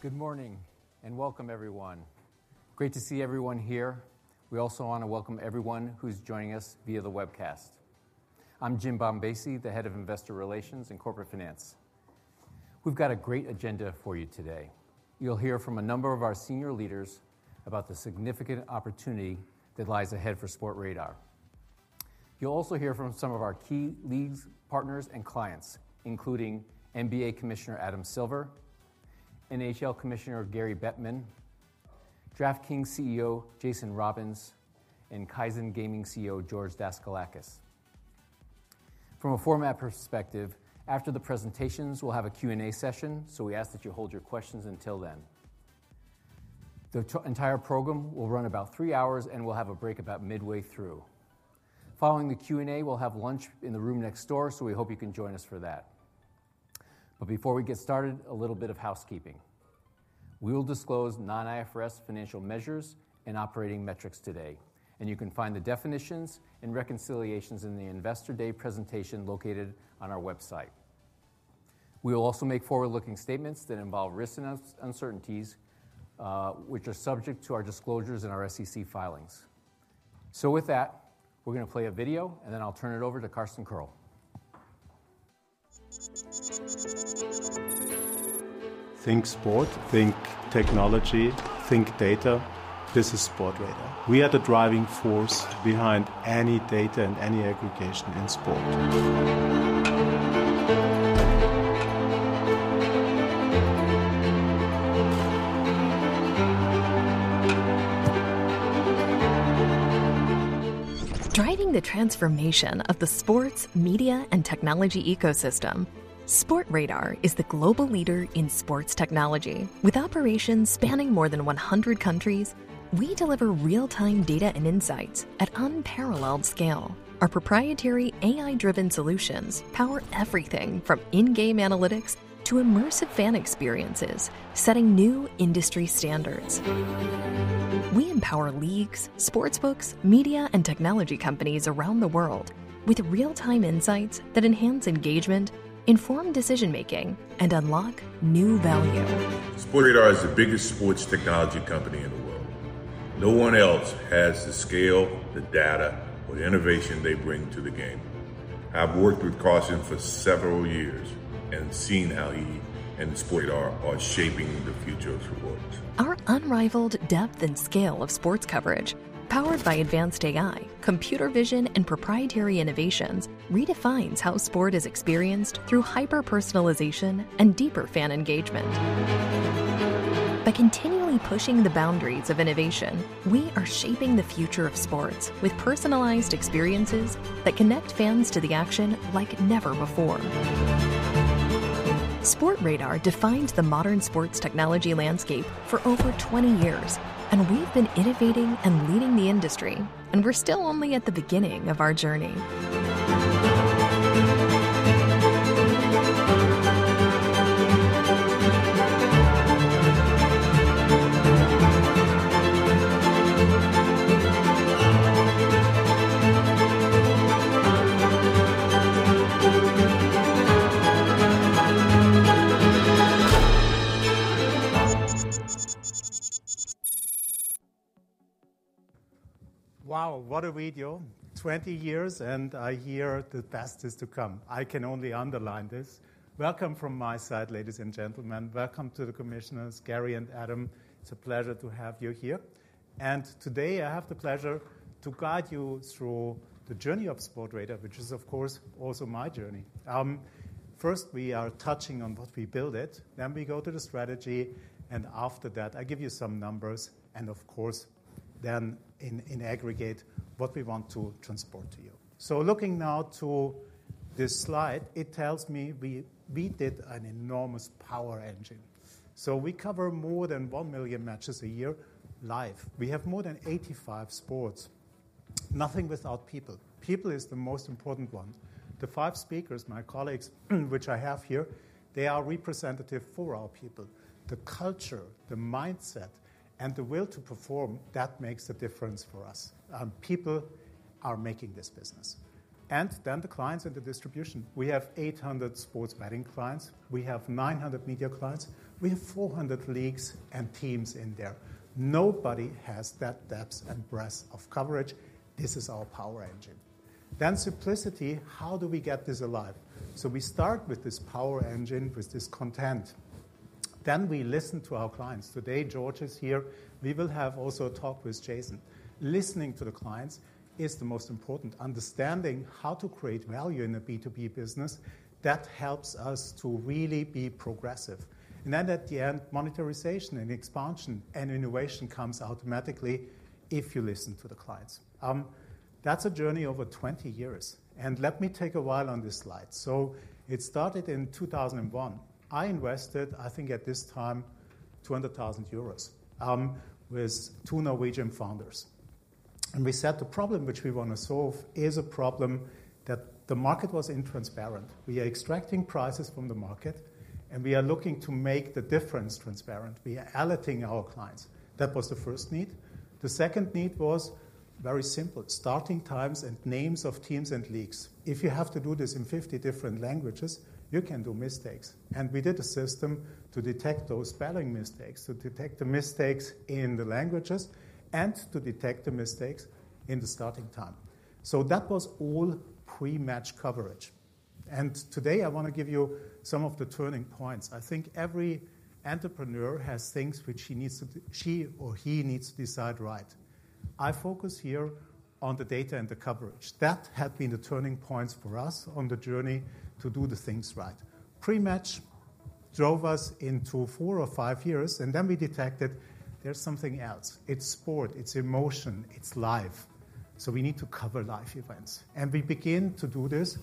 Good morning and welcome, everyone. Great to see everyone here. We also want to welcome everyone who's joining us via the webcast. I'm Jim Bombassei, the Head of Investor Relations and Corporate Finance. We've got a great agenda for you today. You'll hear from a number of our senior leaders about the significant opportunity that lies ahead for Sportradar. You'll also hear from some of our key leads, partners, and clients, including NBA Commissioner Adam Silver, NHL Commissioner Gary Bettman, DraftKings CEO Jason Robins, and Kaizen Gaming CEO George Daskalakis. From a format perspective, after the presentations, we'll have a Q&A session, so we ask that you hold your questions until then. The entire program will run about three hours, and we'll have a break about midway through. Following the Q&A, we'll have lunch in the room next door, so we hope you can join us for that. Before we get started, a little bit of housekeeping. We will disclose non-IFRS financial measures and operating metrics today, and you can find the definitions and reconciliations in the Investor Day presentation located on our website. We will also make forward-looking statements that involve risk and uncertainties, which are subject to our disclosures and our SEC filings. With that, we're going to play a video, and then I'll turn it over to Carsten Koerl. Think sport, think technology, think data. This is Sportradar. We are the driving force behind any data and any aggregation in sport. Driving the transformation of the sports, media, and technology ecosystem, Sportradar is the global leader in sports technology. With operations spanning more than 100 countries, we deliver real-time data and insights at unparalleled scale. Our proprietary AI-driven solutions power everything from in-game analytics to immersive fan experiences, setting new industry standards. We empower leagues, sportsbooks, media, and technology companies around the world with real-time insights that enhance engagement, inform decision-making, and unlock new value. Sportradar is the biggest sports technology company in the world. No one else has the scale, the data, or the innovation they bring to the game. I've worked with Carsten for several years and seen how he and Sportradar are shaping the future of sports. Our unrivaled depth and scale of sports coverage, powered by advanced AI, computer vision, and proprietary innovations, redefines how sport is experienced through hyper-personalization and deeper fan engagement. By continually pushing the boundaries of innovation, we are shaping the future of sports with personalized experiences that connect fans to the action like never before. Sportradar defined the modern sports technology landscape for over 20 years, and we've been innovating and leading the industry, and we're still only at the beginning of our journey. Wow, what a video. Twenty years, and I hear the best is to come. I can only underline this. Welcome from my side, ladies and gentlemen. Welcome to the commissioners, Gary and Adam. It's a pleasure to have you here. Today, I have the pleasure to guide you through the journey of Sportradar, which is, of course, also my journey. First, we are touching on what we build it, then we go to the strategy, and after that, I give you some numbers, and of course, then in aggregate, what we want to transport to you. Looking now to this slide, it tells me we did an enormous power engine. We cover more than 1 million matches a year live. We have more than 85 sports. Nothing without people. People is the most important one. The five speakers, my colleagues, which I have here, they are representative for our people. The culture, the mindset, and the will to perform, that makes the difference for us. People are making this business. And then the clients and the distribution. We have 800 sports betting clients. We have 900 media clients. We have 400 leagues and teams in there. Nobody has that depth and breadth of coverage. This is our power engine. Then simplicity, how do we get this alive? We start with this power engine, with this content. Then we listen to our clients. Today, George is here. We will have also a talk with Jason. Listening to the clients is the most important. Understanding how to create value in a B2B business, that helps us to really be progressive. At the end, monetization and expansion and innovation comes automatically if you listen to the clients. That's a journey over 20 years. Let me take a while on this slide. It started in 2001. I invested, I think at this time, 200,000 euros with two Norwegian founders. We said the problem which we want to solve is a problem that the market was intransparent. We are extracting prices from the market, and we are looking to make the difference transparent. We are alerting our clients. That was the first need. The second need was very simple: starting times and names of teams and leagues. If you have to do this in 50 different languages, you can do mistakes. We did a system to detect those spelling mistakes, to detect the mistakes in the languages, and to detect the mistakes in the starting time. That was all pre-match coverage. Today, I want to give you some of the turning points. I think every entrepreneur has things which he or she needs to decide right. I focus here on the data and the coverage. That had been the turning points for us on the journey to do the things right. Pre-match drove us into four or five years, and then we detected there's something else. It's sport. It's emotion. It's live. We need to cover live events. We begin to do this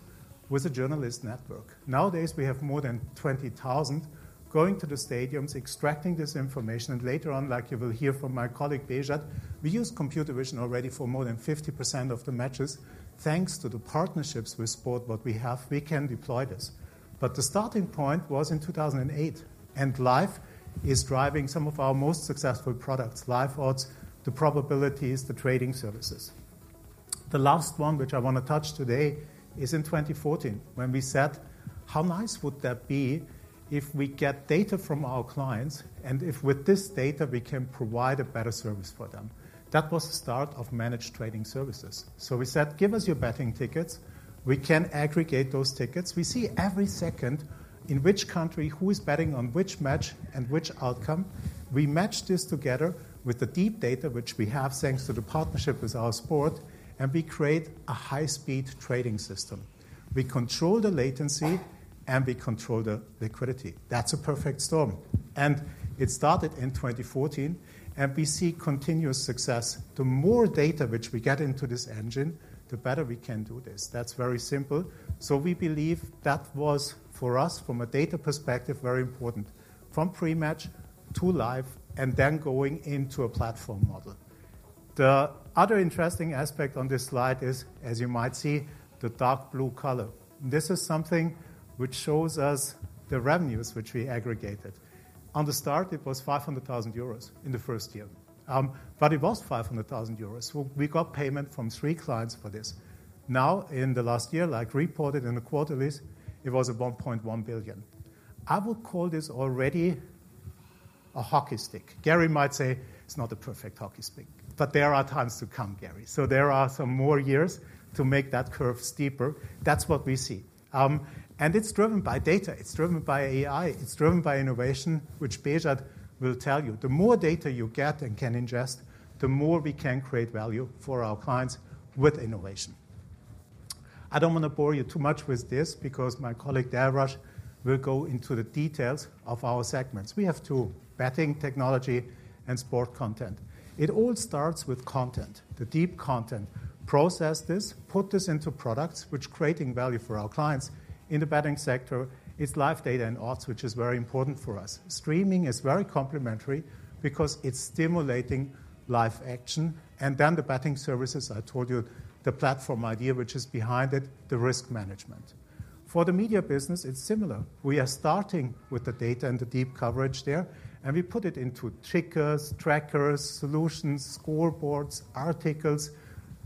with a journalist network. Nowadays, we have more than 20,000 going to the stadiums, extracting this information. Later on, like you will hear from my colleague Beshad, we use computer vision already for more than 50% of the matches. Thanks to the partnerships with sport, what we have, we can deploy this. The starting point was in 2008, and live is driving some of our most successful products: live odds, the probabilities, the trading services. The last one which I want to touch today is in 2014, when we said, how nice would that be if we get data from our clients and if with this data we can provide a better service for them. That was the start of managed trading services. We said, give us your betting tickets. We can aggregate those tickets. We see every second in which country, who is betting on which match and which outcome. We match this together with the deep data which we have thanks to the partnership with our sport, and we create a high-speed trading system. We control the latency, and we control the liquidity. That's a perfect storm. It started in 2014, and we see continuous success. The more data which we get into this engine, the better we can do this. That's very simple. We believe that was, for us, from a data perspective, very important. From pre-match to live and then going into a platform model. The other interesting aspect on this slide is, as you might see, the dark blue color. This is something which shows us the revenues which we aggregated. At the start, it was 500,000 euros in the first year, but it was 500,000 euros. We got payment from three clients for this. Now, in the last year, like reported in the quarterlies, it was 1.1 billion. I would call this already a hockey stick. Gary might say it's not a perfect hockey stick, but there are times to come, Gary. There are some more years to make that curve steeper. That's what we see. It is driven by data. It's driven by AI. It's driven by innovation, which Beshad will tell you. The more data you get and can ingest, the more we can create value for our clients with innovation. I don't want to bore you too much with this because my colleague Dalraj will go into the details of our segments. We have two: betting technology and sport content. It all starts with content, the deep content. Process this, put this into products which are creating value for our clients. In the betting sector, it's live data and odds, which is very important for us. Streaming is very complementary because it's stimulating live action. The betting services, I told you, the platform idea which is behind it, the risk management. For the media business, it's similar. We are starting with the data and the deep coverage there, and we put it into tickers, trackers, solutions, scoreboards, articles.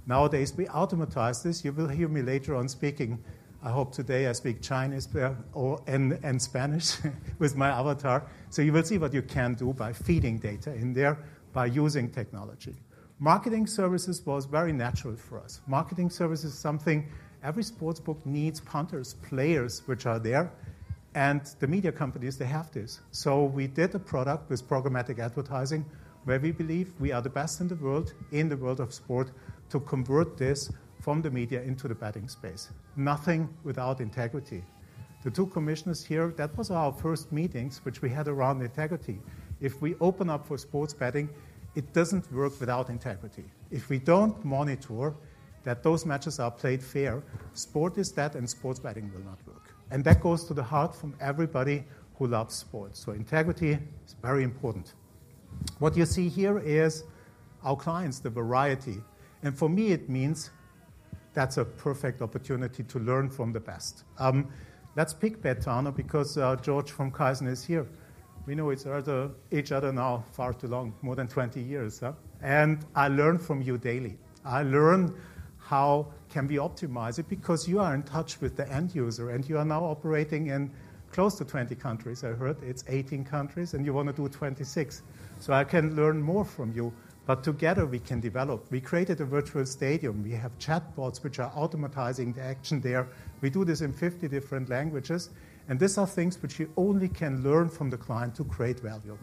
Nowadays, we automatize this. You will hear me later on speaking, I hope today I speak Chinese and Spanish with my avatar. You will see what you can do by feeding data in there, by using technology. Marketing services was very natural for us. Marketing services is something every sportsbook needs: punters, players which are there, and the media companies, they have this. We did a product with programmatic advertising where we believe we are the best in the world, in the world of sport, to convert this from the media into the betting space. Nothing without integrity. The two commissioners here, that was our first meetings which we had around integrity. If we open up for sports betting, it doesn't work without integrity. If we do not monitor that those matches are played fair, sport is that, and sports betting will not work. That goes to the heart from everybody who loves sports. Integrity is very important. What you see here is our clients, the variety. For me, it means that is a perfect opportunity to learn from the best. Let's pick Betano because George from Carsten is here. We know each other now far too long, more than 20 years. I learn from you daily. I learn how can we optimize it because you are in touch with the end user, and you are now operating in close to 20 countries. I heard it is 18 countries, and you want to do 26. I can learn more from you. Together, we can develop. We created a virtual stadium. We have chatbots which are automatizing the action there. We do this in 50 different languages. These are things which you only can learn from the client to create value.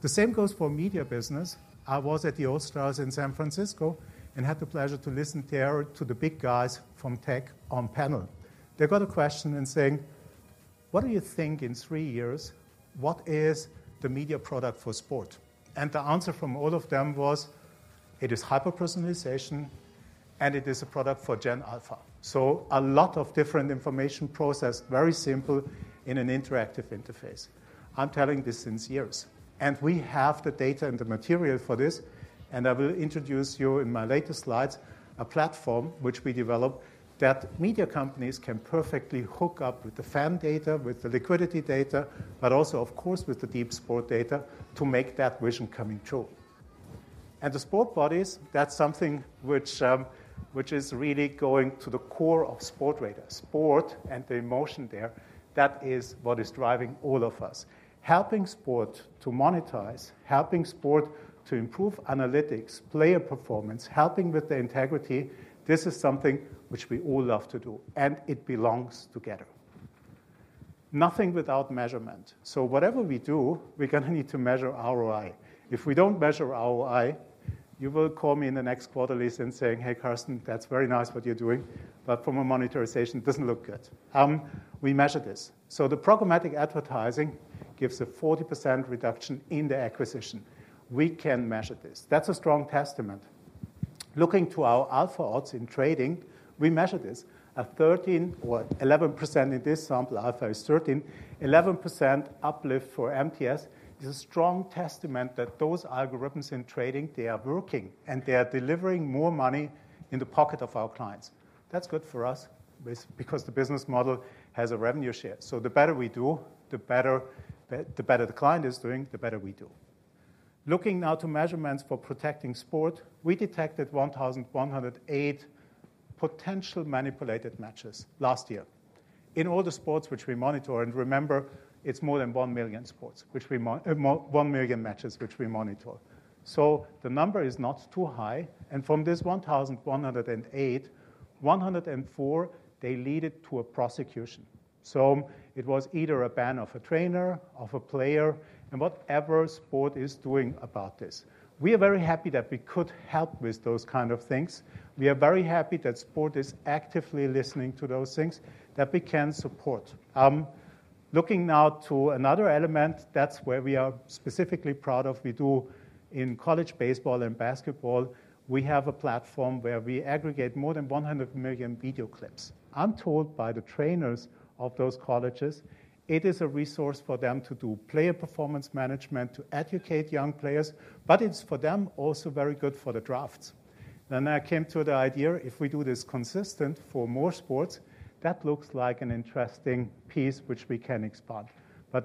The same goes for media business. I was at the All-Stars in San Francisco and had the pleasure to listen there to the big guys from tech on panel. They got a question saying, what do you think in three years, what is the media product for sport? The answer from all of them was, it is hyper-personalization, and it is a product for Gen Alpha. A lot of different information processed, very simple in an interactive interface. I'm telling this since years. We have the data and the material for this. I will introduce you in my later slides a platform which we developed that media companies can perfectly hook up with the fan data, with the liquidity data, but also, of course, with the deep sport data to make that vision come true. The sport bodies, that's something which is really going to the core of Sportradar. Sport and the emotion there, that is what is driving all of us. Helping sport to monetize, helping sport to improve analytics, player performance, helping with the integrity, this is something which we all love to do. It belongs together. Nothing without measurement. Whatever we do, we're going to need to measure ROI. If we don't measure ROI, you will call me in the next quarterlies and say, hey, Carsten, that's very nice what you're doing, but from a monetization, it doesn't look good. We measure this. The programmatic advertising gives a 40% reduction in the acquisition. We can measure this. That's a strong testament. Looking to our Alpha Odds in trading, we measure this. A 13% or 11% in this sample, Alpha is 13%, 11% uplift for MTS. It's a strong testament that those algorithms in trading, they are working, and they are delivering more money in the pocket of our clients. That's good for us because the business model has a revenue share. The better we do, the better the client is doing, the better we do. Looking now to measurements for protecting sport, we detected 1,108 potential manipulated matches last year. In all the sports which we monitor, and remember, it's more than 1 million sports, 1 million matches which we monitor. The number is not too high. From this 1,108, 104, they lead it to a prosecution. It was either a ban of a trainer, of a player, and whatever sport is doing about this. We are very happy that we could help with those kind of things. We are very happy that sport is actively listening to those things that we can support. Looking now to another element, that's where we are specifically proud of. We do in college baseball and basketball, we have a platform where we aggregate more than 100 million video clips. I'm told by the trainers of those colleges, it is a resource for them to do player performance management, to educate young players, but it's for them also very good for the drafts. I came to the idea, if we do this consistent for more sports, that looks like an interesting piece which we can expand.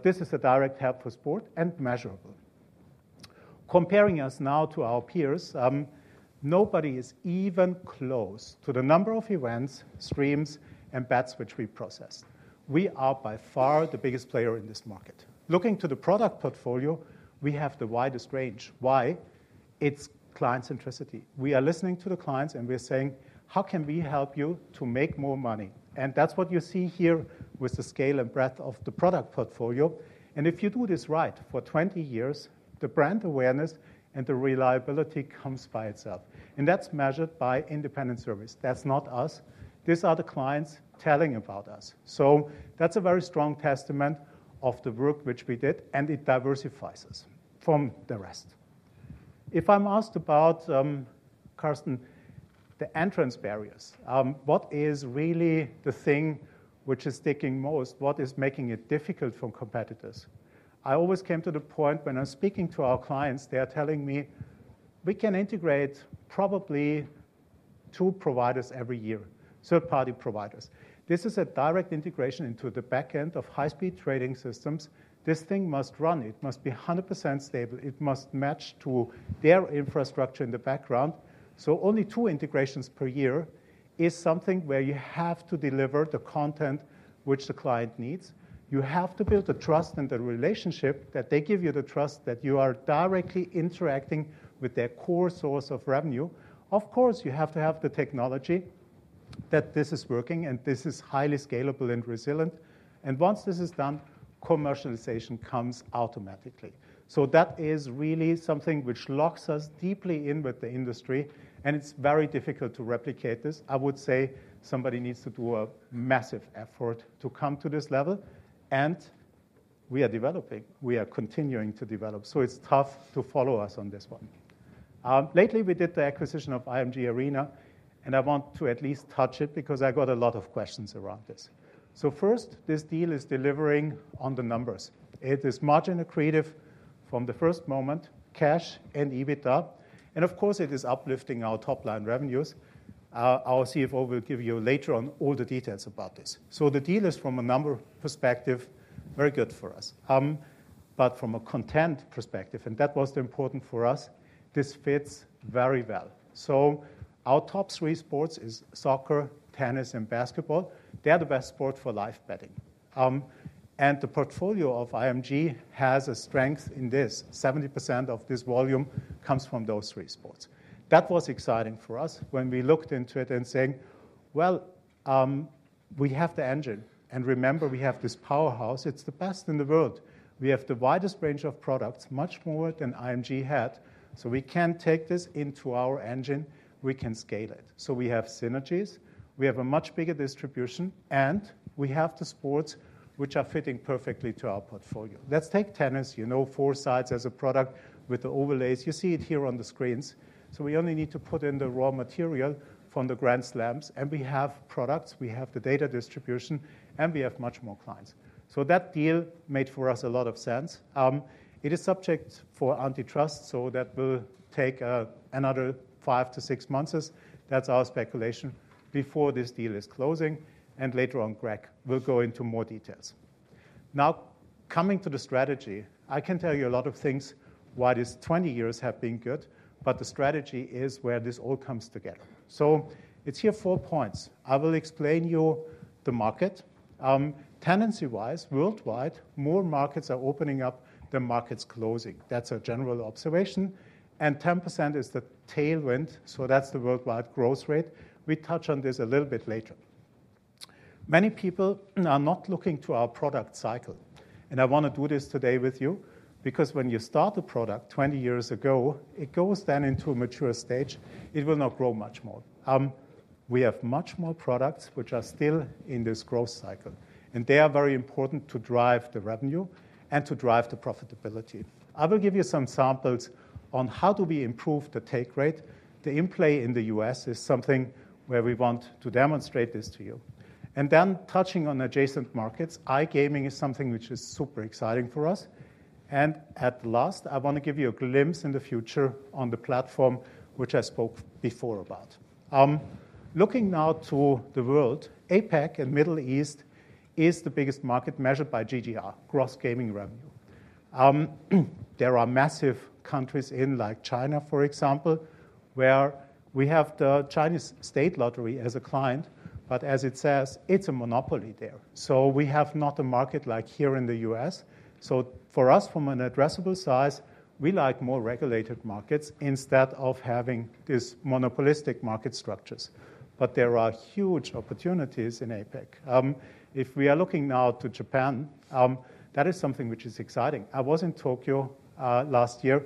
This is a direct help for sport and measurable. Comparing us now to our peers, nobody is even close to the number of events, streams, and bets which we process. We are by far the biggest player in this market. Looking to the product portfolio, we have the widest range. Why? It's client centricity. We are listening to the clients, and we are saying, how can we help you to make more money? That is what you see here with the scale and breadth of the product portfolio. If you do this right for 20 years, the brand awareness and the reliability comes by itself. That is measured by independent service. That is not us. These are the clients telling about us. That is a very strong testament of the work which we did, and it diversifies us from the rest. If I'm asked about, Carsten, the entrance barriers, what is really the thing which is sticking most? What is making it difficult for competitors? I always came to the point when I'm speaking to our clients, they are telling me, we can integrate probably two providers every year, third-party providers. This is a direct integration into the backend of high-speed trading systems. This thing must run. It must be 100% stable. It must match to their infrastructure in the background. Only two integrations per year is something where you have to deliver the content which the client needs. You have to build the trust and the relationship that they give you the trust that you are directly interacting with their core source of revenue. Of course, you have to have the technology that this is working, and this is highly scalable and resilient. Once this is done, commercialization comes automatically. That is really something which locks us deeply in with the industry, and it's very difficult to replicate this. I would say somebody needs to do a massive effort to come to this level. We are developing. We are continuing to develop. It's tough to follow us on this one. Lately, we did the acquisition of IMG Arena, and I want to at least touch it because I got a lot of questions around this. First, this deal is delivering on the numbers. It is margin accretive from the first moment, cash and EBITDA. Of course, it is uplifting our top-line revenues. Our CFO will give you later on all the details about this. The deal is, from a number perspective, very good for us. From a content perspective, and that was important for us, this fits very well. Our top three sports is soccer, tennis, and basketball. They are the best sport for live betting. The portfolio of IMG has a strength in this. 70% of this volume comes from those three sports. That was exciting for us when we looked into it and saying, you know, we have the engine. Remember, we have this powerhouse. It's the best in the world. We have the widest range of products, much more than IMG had. We can take this into our engine. We can scale it. We have synergies. We have a much bigger distribution, and we have the sports which are fitting perfectly to our portfolio. Let's take tennis. You know 4Sight as a product with the overlays. You see it here on the screens. We only need to put in the raw material from the grand slams. We have products. We have the data distribution, and we have much more clients. That deal made for us a lot of sense. It is subject for antitrust, so that will take another five to six months. That's our speculation before this deal is closing. Later on, Greg will go into more details. Now, coming to the strategy, I can tell you a lot of things why these 20 years have been good, but the strategy is where this all comes together. It is here four points. I will explain to you the market. Tendency-wise, worldwide, more markets are opening up than markets closing. That's a general observation. 10% is the tailwind, so that's the worldwide growth rate. We touch on this a little bit later. Many people are not looking to our product cycle. I want to do this today with you because when you start a product 20 years ago, it goes then into a mature stage. It will not grow much more. We have much more products which are still in this growth cycle. They are very important to drive the revenue and to drive the profitability. I will give you some samples on how do we improve the take rate. The in-play in the U.S. is something where we want to demonstrate this to you. Touching on adjacent markets, iGaming is something which is super exciting for us. At last, I want to give you a glimpse in the future on the platform which I spoke before about. Looking now to the world, APAC and Middle East is the biggest market measured by GGR, gross gaming revenue. There are massive countries in, like China, for example, where we have the Chinese state lottery as a client, but as it says, it's a monopoly there. We have not a market like here in the U.S. For us, from an addressable size, we like more regulated markets instead of having these monopolistic market structures. There are huge opportunities in APAC. If we are looking now to Japan, that is something which is exciting. I was in Tokyo last year.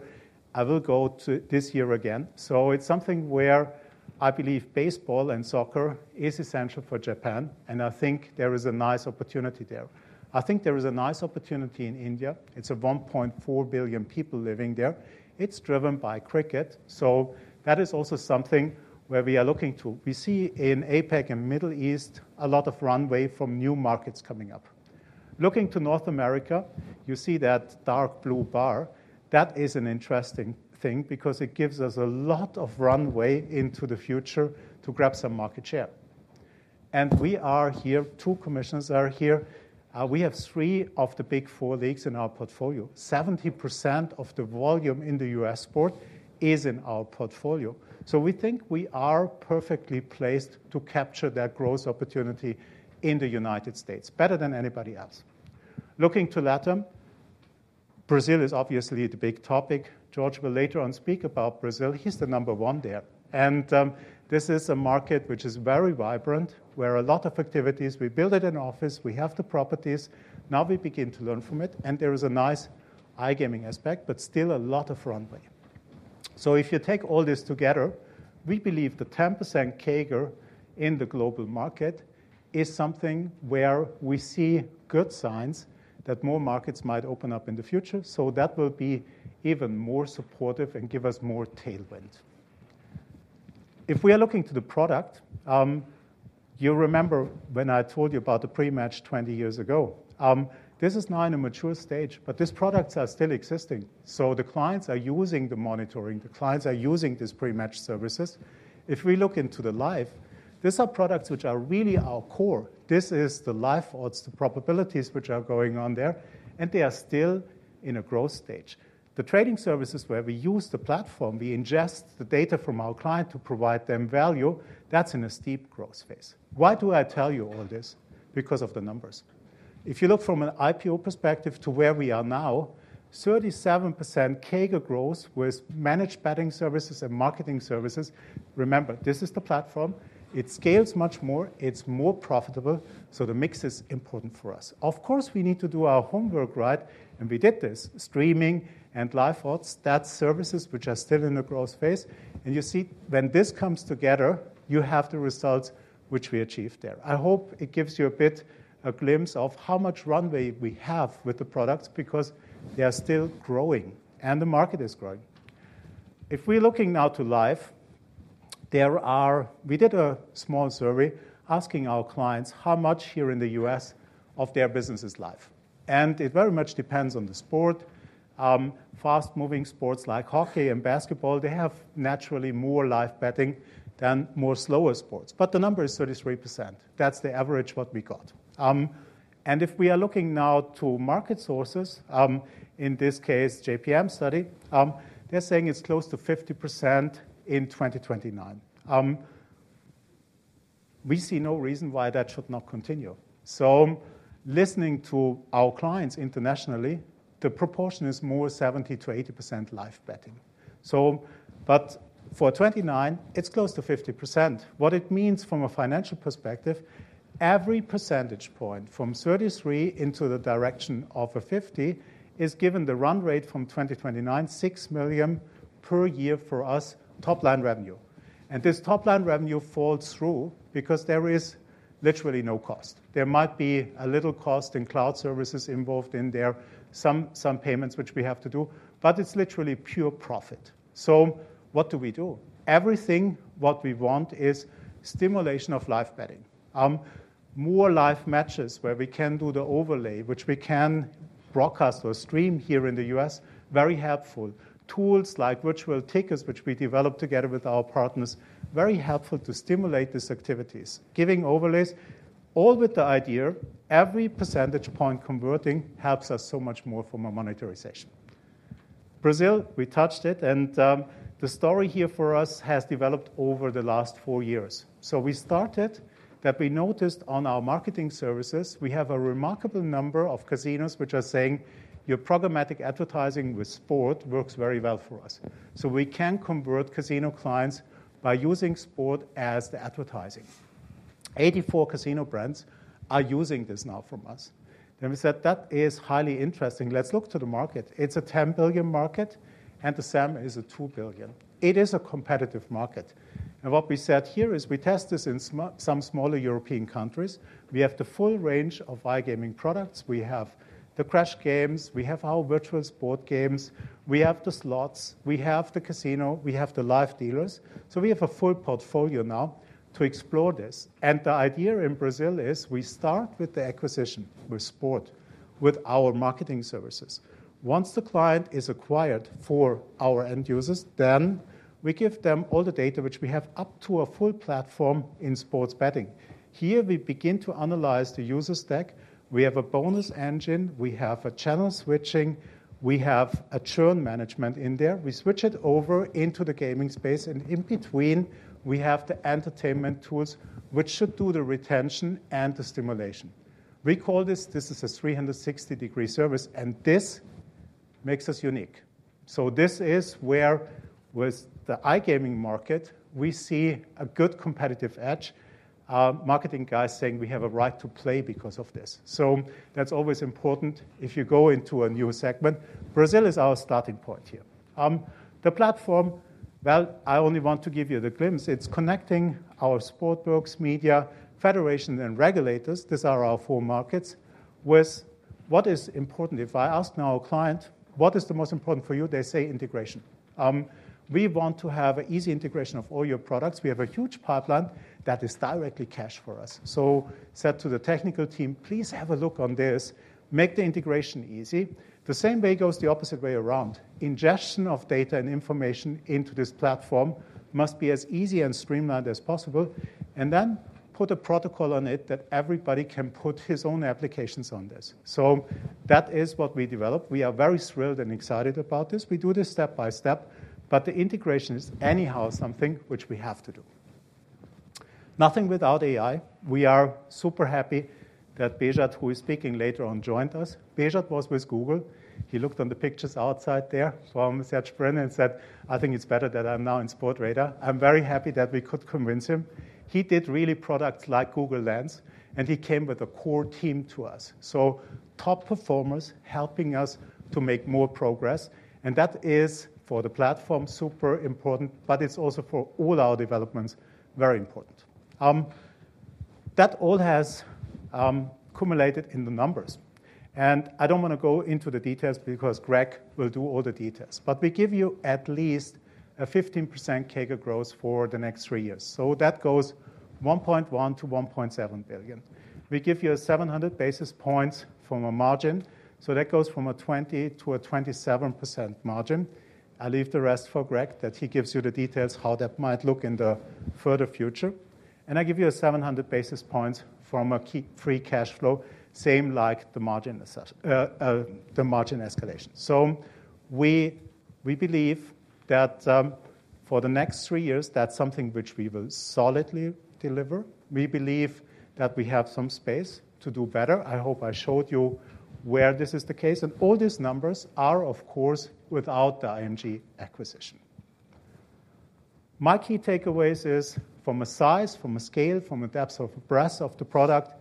I will go this year again. It is something where I believe baseball and soccer is essential for Japan, and I think there is a nice opportunity there. I think there is a nice opportunity in India. It's 1.4 billion people living there. It's driven by cricket. That is also something where we are looking to. We see in APAC and Middle East a lot of runway from new markets coming up. Looking to North America, you see that dark blue bar. That is an interesting thing because it gives us a lot of runway into the future to grab some market share. We are here. Two commissions are here. We have three of the big four leagues in our portfolio. 70% of the volume in the US sport is in our portfolio. We think we are perfectly placed to capture that growth opportunity in the United States better than anybody else. Looking to LatAm, Brazil is obviously the big topic. George will later on speak about Brazil. He's the number one there. This is a market which is very vibrant where a lot of activities. We build it in office. We have the properties. Now we begin to learn from it. There is a nice iGaming aspect, but still a lot of runway. If you take all this together, we believe the 10% CAGR in the global market is something where we see good signs that more markets might open up in the future. That will be even more supportive and give us more tailwind. If we are looking to the product, you remember when I told you about the pre-match 20 years ago. This is now in a mature stage, but these products are still existing. The clients are using the monitoring. The clients are using these pre-match services. If we look into the live, these are products which are really our core. This is the live odds, the probabilities which are going on there, and they are still in a growth stage. The trading services where we use the platform, we ingest the data from our client to provide them value. That's in a steep growth phase. Why do I tell you all this? Because of the numbers. If you look from an IPO perspective to where we are now, 37% CAGR growth with managed betting services and marketing services. Remember, this is the platform. It scales much more. It's more profitable. The mix is important for us. Of course, we need to do our homework right, and we did this. Streaming and live odds, that's services which are still in the growth phase. You see, when this comes together, you have the results which we achieved there. I hope it gives you a bit of a glimpse of how much runway we have with the products because they are still growing, and the market is growing. If we're looking now to live, we did a small survey asking our clients how much here in the U.S. of their business is live. It very much depends on the sport. Fast-moving sports like hockey and basketball, they have naturally more live betting than more slower sports. The number is 33%. That's the average what we got. If we are looking now to market sources, in this case, JPM study, they're saying it's close to 50% in 2029. We see no reason why that should not continue. Listening to our clients internationally, the proportion is more 70%-80% live betting. For 2029, it's close to 50%. What it means from a financial perspective, every percentage point from 33% into the direction of 50% is, given the run rate from 2029, $6 million per year for us top-line revenue. This top-line revenue falls through because there is literally no cost. There might be a little cost in cloud services involved in there, some payments which we have to do, but it's literally pure profit. What do we do? Everything what we want is stimulation of live betting. More live matches where we can do the overlay, which we can broadcast or stream here in the U.S., very helpful. Tools like virtual tickets which we developed together with our partners, very helpful to stimulate these activities, giving overlays, all with the idea every percentage point converting helps us so much more from a monetary session. Brazil, we touched it, and the story here for us has developed over the last four years. We started that we noticed on our marketing services, we have a remarkable number of casinos which are saying your programmatic advertising with sport works very well for us. We can convert casino clients by using sport as the advertising. Eighty-four casino brands are using this now from us. That is highly interesting. Let's look to the market. It's a $10 billion market, and the SAM is $2 billion. It is a competitive market. What we said here is we test this in some smaller European countries. We have the full range of iGaming products. We have the crash games. We have our virtual sport games. We have the slots. We have the casino. We have the live dealers. We have a full portfolio now to explore this. The idea in Brazil is we start with the acquisition with sport, with our marketing services. Once the client is acquired for our end users, then we give them all the data which we have up to a full platform in sports betting. Here, we begin to analyze the user stack. We have a bonus engine. We have a channel switching. We have a churn management in there. We switch it over into the gaming space. In between, we have the entertainment tools which should do the retention and the stimulation. We call this a 360-degree service, and this makes us unique. This is where with the iGaming market, we see a good competitive edge. Marketing guys saying we have a right to play because of this. That is always important if you go into a new segment. Brazil is our starting point here. The platform, I only want to give you the glimpse. It's connecting our sport books, media, federation, and regulators. These are our four markets with what is important. If I ask now a client, what is the most important for you? They say integration. We want to have an easy integration of all your products. We have a huge pipeline that is directly cash for us. I said to the technical team, please have a look on this. Make the integration easy. The same way goes the opposite way around. Ingestion of data and information into this platform must be as easy and streamlined as possible. Then put a protocol on it that everybody can put his own applications on this. That is what we developed. We are very thrilled and excited about this. We do this step by step, but the integration is anyhow something which we have to do. Nothing without AI. We are super happy that Beshad, who is speaking later on, joined us. Beshad was with Google. He looked on the pictures outside there. I said to Brendan and said, I think it's better that I'm now in Sportradar. I'm very happy that we could convince him. He did really products like Google Lens, and he came with a core team to us. Top performers helping us to make more progress. That is for the platform super important, but it's also for all our developments very important. That all has accumulated in the numbers. I don't want to go into the details because Greg will do all the details. We give you at least a 15% CAGR growth for the next three years. That goes $1.1 billion-$1.7 billion. We give you 700 basis points from a margin. That goes from a 20%-27% margin. I leave the rest for Greg that he gives you the details how that might look in the further future. I give you 700 basis points from a free cash flow, same like the margin escalation. We believe that for the next three years, that's something which we will solidly deliver. We believe that we have some space to do better. I hope I showed you where this is the case. All these numbers are, of course, without the IMG Arena acquisition. My key takeaways is from a size, from a scale, from a depth of breadth of the product,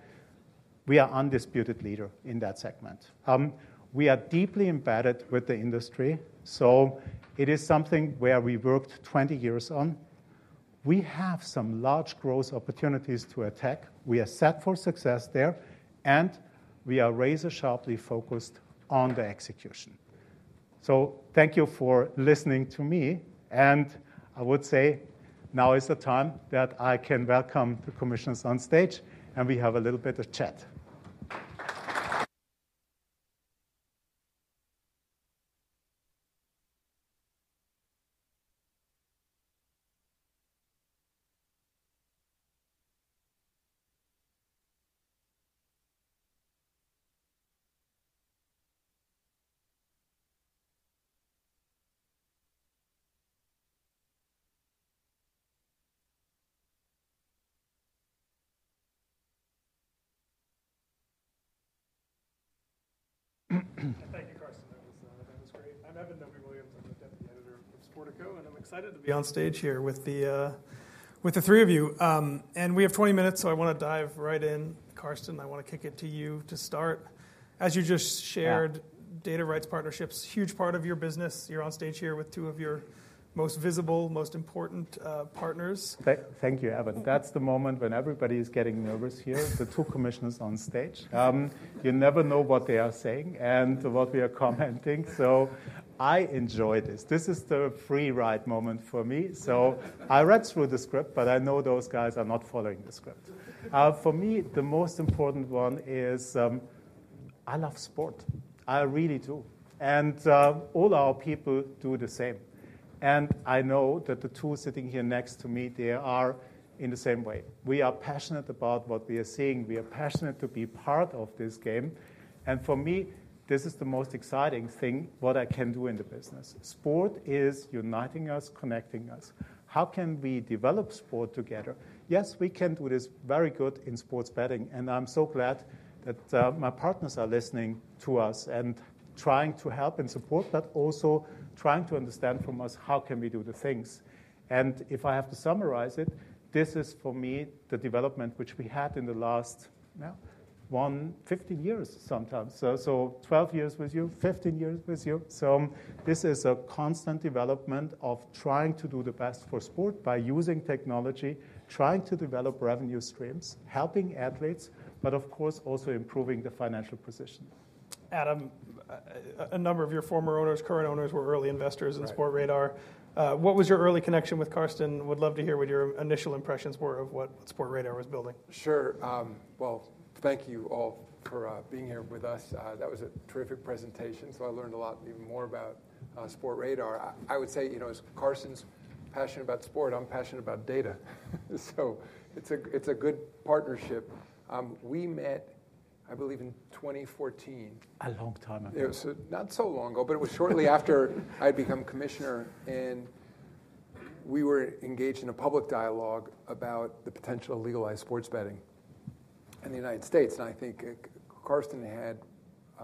we are undisputed leader in that segment. We are deeply embedded with the industry. It is something where we worked 20 years on. We have some large growth opportunities to attack. We are set for success there, and we are razor-sharply focused on the execution. Thank you for listening to me. I would say now is the time that I can welcome the commissions on stage, and we have a little bit of chat. Thank you, Carsten. That was great. I'm Eben Novy-Williams. I'm the Deputy Editor of Sportico, and I'm excited to be on stage here with the three of you. We have 20 minutes, so I want to dive right in. Carsten, I want to kick it to you to start. As you just shared, data rights partnerships, huge part of your business. You're on stage here with two of your most visible, most important partners. Thank you, Eben. That's the moment when everybody is getting nervous here. The two commissions on stage. You never know what they are saying and what we are commenting. I enjoy this. This is the free ride moment for me. I read through the script, but I know those guys are not following the script. For me, the most important one is I love sport. I really do. All our people do the same. I know that the two sitting here next to me, they are in the same way. We are passionate about what we are seeing. We are passionate to be part of this game. For me, this is the most exciting thing what I can do in the business. Sport is uniting us, connecting us. How can we develop sport together? Yes, we can do this very good in sports betting. I'm so glad that my partners are listening to us and trying to help and support, but also trying to understand from us how can we do the things. If I have to summarize it, this is for me the development which we had in the last 15 years sometimes. Twelve years with you, 15 years with you. This is a constant development of trying to do the best for sport by using technology, trying to develop revenue streams, helping athletes, but of course, also improving the financial position. Adam, a number of your former owners, current owners, were early investors in Sportradar. What was your early connection with Carsten? Would love to hear what your initial impressions were of what Sportradar was building. Sure. Thank you all for being here with us. That was a terrific presentation. I learned a lot, even more about Sportradar. I would say, you know, as Carsten's passionate about sport, I'm passionate about data. It is a good partnership. We met, I believe, in 2014. A long time ago. Yeah, not so long ago, but it was shortly after I had become commissioner. We were engaged in a public dialogue about the potential of legalized sports betting in the U.S. I think Carsten had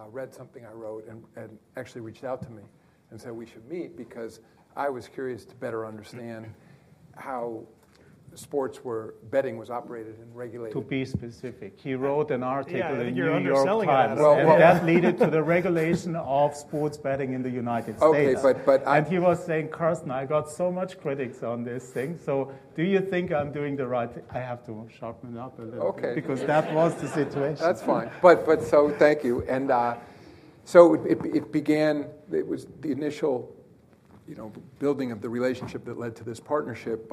read something I wrote and actually reached out to me and said we should meet because I was curious to better understand how sports betting was operated and regulated. To be specific, he wrote an article in The New York Times. That led to the regulation of sports betting in the United States. He was saying, "Carsten, I got so much critics on this thing. Do you think I'm doing the right thing?" I have to sharpen up a little bit because that was the situation. That's fine. Thank you. It began, it was the initial building of the relationship that led to this partnership.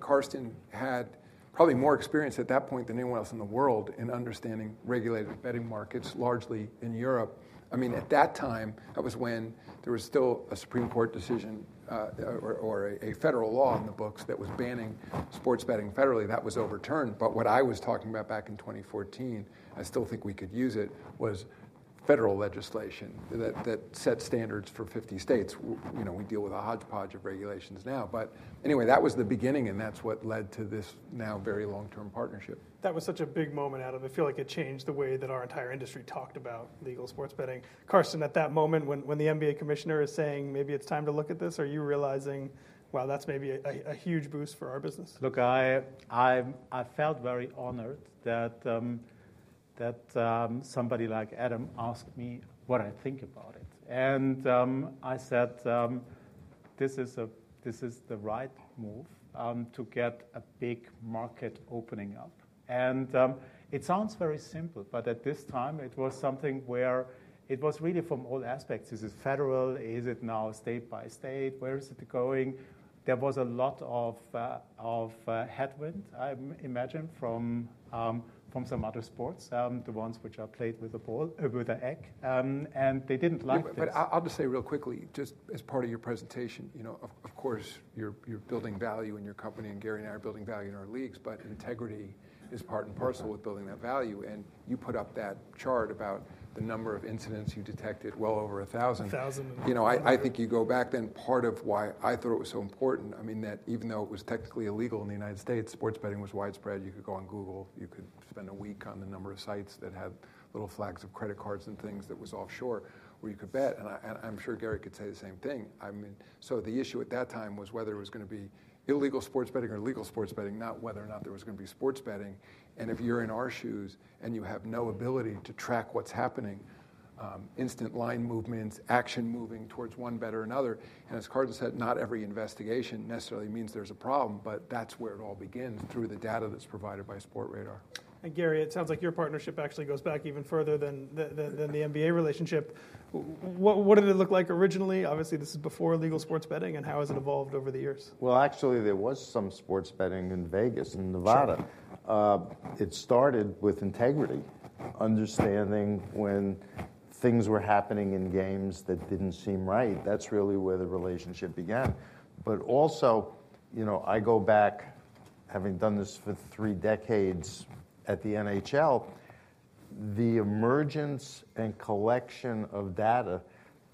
Carsten had probably more experience at that point than anyone else in the world in understanding regulated betting markets, largely in Europe. I mean, at that time, that was when there was still a Supreme Court decision or a federal law in the books that was banning sports betting federally. That was overturned. What I was talking about back in 2014, I still think we could use it, was federal legislation that set standards for 50 states. We deal with a hodgepodge of regulations now. That was the beginning, and that's what led to this now very long-term partnership. That was such a big moment, Adam. I feel like it changed the way that our entire industry talked about legal sports betting. Carsten, at that moment, when the NBA commissioner is saying maybe it's time to look at this, are you realizing, wow, that's maybe a huge boost for our business? Look, I felt very honored that somebody like Adam asked me what I think about it. I said, this is the right move to get a big market opening up. It sounds very simple, but at this time, it was something where it was really from all aspects. Is it federal? Is it now state by state? Where is it going? There was a lot of headwind, I imagine, from some other sports, the ones which are played with a ball, with an egg. They did not like this. I'll just say real quickly, just as part of your presentation, of course, you're building value in your company, and Gary and I are building value in our leagues, but integrity is part and parcel with building that value. You put up that chart about the number of incidents you detected, well over 1,000. I think you go back then. Part of why I thought it was so important, I mean, that even though it was technically illegal in the U.S., sports betting was widespread. You could go on Google. You could spend a week on the number of sites that had little flags of credit cards and things that was offshore where you could bet. I'm sure Gary could say the same thing. The issue at that time was whether it was going to be illegal sports betting or legal sports betting, not whether or not there was going to be sports betting. If you're in our shoes and you have no ability to track what's happening, instant line movements, action moving towards one bet or another. As Carsten said, not every investigation necessarily means there's a problem, but that's where it all begins through the data that's provided by Sportradar. Gary, it sounds like your partnership actually goes back even further than the NBA relationship. What did it look like originally? Obviously, this is before legal sports betting. How has it evolved over the years? Actually, there was some sports betting in Vegas and Nevada. It started with integrity, understanding when things were happening in games that did not seem right. That is really where the relationship began. I go back, having done this for three decades at the NHL, the emergence and collection of data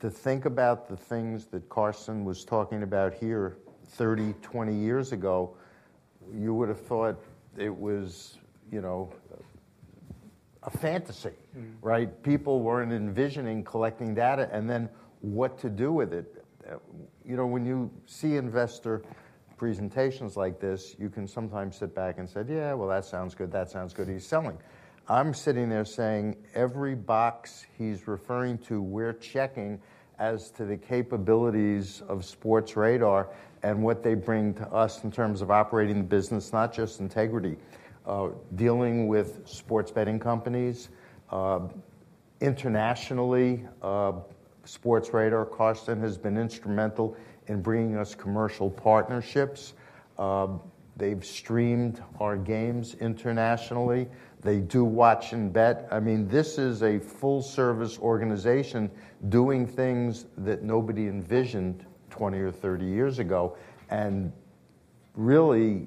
to think about the things that Carsten was talking about here 30, 20 years ago, you would have thought it was a fantasy, right? People were not envisioning collecting data and then what to do with it. When you see investor presentations like this, you can sometimes sit back and say, yeah, that sounds good. That sounds good. He is selling. I am sitting there saying every box he is referring to, we are checking as to the capabilities of Sportradar and what they bring to us in terms of operating the business, not just integrity. Dealing with sports betting companies internationally, Sportradar, Carsten has been instrumental in bringing us commercial partnerships. They've streamed our games internationally. They do watch and bet. I mean, this is a full-service organization doing things that nobody envisioned 20 or 30 years ago. Really,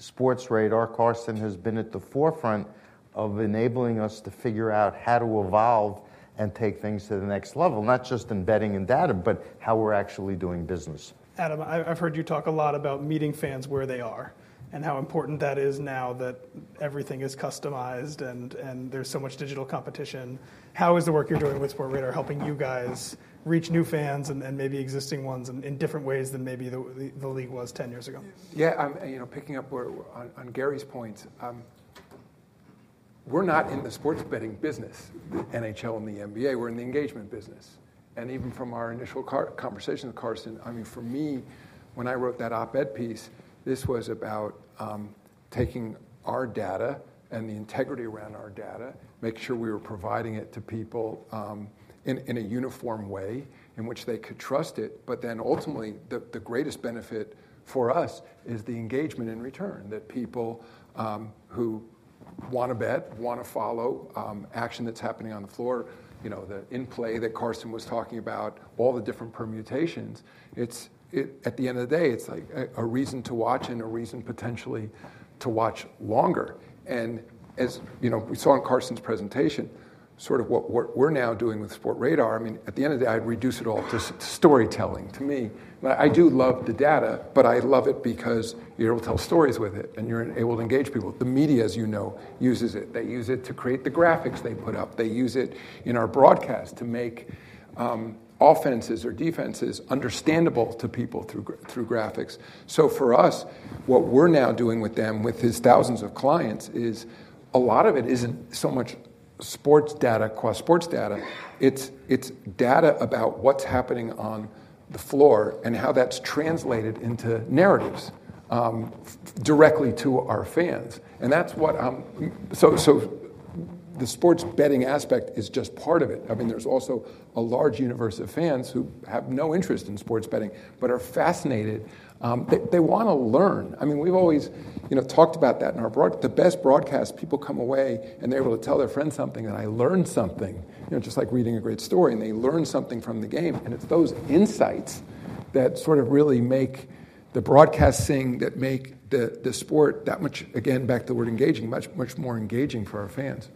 Sportradar, Carsten has been at the forefront of enabling us to figure out how to evolve and take things to the next level, not just in betting and data, but how we're actually doing business. Adam, I've heard you talk a lot about meeting fans where they are and how important that is now that everything is customized and there's so much digital competition. How is the work you're doing with Sportradar helping you guys reach new fans and maybe existing ones in different ways than maybe the league was 10 years ago? Yeah, picking up on Gary's points, we're not in the sports betting business, the NHL and the NBA. We're in the engagement business. And even from our initial conversation with Carsten, I mean, for me, when I wrote that op-ed piece, this was about taking our data and the integrity around our data, making sure we were providing it to people in a uniform way in which they could trust it. But then ultimately, the greatest benefit for us is the engagement in return that people who want to bet, want to follow action that's happening on the floor, the in-play that Carsten was talking about, all the different permutations. At the end of the day, it's like a reason to watch and a reason potentially to watch longer. As we saw in Carsten's presentation, sort of what we're now doing with Sportradar, I mean, at the end of the day, I'd reduce it all to storytelling to me. I do love the data, but I love it because you're able to tell stories with it and you're able to engage people. The media, as you know, uses it. They use it to create the graphics they put up. They use it in our broadcast to make offenses or defenses understandable to people through graphics. For us, what we're now doing with them with his thousands of clients is a lot of it isn't so much sports data qua sports data. It's data about what's happening on the floor and how that's translated into narratives directly to our fans. That's what I'm so the sports betting aspect is just part of it. I mean, there's also a large universe of fans who have no interest in sports betting, but are fascinated. They want to learn. I mean, we've always talked about that in our broadcast. The best broadcast, people come away and they're able to tell their friends something that I learned something, just like reading a great story. They learn something from the game. It's those insights that sort of really make the broadcast sing, that make the sport that much, again, back to the word engaging, much, much more engaging for our fans.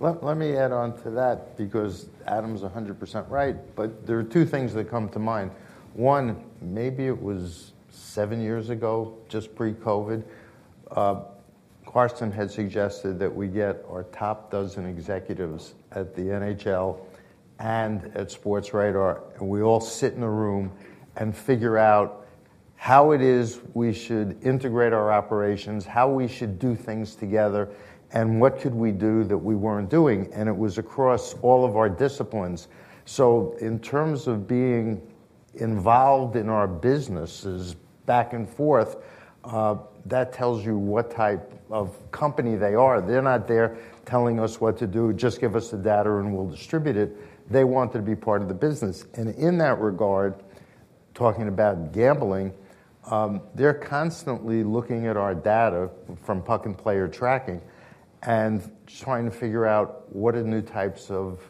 Let me add on to that because Adam's 100% right. There are two things that come to mind. One, maybe it was seven years ago, just pre-COVID, Carsten had suggested that we get our top dozen executives at the NHL and at Sportradar, and we all sit in a room and figure out how it is we should integrate our operations, how we should do things together, and what could we do that we were not doing. It was across all of our disciplines. In terms of being involved in our businesses back and forth, that tells you what type of company they are. They are not there telling us what to do. Just give us the data and we will distribute it. They want to be part of the business. In that regard, talking about gambling, they're constantly looking at our data from puck and player tracking and trying to figure out what are the new types of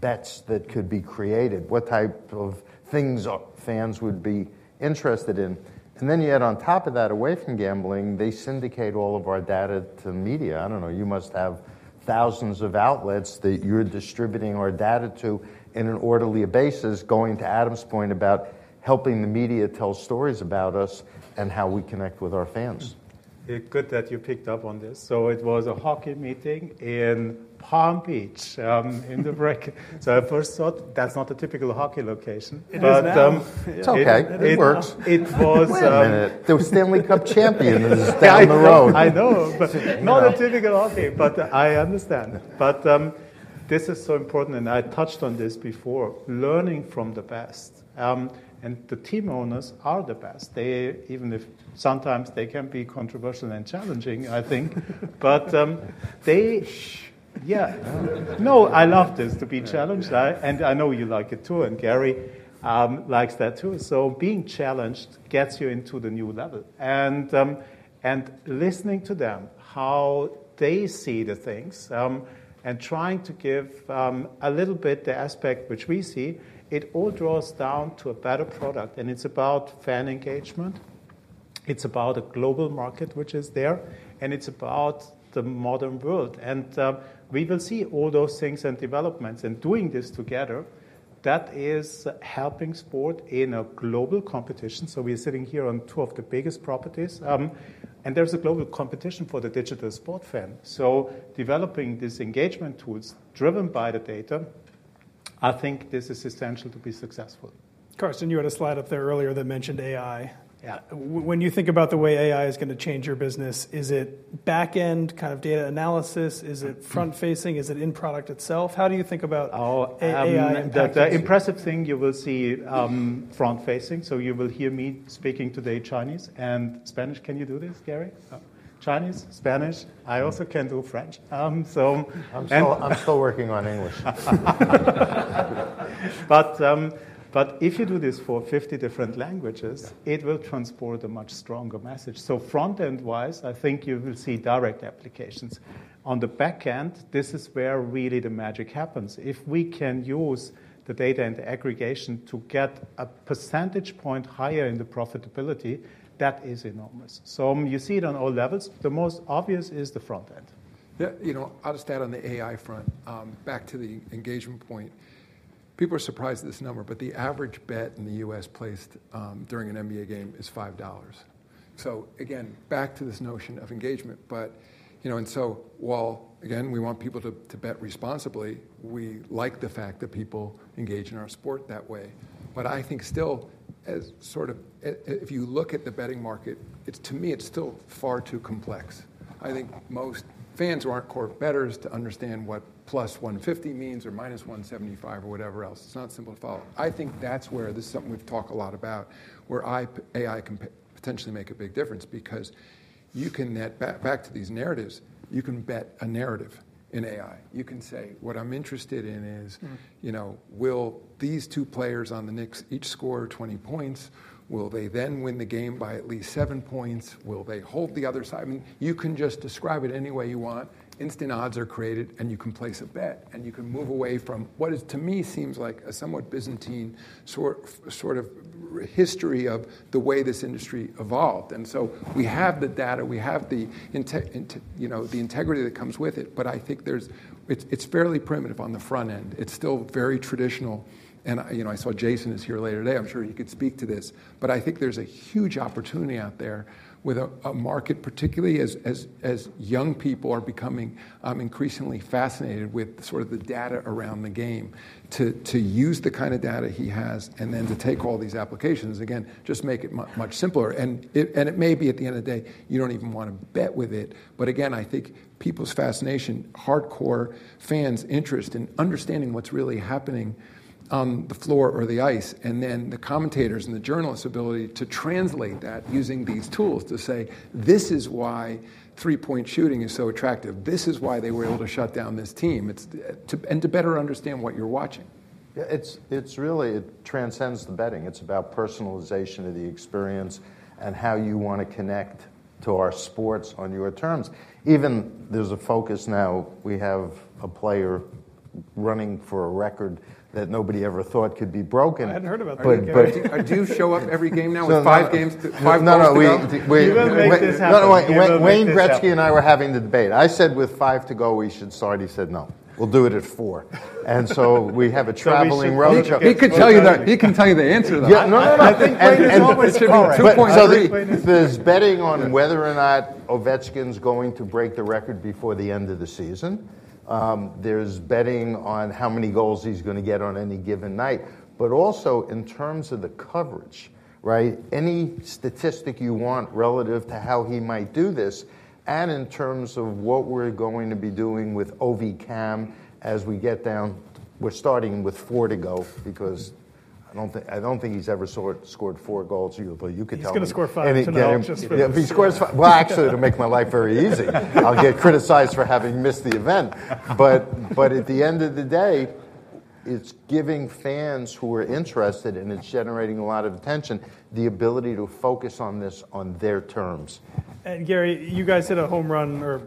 bets that could be created, what type of things fans would be interested in. Yet on top of that, away from gambling, they syndicate all of our data to media. I don't know. You must have thousands of outlets that you're distributing our data to in an orderly basis, going to Adam's point about helping the media tell stories about us and how we connect with our fans. Good that you picked up on this. It was a hockey meeting in Palm Beach in the break. I first thought that's not a typical hockey location. It's okay. It works. Wait a minute. They were Stanley Cup champions down the road. I know, but not a typical hockey. I understand. This is so important, and I touched on this before, learning from the best. The team owners are the best. Even if sometimes they can be controversial and challenging, I think. I love this to be challenged. I know you like it too. Gary likes that too. Being challenged gets you into the new level. Listening to them, how they see the things and trying to give a little bit the aspect which we see, it all draws down to a better product. It's about fan engagement. It's about a global market which is there. It's about the modern world. We will see all those things and developments. Doing this together, that is helping sport in a global competition. We're sitting here on two of the biggest properties. And there's a global competition for the digital sport fan. So developing these engagement tools driven by the data, I think this is essential to be successful. Carsten, you had a slide up there earlier that mentioned AI. When you think about the way AI is going to change your business, is it back-end kind of data analysis? Is it front-facing? Is it in-product itself? How do you think about AI and data? The impressive thing you will see front-facing. You will hear me speaking today Chinese and Spanish. Can you do this, Gary? Chinese? Spanish? I also can do French. I'm still working on English. If you do this for 50 different languages, it will transport a much stronger message. Front-end-wise, I think you will see direct applications. On the back-end, this is where really the magic happens. If we can use the data and the aggregation to get a percentage point higher in the profitability, that is enormous. You see it on all levels. The most obvious is the front-end. I'll just add on the AI front. Back to the engagement point. People are surprised at this number, but the average bet in the US placed during an NBA game is $5. Again, back to this notion of engagement. While, again, we want people to bet responsibly, we like the fact that people engage in our sport that way. I think still, sort of if you look at the betting market, to me, it's still far too complex. I think most fans who aren't court bettors to understand what plus 150 means or minus 175 or whatever else. It's not simple to follow. I think that's where this is something we've talked a lot about, where AI can potentially make a big difference because you can net back to these narratives. You can bet a narrative in AI. You can say, what I'm interested in is, will these two players on the Knicks each score 20 points? Will they then win the game by at least 7 points? Will they hold the other side? I mean, you can just describe it any way you want. Instant odds are created, and you can place a bet. You can move away from what to me seems like a somewhat Byzantine sort of history of the way this industry evolved. We have the data. We have the integrity that comes with it. I think it's fairly primitive on the front-end. It's still very traditional. I saw Jason is here later today. I'm sure he could speak to this. I think there's a huge opportunity out there with a market, particularly as young people are becoming increasingly fascinated with sort of the data around the game to use the kind of data he has and then to take all these applications. Again, just make it much simpler. It may be at the end of the day, you don't even want to bet with it. Again, I think people's fascination, hardcore fans' interest in understanding what's really happening on the floor or the ice, and then the commentators and the journalists' ability to translate that using these tools to say, this is why three-point shooting is so attractive. This is why they were able to shut down this team. To better understand what you're watching. It really transcends the betting. It's about personalization of the experience and how you want to connect to our sports on your terms. Even there's a focus now. We have a player running for a record that nobody ever thought could be broken. I hadn't heard about that. Do you show up every game now with five games to five points to give? No, no, we went to this. This happened. Wayne Gretzky and I were having the debate. I said, with five to go, we should start. He said, no. We'll do it at four. We have a traveling roadshow. He can tell you the answer to that. Yeah. No, no. I think it should be two points. There is betting on whether or not Ovechkin is going to break the record before the end of the season. There is betting on how many goals he is going to get on any given night. Also, in terms of the coverage, any statistic you want relative to how he might do this and in terms of what we are going to be doing with OVCAM as we get down. We are starting with four to go because I do not think he has ever scored four goals a year. You could tell. He's going to score five tonight. Actually, to make my life very easy, I'll get criticized for having missed the event. At the end of the day, it's giving fans who are interested and it's generating a lot of attention the ability to focus on this on their terms. Gary, you guys hit a home run or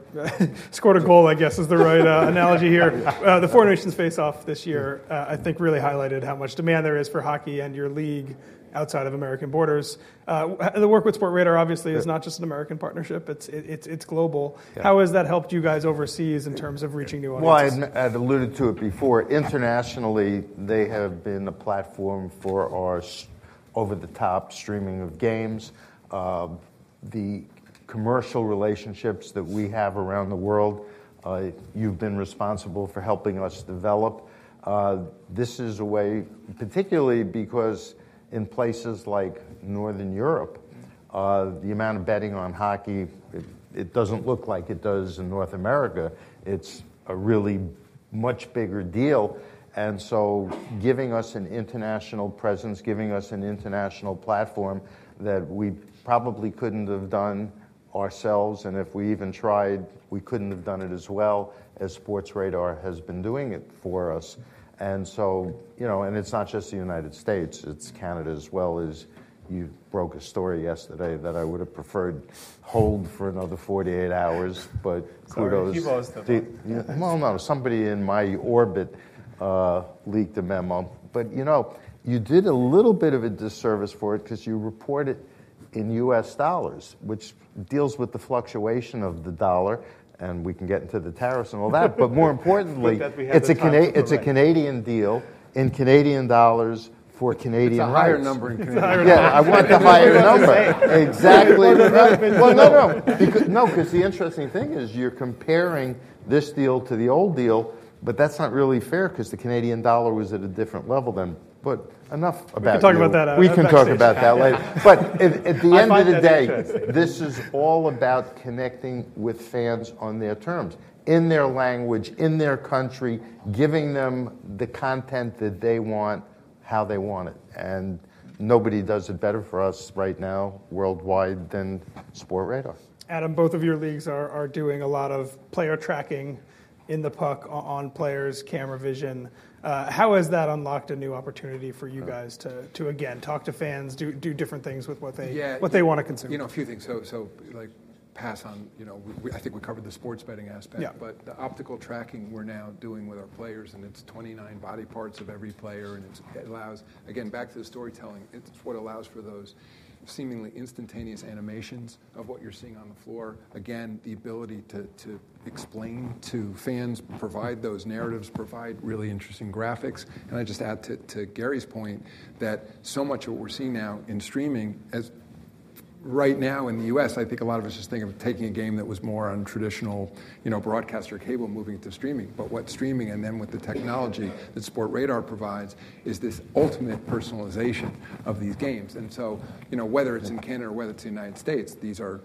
scored a goal, I guess, is the right analogy here. The Four Nations Face-Off this year, I think, really highlighted how much demand there is for hockey and your league outside of American borders. The work with Sportradar, obviously, is not just an American partnership. It's global. How has that helped you guys overseas in terms of reaching new audiences? I had alluded to it before. Internationally, they have been the platform for our over-the-top streaming of games. The commercial relationships that we have around the world, you've been responsible for helping us develop. This is a way, particularly because in places like Northern Europe, the amount of betting on hockey, it doesn't look like it does in North America. It's a really much bigger deal. Giving us an international presence, giving us an international platform that we probably couldn't have done ourselves. If we even tried, we couldn't have done it as well as Sportradar has been doing it for us. It's not just the United States. It's Canada as well. You broke a story yesterday that I would have preferred to hold for another 48 hours, but kudos. Kudos to them. No. Somebody in my orbit leaked a memo. You did a little bit of a disservice for it because you report it in US dollars, which deals with the fluctuation of the dollar. We can get into the tariffs and all that. More importantly, it is a Canadian deal in Canadian dollars for Canadian rights. It's a higher number in Canadian dollars. Yeah. I want the higher number. Exactly. No, no. No, because the interesting thing is you're comparing this deal to the old deal, but that's not really fair because the Canadian dollar was at a different level then. But enough about that. We can talk about that. We can talk about that later. At the end of the day, this is all about connecting with fans on their terms, in their language, in their country, giving them the content that they want how they want it. Nobody does it better for us right now worldwide than Sportradar. Adam, both of your leagues are doing a lot of player tracking in the puck on players, camera vision. How has that unlocked a new opportunity for you guys to, again, talk to fans, do different things with what they want to consume? You know, a few things. Pass on. I think we covered the sports betting aspect. The optical tracking we're now doing with our players, and it's 29 body parts of every player. It allows, again, back to the storytelling, it's what allows for those seemingly instantaneous animations of what you're seeing on the floor. Again, the ability to explain to fans, provide those narratives, provide really interesting graphics. I just add to Gary's point that so much of what we're seeing now in streaming right now in the U.S., I think a lot of us just think of taking a game that was more on traditional broadcast or cable moving to streaming. What streaming, and then with the technology that Sportradar provides, is this ultimate personalization of these games. Whether it is in Canada or whether it is in the United States, these are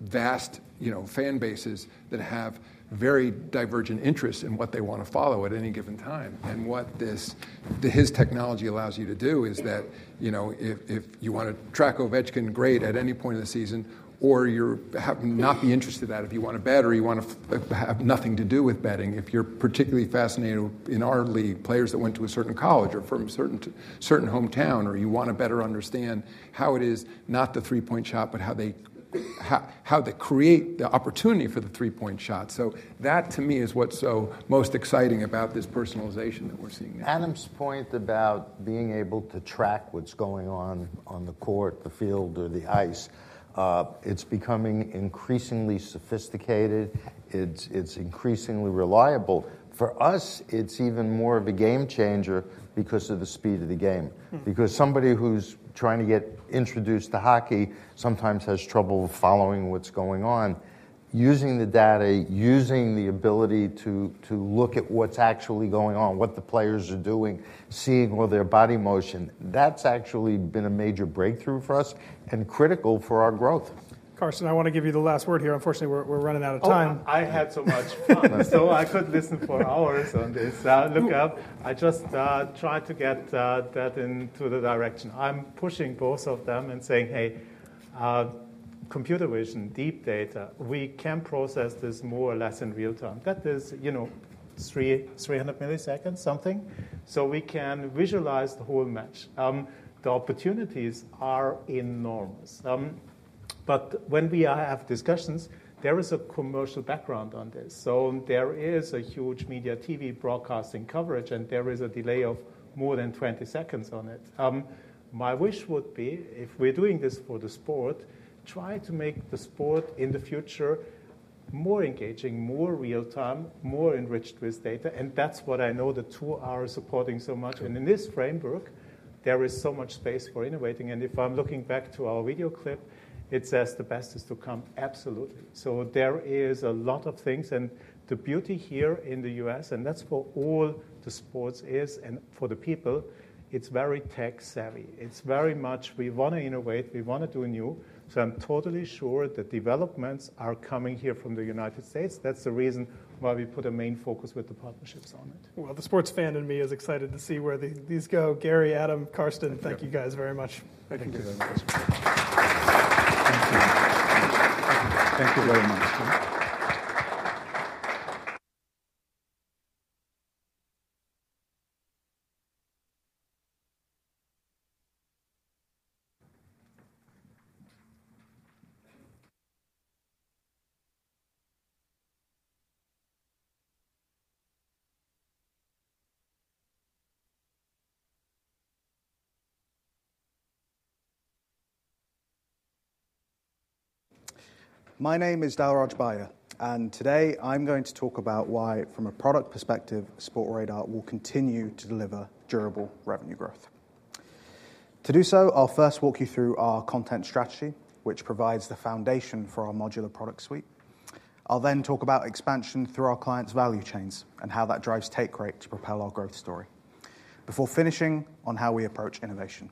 vast fan bases that have very divergent interests in what they want to follow at any given time. What his technology allows you to do is that if you want to track Ovechkin, great, at any point in the season, or you might not be interested in that. If you want to bet or you want to have nothing to do with betting, if you are particularly fascinated in our league, players that went to a certain college or from a certain hometown, or you want to better understand how it is not the three-point shot, but how they create the opportunity for the three-point shot. That, to me, is what is so most exciting about this personalization that we are seeing now. Adam's point about being able to track what's going on on the court, the field, or the ice, it's becoming increasingly sophisticated. It's increasingly reliable. For us, it's even more of a game changer because of the speed of the game. Because somebody who's trying to get introduced to hockey sometimes has trouble following what's going on. Using the data, using the ability to look at what's actually going on, what the players are doing, seeing all their body motion, that's actually been a major breakthrough for us and critical for our growth. Carsten, I want to give you the last word here. Unfortunately, we're running out of time. I had so much fun. I could listen for hours on this. Look up. I just tried to get that into the direction. I'm pushing both of them and saying, hey, computer vision, deep data, we can process this more or less in real time. That is 300 milliseconds, something. We can visualize the whole match. The opportunities are enormous. When we have discussions, there is a commercial background on this. There is a huge media TV broadcasting coverage, and there is a delay of more than 20 seconds on it. My wish would be, if we're doing this for the sport, try to make the sport in the future more engaging, more real time, more enriched with data. That's what I know the two are supporting so much. In this framework, there is so much space for innovating. If I'm looking back to our video clip, it says the best is to come, absolutely. There is a lot of things. The beauty here in the U.S., and that's where all the sports is and for the people, it's very tech savvy. It's very much we want to innovate. We want to do new. I'm totally sure the developments are coming here from the United States. That's the reason why we put a main focus with the partnerships on it. The sports fan in me is excited to see where these go. Gary, Adam, Carsten, thank you guys very much. Thank you very much. Thank you very much. My name is Dalraj Bahia, and today I'm going to talk about why, from a product perspective, Sportradar will continue to deliver durable revenue growth. To do so, I'll first walk you through our content strategy, which provides the foundation for our modular product suite. I'll then talk about expansion through our clients' value chains and how that drives take rate to propel our growth story. Before finishing on how we approach innovation,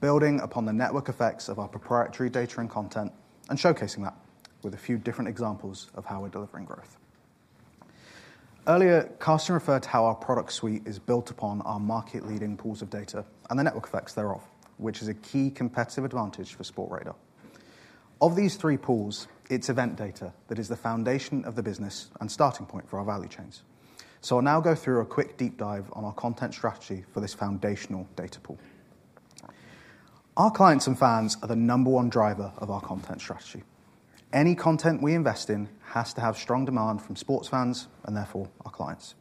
building upon the network effects of our proprietary data and content and showcasing that with a few different examples of how we're delivering growth. Earlier, Carsten referred to how our product suite is built upon our market-leading pools of data and the network effects thereof, which is a key competitive advantage for Sportradar. Of these three pools, it's event data that is the foundation of the business and starting point for our value chains. I'll now go through a quick deep dive on our content strategy for this foundational data pool. Our clients and fans are the number one driver of our content strategy. Any content we invest in has to have strong demand from sports fans and therefore our clients.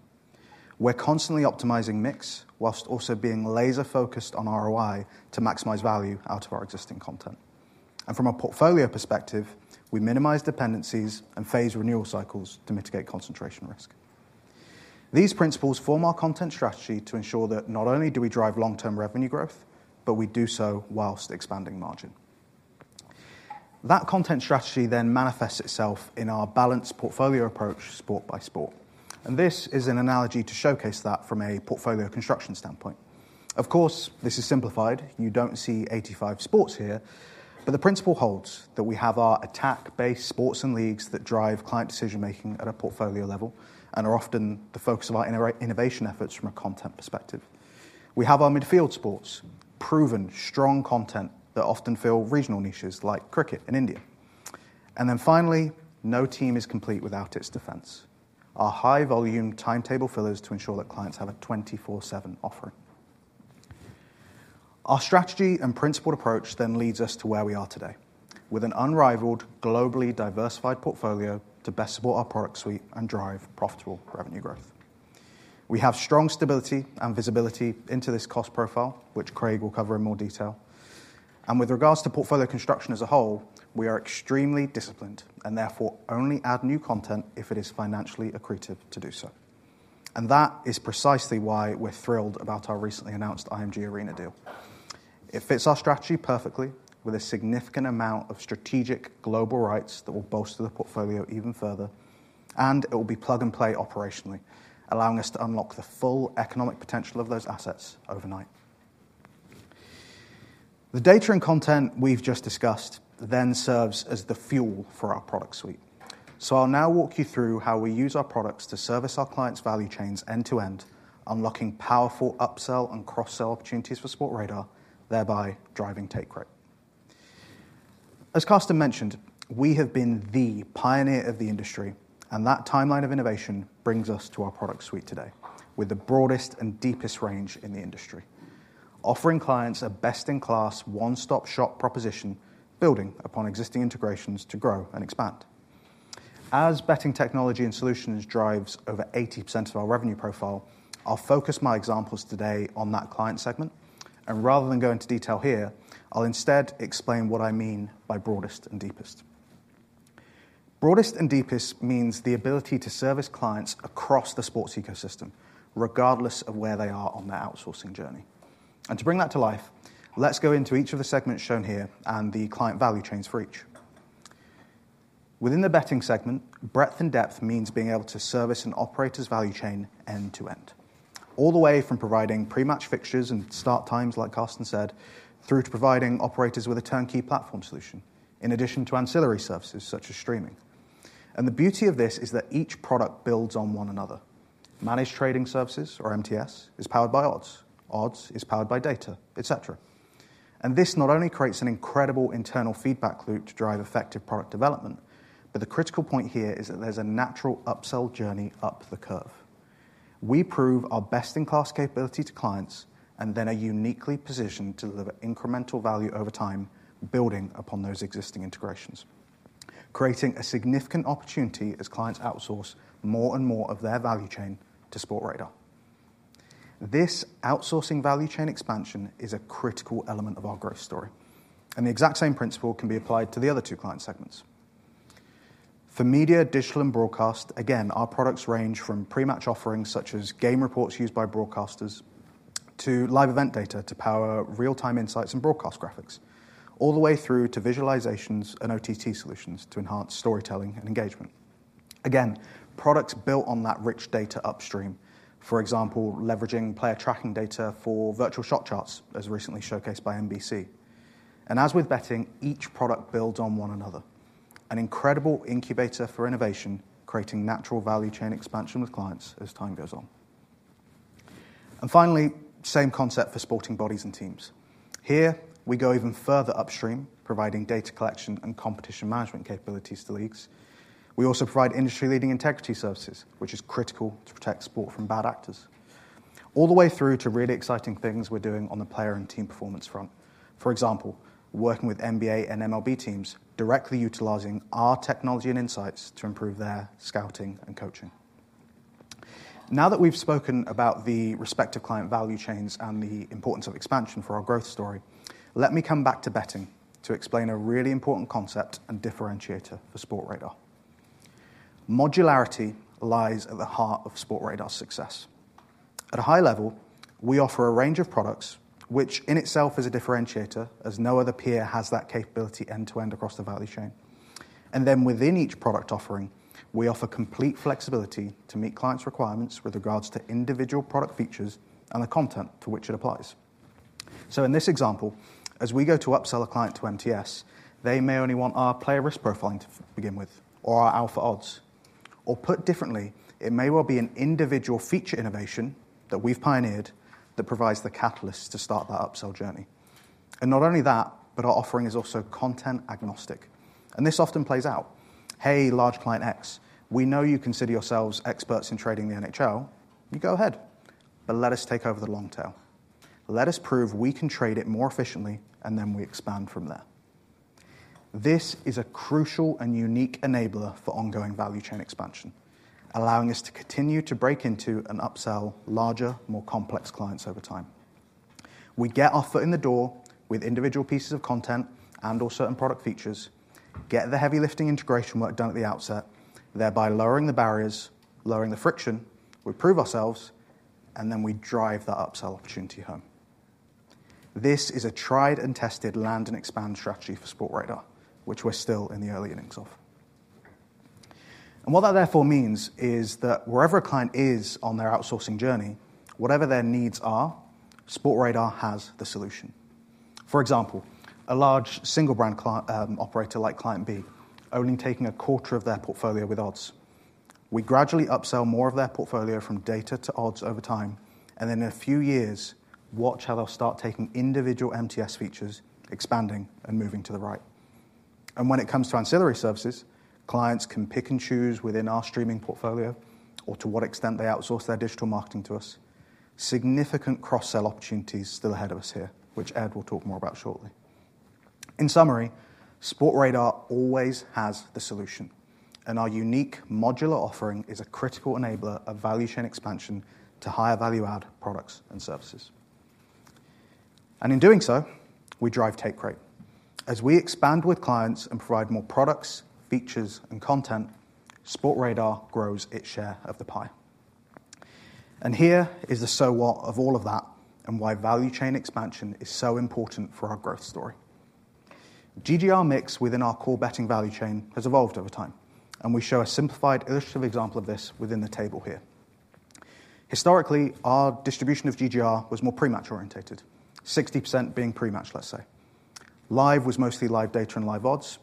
We're constantly optimizing mix whilst also being laser-focused on ROI to maximize value out of our existing content. From a portfolio perspective, we minimize dependencies and phase renewal cycles to mitigate concentration risk. These principles form our content strategy to ensure that not only do we drive long-term revenue growth, but we do so whilst expanding margin. That content strategy then manifests itself in our balanced portfolio approach, sport by sport. This is an analogy to showcase that from a portfolio construction standpoint. Of course, this is simplified. You don't see 85 sports here. The principle holds that we have our attack-based sports and leagues that drive client decision-making at a portfolio level and are often the focus of our innovation efforts from a content perspective. We have our midfield sports, proven, strong content that often fill regional niches like cricket in India. Finally, no team is complete without its defense, our high-volume timetable fillers to ensure that clients have a 24/7 offering. Our strategy and principled approach then leads us to where we are today, with an unrivaled, globally diversified portfolio to best support our product suite and drive profitable revenue growth. We have strong stability and visibility into this cost profile, which Craig will cover in more detail. With regards to portfolio construction as a whole, we are extremely disciplined and therefore only add new content if it is financially accretive to do so. That is precisely why we're thrilled about our recently announced IMG ARENA deal. It fits our strategy perfectly with a significant amount of strategic global rights that will bolster the portfolio even further. It will be plug and play operationally, allowing us to unlock the full economic potential of those assets overnight. The data and content we've just discussed then serves as the fuel for our product suite. I'll now walk you through how we use our products to service our clients' value chains end to end, unlocking powerful upsell and cross-sell opportunities for Sportradar, thereby driving take rate. As Carsten mentioned, we have been the pioneer of the industry, and that timeline of innovation brings us to our product suite today with the broadest and deepest range in the industry, offering clients a best-in-class one-stop-shop proposition, building upon existing integrations to grow and expand. As betting technology and solutions drives over 80% of our revenue profile, I'll focus my examples today on that client segment. Rather than go into detail here, I'll instead explain what I mean by broadest and deepest. Broadest and deepest means the ability to service clients across the sports ecosystem, regardless of where they are on their outsourcing journey. To bring that to life, let's go into each of the segments shown here and the client value chains for each. Within the betting segment, breadth and depth means being able to service an operator's value chain end to end, all the way from providing pre-match fixtures and start times, like Carsten said, through to providing operators with a turnkey platform solution, in addition to ancillary services such as streaming. The beauty of this is that each product builds on one another. Managed Trading Services, or MTS, is powered by odds. Odds is powered by data, etc. This not only creates an incredible internal feedback loop to drive effective product development, but the critical point here is that there's a natural upsell journey up the curve. We prove our best-in-class capability to clients and then are uniquely positioned to deliver incremental value over time, building upon those existing integrations, creating a significant opportunity as clients outsource more and more of their value chain to Sportradar. This outsourcing value chain expansion is a critical element of our growth story. The exact same principle can be applied to the other two client segments. For media, digital, and broadcast, again, our products range from pre-match offerings such as game reports used by broadcasters to live event data to power real-time insights and broadcast graphics, all the way through to visualizations and OTT solutions to enhance storytelling and engagement. Again, products built on that rich data upstream, for example, leveraging player tracking data for virtual shot charts, as recently showcased by NBC. As with betting, each product builds on one another, an incredible incubator for innovation, creating natural value chain expansion with clients as time goes on. Finally, same concept for sporting bodies and teams. Here, we go even further upstream, providing data collection and competition management capabilities to leagues. We also provide industry-leading integrity services, which is critical to protect sport from bad actors, all the way through to really exciting things we're doing on the player and team performance front. For example, working with NBA and MLB teams, directly utilizing our technology and insights to improve their scouting and coaching. Now that we've spoken about the respective client value chains and the importance of expansion for our growth story, let me come back to betting to explain a really important concept and differentiator for Sportradar. Modularity lies at the heart of Sportradar's success. At a high level, we offer a range of products, which in itself is a differentiator, as no other peer has that capability end to end across the value chain. Within each product offering, we offer complete flexibility to meet clients' requirements with regards to individual product features and the content to which it applies. In this example, as we go to upsell a client to MTS, they may only want our player risk profiling to begin with or our Alpha Odds. Or put differently, it may well be an individual feature innovation that we've pioneered that provides the catalyst to start that upsell journey. Not only that, but our offering is also content agnostic. This often plays out. Hey, large client X, we know you consider yourselves experts in trading the NHL. You go ahead, but let us take over the long tail. Let us prove we can trade it more efficiently, and then we expand from there. This is a crucial and unique enabler for ongoing value chain expansion, allowing us to continue to break into and upsell larger, more complex clients over time. We get our foot in the door with individual pieces of content and/or certain product features, get the heavy lifting integration work done at the outset, thereby lowering the barriers, lowering the friction. We prove ourselves, and then we drive that upsell opportunity home. This is a tried and tested land and expand strategy for Sportradar, which we're still in the early innings of. What that therefore means is that wherever a client is on their outsourcing journey, whatever their needs are, Sportradar has the solution. For example, a large single-brand operator like Client B only taking a quarter of their portfolio with odds. We gradually upsell more of their portfolio from data to odds over time, and then in a few years, watch how they'll start taking individual MTS features, expanding and moving to the right. When it comes to ancillary services, clients can pick and choose within our streaming portfolio or to what extent they outsource their digital marketing to us. Significant cross-sell opportunities still ahead of us here, which Ed will talk more about shortly. In summary, Sportradar always has the solution, and our unique modular offering is a critical enabler of value chain expansion to higher value-add products and services. In doing so, we drive take rate. As we expand with clients and provide more products, features, and content, Sportradar grows its share of the pie. Here is the so what of all of that and why value chain expansion is so important for our growth story. GGR mix within our core betting value chain has evolved over time, and we show a simplified illustrative example of this within the table here. Historically, our distribution of GGR was more pre-match orientated, 60% being pre-match, let's say. Live was mostly live data and live odds,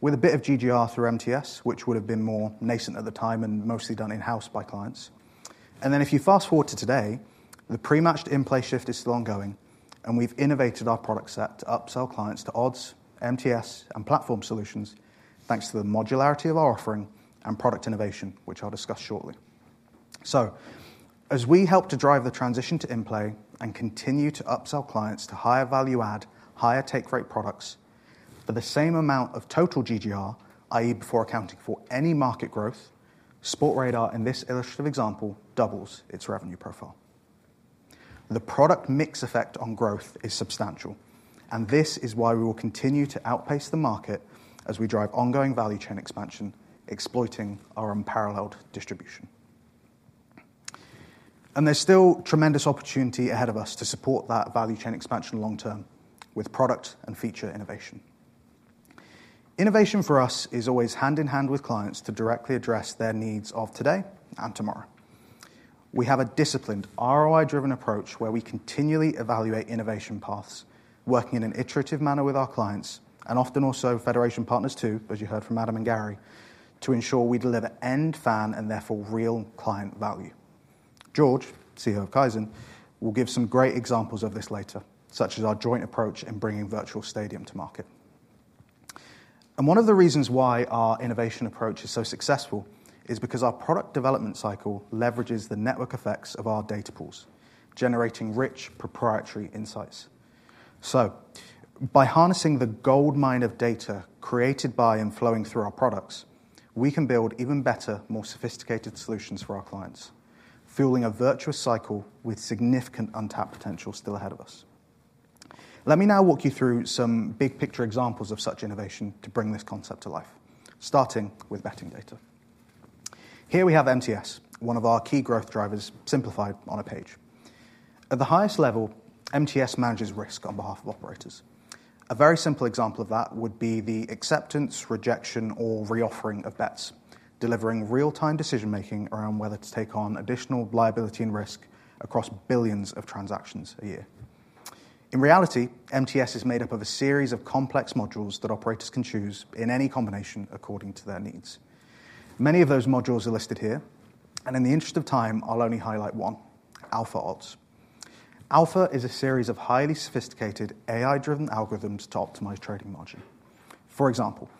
with a bit of GGR through MTS, which would have been more nascent at the time and mostly done in-house by clients. If you fast forward to today, the pre-matched in-play shift is still ongoing, and we've innovated our product set to upsell clients to odds, MTS, and platform solutions, thanks to the modularity of our offering and product innovation, which I'll discuss shortly. As we help to drive the transition to in-play and continue to upsell clients to higher value-add, higher take rate products for the same amount of total GGR, i.e., before accounting for any market growth, Sportradar, in this illustrative example, doubles its revenue profile. The product mix effect on growth is substantial, and this is why we will continue to outpace the market as we drive ongoing value chain expansion, exploiting our unparalleled distribution. There is still tremendous opportunity ahead of us to support that value chain expansion long term with product and feature innovation. Innovation for us is always hand in hand with clients to directly address their needs of today and tomorrow. We have a disciplined, ROI-driven approach where we continually evaluate innovation paths, working in an iterative manner with our clients and often also federation partners too, as you heard from Adam and Gary, to ensure we deliver end fan and therefore real client value. George, CEO of Kaizen, will give some great examples of this later, such as our joint approach in bringing Virtual Stadium to market. One of the reasons why our innovation approach is so successful is because our product development cycle leverages the network effects of our data pools, generating rich proprietary insights. By harnessing the gold mine of data created by and flowing through our products, we can build even better, more sophisticated solutions for our clients, fueling a virtuous cycle with significant untapped potential still ahead of us. Let me now walk you through some big picture examples of such innovation to bring this concept to life, starting with betting data. Here we have MTS, one of our key growth drivers, simplified on a page. At the highest level, MTS manages risk on behalf of operators. A very simple example of that would be the acceptance, rejection, or reoffering of bets, delivering real-time decision-making around whether to take on additional liability and risk across billions of transactions a year. In reality, MTS is made up of a series of complex modules that operators can choose in any combination according to their needs. Many of those modules are listed here, and in the interest of time, I'll only highlight one, Alpha Odds. Alpha is a series of highly sophisticated AI-driven algorithms to optimize trading margin. For example,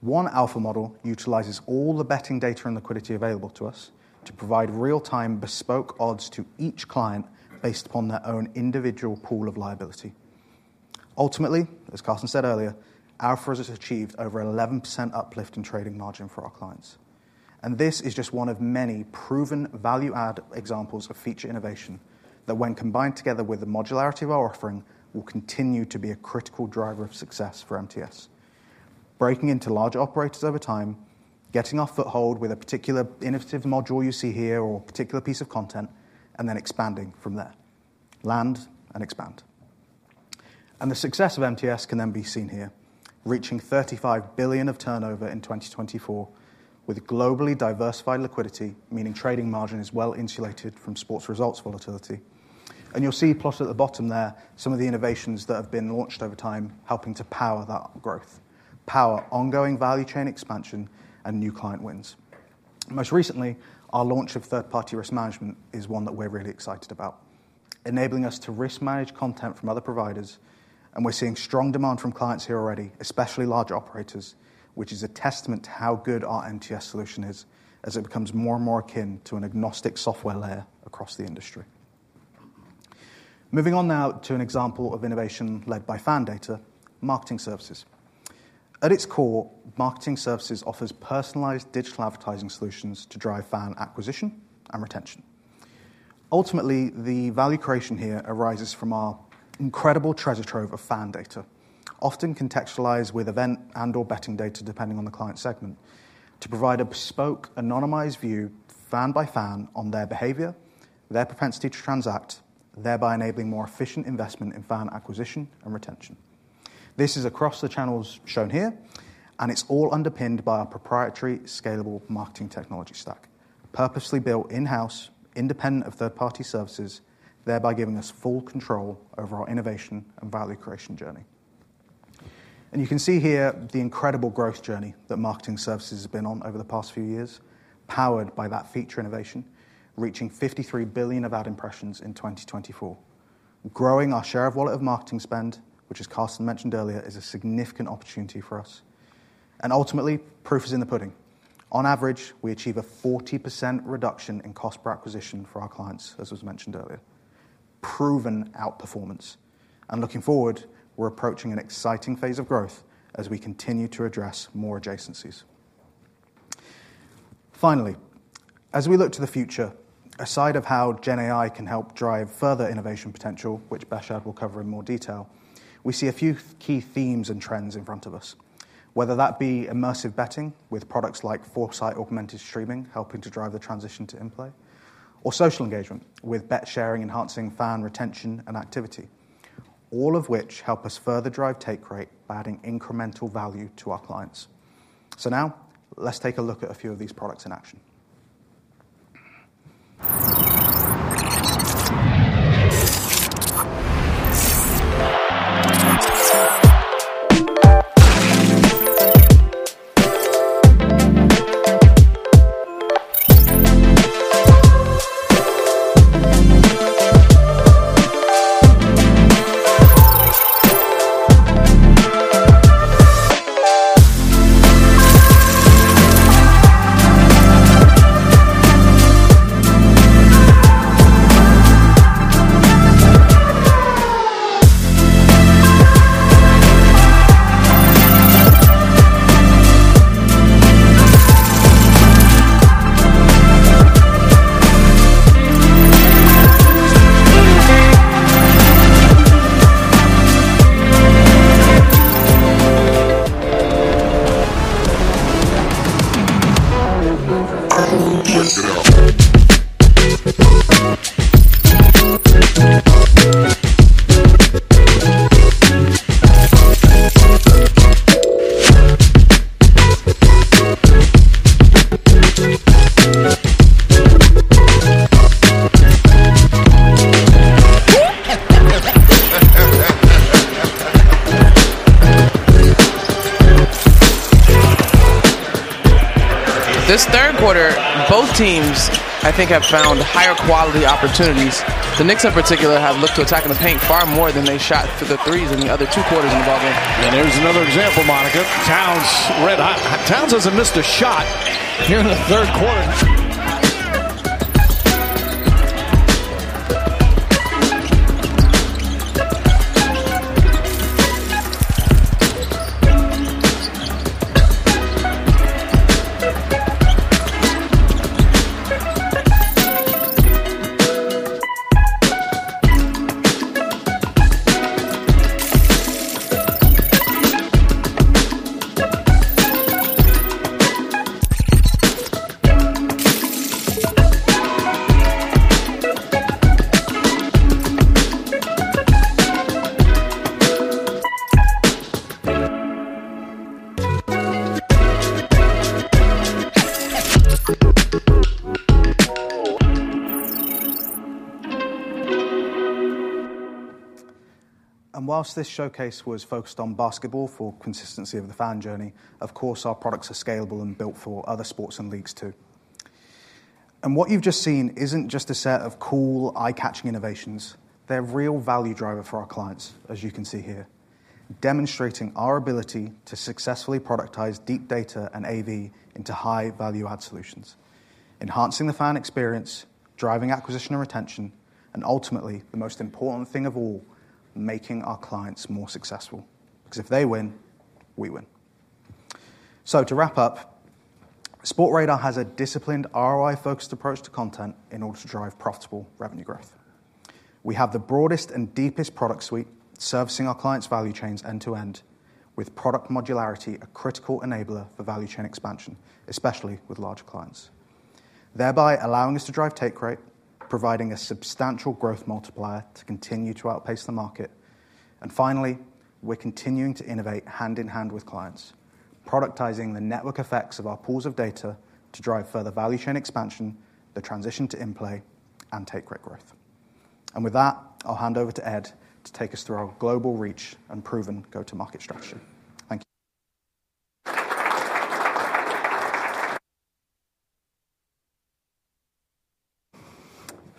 one Alpha model utilizes all the betting data and liquidity available to us to provide real-time bespoke odds to each client based upon their own individual pool of liability. Ultimately, as Carsten said earlier, Alpha has achieved over 11% uplift in trading margin for our clients. This is just one of many proven value-add examples of feature innovation that, when combined together with the modularity of our offering, will continue to be a critical driver of success for MTS, breaking into large operators over time, getting our foothold with a particular innovative module you see here or a particular piece of content, and then expanding from there, land and expand. The success of MTS can then be seen here, reaching $35 billion of turnover in 2024, with globally diversified liquidity, meaning trading margin is well insulated from sports results volatility. You'll see plotted at the bottom there some of the innovations that have been launched over time, helping to power that growth, power ongoing value chain expansion and new client wins. Most recently, our launch of third-party risk management is one that we're really excited about, enabling us to risk-manage content from other providers. We're seeing strong demand from clients here already, especially large operators, which is a testament to how good our MTS solution is as it becomes more and more akin to an agnostic software layer across the industry. Moving on now to an example of innovation led by fan data, marketing services. At its core, marketing services offers personalized digital advertising solutions to drive fan acquisition and retention. Ultimately, the value creation here arises from our incredible treasure trove of fan data, often contextualized with event and/or betting data, depending on the client segment, to provide a bespoke, anonymized view, fan by fan, on their behavior, their propensity to transact, thereby enabling more efficient investment in fan acquisition and retention. This is across the channels shown here, and it's all underpinned by our proprietary scalable marketing technology stack, purposely built in-house, independent of third-party services, thereby giving us full control over our innovation and value creation journey. You can see here the incredible growth journey that marketing services has been on over the past few years, powered by that feature innovation, reaching $53 billion of ad impressions in 2024, growing our share of wallet of marketing spend, which, as Carsten mentioned earlier, is a significant opportunity for us. Ultimately, proof is in the pudding. On average, we achieve a 40% reduction in cost per acquisition for our clients, as was mentioned earlier, proven outperformance. Looking forward, we're approaching an exciting phase of growth as we continue to address more adjacencies. Finally, as we look to the future, aside of how GenAI can help drive further innovation potential, which Beshad will cover in more detail, we see a few key themes and trends in front of us, whether that be immersive betting with products like Foresight Augmented Streaming, helping to drive the transition to in-play, or social engagement with bet sharing, enhancing fan retention and activity, all of which help us further drive take rate by adding incremental value to our clients. Now let's take a look at a few of these products in action. This third quarter, both teams, I think, have found higher quality opportunities. The Knicks, in particular, have looked to attack in the paint far more than they shot through the threes in the other two quarters involving. There's another example, Monica. Towns red hot. Towns has a missed shot here in the third quarter. Whilst this showcase was focused on basketball for consistency of the fan journey, of course, our products are scalable and built for other sports and leagues too. What you've just seen isn't just a set of cool, eye-catching innovations. They're real value drivers for our clients, as you can see here, demonstrating our ability to successfully productize deep data and AV into high-value-add solutions, enhancing the fan experience, driving acquisition and retention, and ultimately, the most important thing of all, making our clients more successful, because if they win, we win. To wrap up, Sportradar has a disciplined, ROI-focused approach to content in order to drive profitable revenue growth. We have the broadest and deepest product suite servicing our clients' value chains end to end, with product modularity a critical enabler for value chain expansion, especially with large clients, thereby allowing us to drive take rate, providing a substantial growth multiplier to continue to outpace the market. We're continuing to innovate hand in hand with clients, productizing the network effects of our pools of data to drive further value chain expansion, the transition to in-play, and take rate growth. With that, I'll hand over to Ed to take us through our global reach and proven go-to-market structure.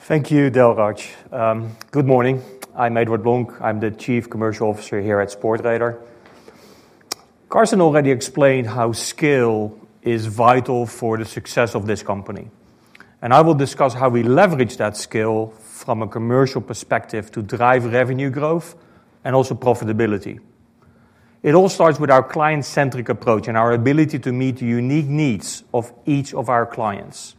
Thank you. Thank you, Dalraj. Good morning. I'm Eduard Blonk. I'm the Chief Commercial Officer here at Sportradar. Carsten already explained how skill is vital for the success of this company. I will discuss how we leverage that skill from a commercial perspective to drive revenue growth and also profitability. It all starts with our client-centric approach and our ability to meet the unique needs of each of our clients.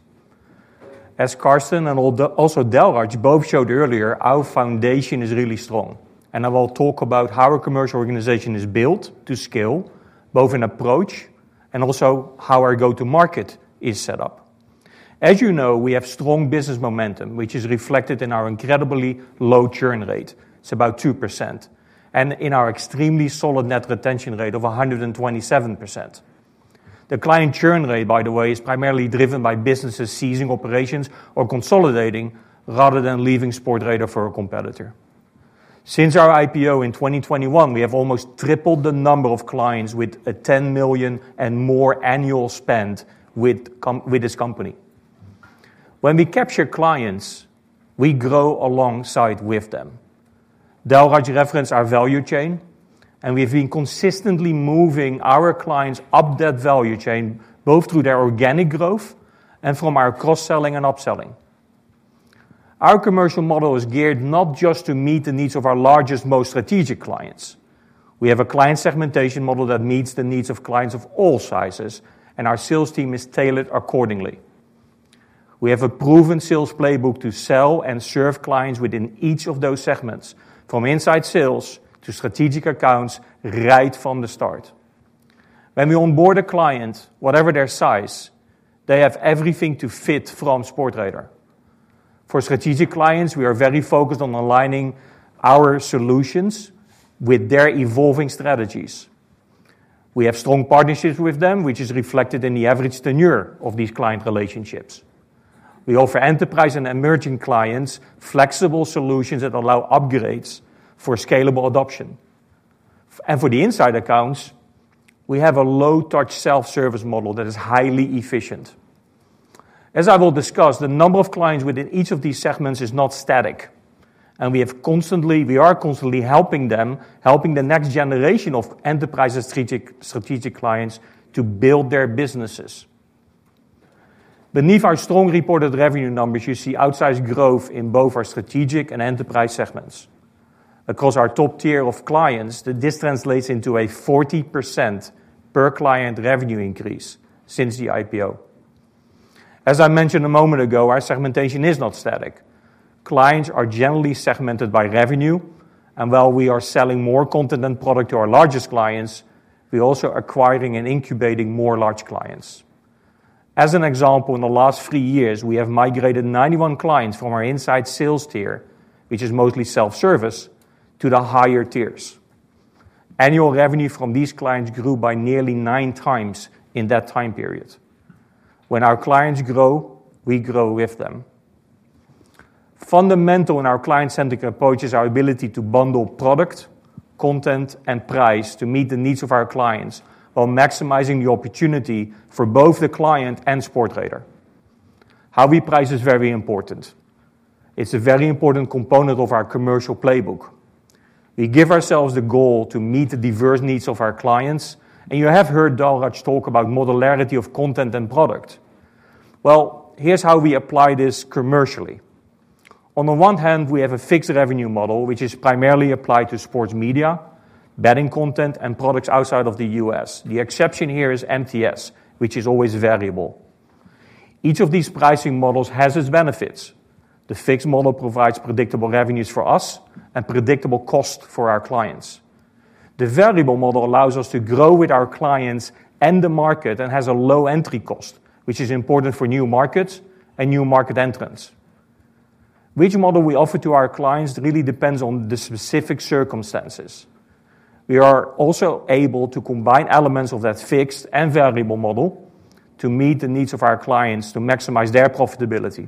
As Carsten and also Dalraj both showed earlier, our foundation is really strong. I will talk about how our commercial organization is built to scale, both in approach and also how our go-to-market is set up. As you know, we have strong business momentum, which is reflected in our incredibly low churn rate. It's about 2%. In our extremely solid net retention rate of 127%. The client churn rate, by the way, is primarily driven by businesses ceasing operations or consolidating rather than leaving Sportradar for a competitor. Since our IPO in 2021, we have almost tripled the number of clients with a $10 million and more annual spend with this company. When we capture clients, we grow alongside with them. Dalraj referenced our value chain, and we've been consistently moving our clients up that value chain, both through their organic growth and from our cross-selling and upselling. Our commercial model is geared not just to meet the needs of our largest, most strategic clients. We have a client segmentation model that meets the needs of clients of all sizes, and our sales team is tailored accordingly. We have a proven sales playbook to sell and serve clients within each of those segments, from inside sales to strategic accounts, right from the start. When we onboard a client, whatever their size, they have everything to fit from Sportradar. For strategic clients, we are very focused on aligning our solutions with their evolving strategies. We have strong partnerships with them, which is reflected in the average tenure of these client relationships. We offer enterprise and emerging clients flexible solutions that allow upgrades for scalable adoption. For the inside accounts, we have a low-touch self-service model that is highly efficient. As I will discuss, the number of clients within each of these segments is not static. We are constantly helping them, helping the next generation of enterprise strategic clients to build their businesses. Beneath our strong reported revenue numbers, you see outsized growth in both our strategic and enterprise segments. Across our top tier of clients, this translates into a 40% per client revenue increase since the IPO. As I mentioned a moment ago, our segmentation is not static. Clients are generally segmented by revenue. While we are selling more content and product to our largest clients, we are also acquiring and incubating more large clients. As an example, in the last three years, we have migrated 91 clients from our inside sales tier, which is mostly self-service, to the higher tiers. Annual revenue from these clients grew by nearly nine times in that time period. When our clients grow, we grow with them. Fundamental in our client-centric approach is our ability to bundle product, content, and price to meet the needs of our clients while maximizing the opportunity for both the client and Sportradar. How we price is very important. It's a very important component of our commercial playbook. We give ourselves the goal to meet the diverse needs of our clients. You have heard Dalraj talk about modularity of content and product. Here's how we apply this commercially. On the one hand, we have a fixed revenue model, which is primarily applied to sports media, betting content, and products outside of the US. The exception here is MTS, which is always variable. Each of these pricing models has its benefits. The fixed model provides predictable revenues for us and predictable costs for our clients. The variable model allows us to grow with our clients and the market and has a low entry cost, which is important for new markets and new market entrants. Which model we offer to our clients really depends on the specific circumstances. We are also able to combine elements of that fixed and variable model to meet the needs of our clients to maximize their profitability.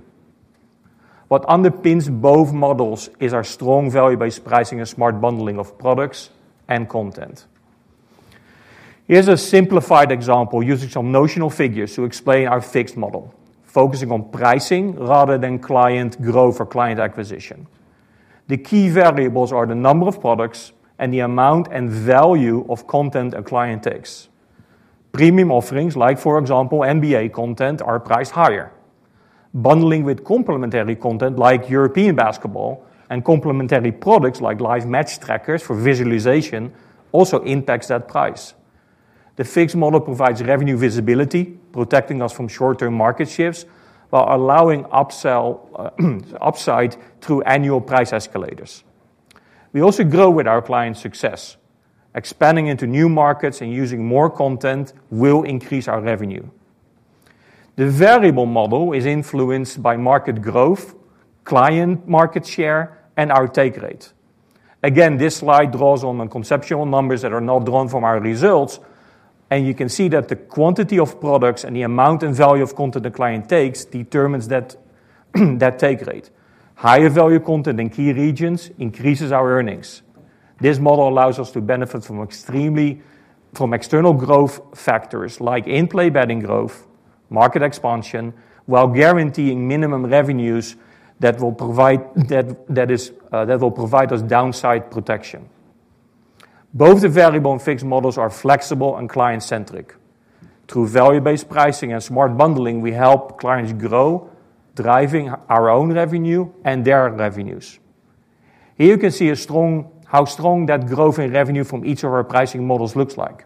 What underpins both models is our strong value-based pricing and smart bundling of products and content. Here's a simplified example using some notional figures to explain our fixed model, focusing on pricing rather than client growth or client acquisition. The key variables are the number of products and the amount and value of content a client takes. Premium offerings, like for example, NBA content, are priced higher. Bundling with complementary content like European basketball and complementary products like live match trackers for visualization also impacts that price. The fixed model provides revenue visibility, protecting us from short-term market shifts while allowing upside through annual price escalators. We also grow with our client's success. Expanding into new markets and using more content will increase our revenue. The variable model is influenced by market growth, client market share, and our take rate. Again, this slide draws on conceptual numbers that are not drawn from our results. You can see that the quantity of products and the amount and value of content a client takes determines that take rate. Higher value content in key regions increases our earnings. This model allows us to benefit from external growth factors like in-play betting growth, market expansion, while guaranteeing minimum revenues that will provide us downside protection. Both the variable and fixed models are flexible and client-centric. Through value-based pricing and smart bundling, we help clients grow, driving our own revenue and their revenues. Here you can see how strong that growth in revenue from each of our pricing models looks like.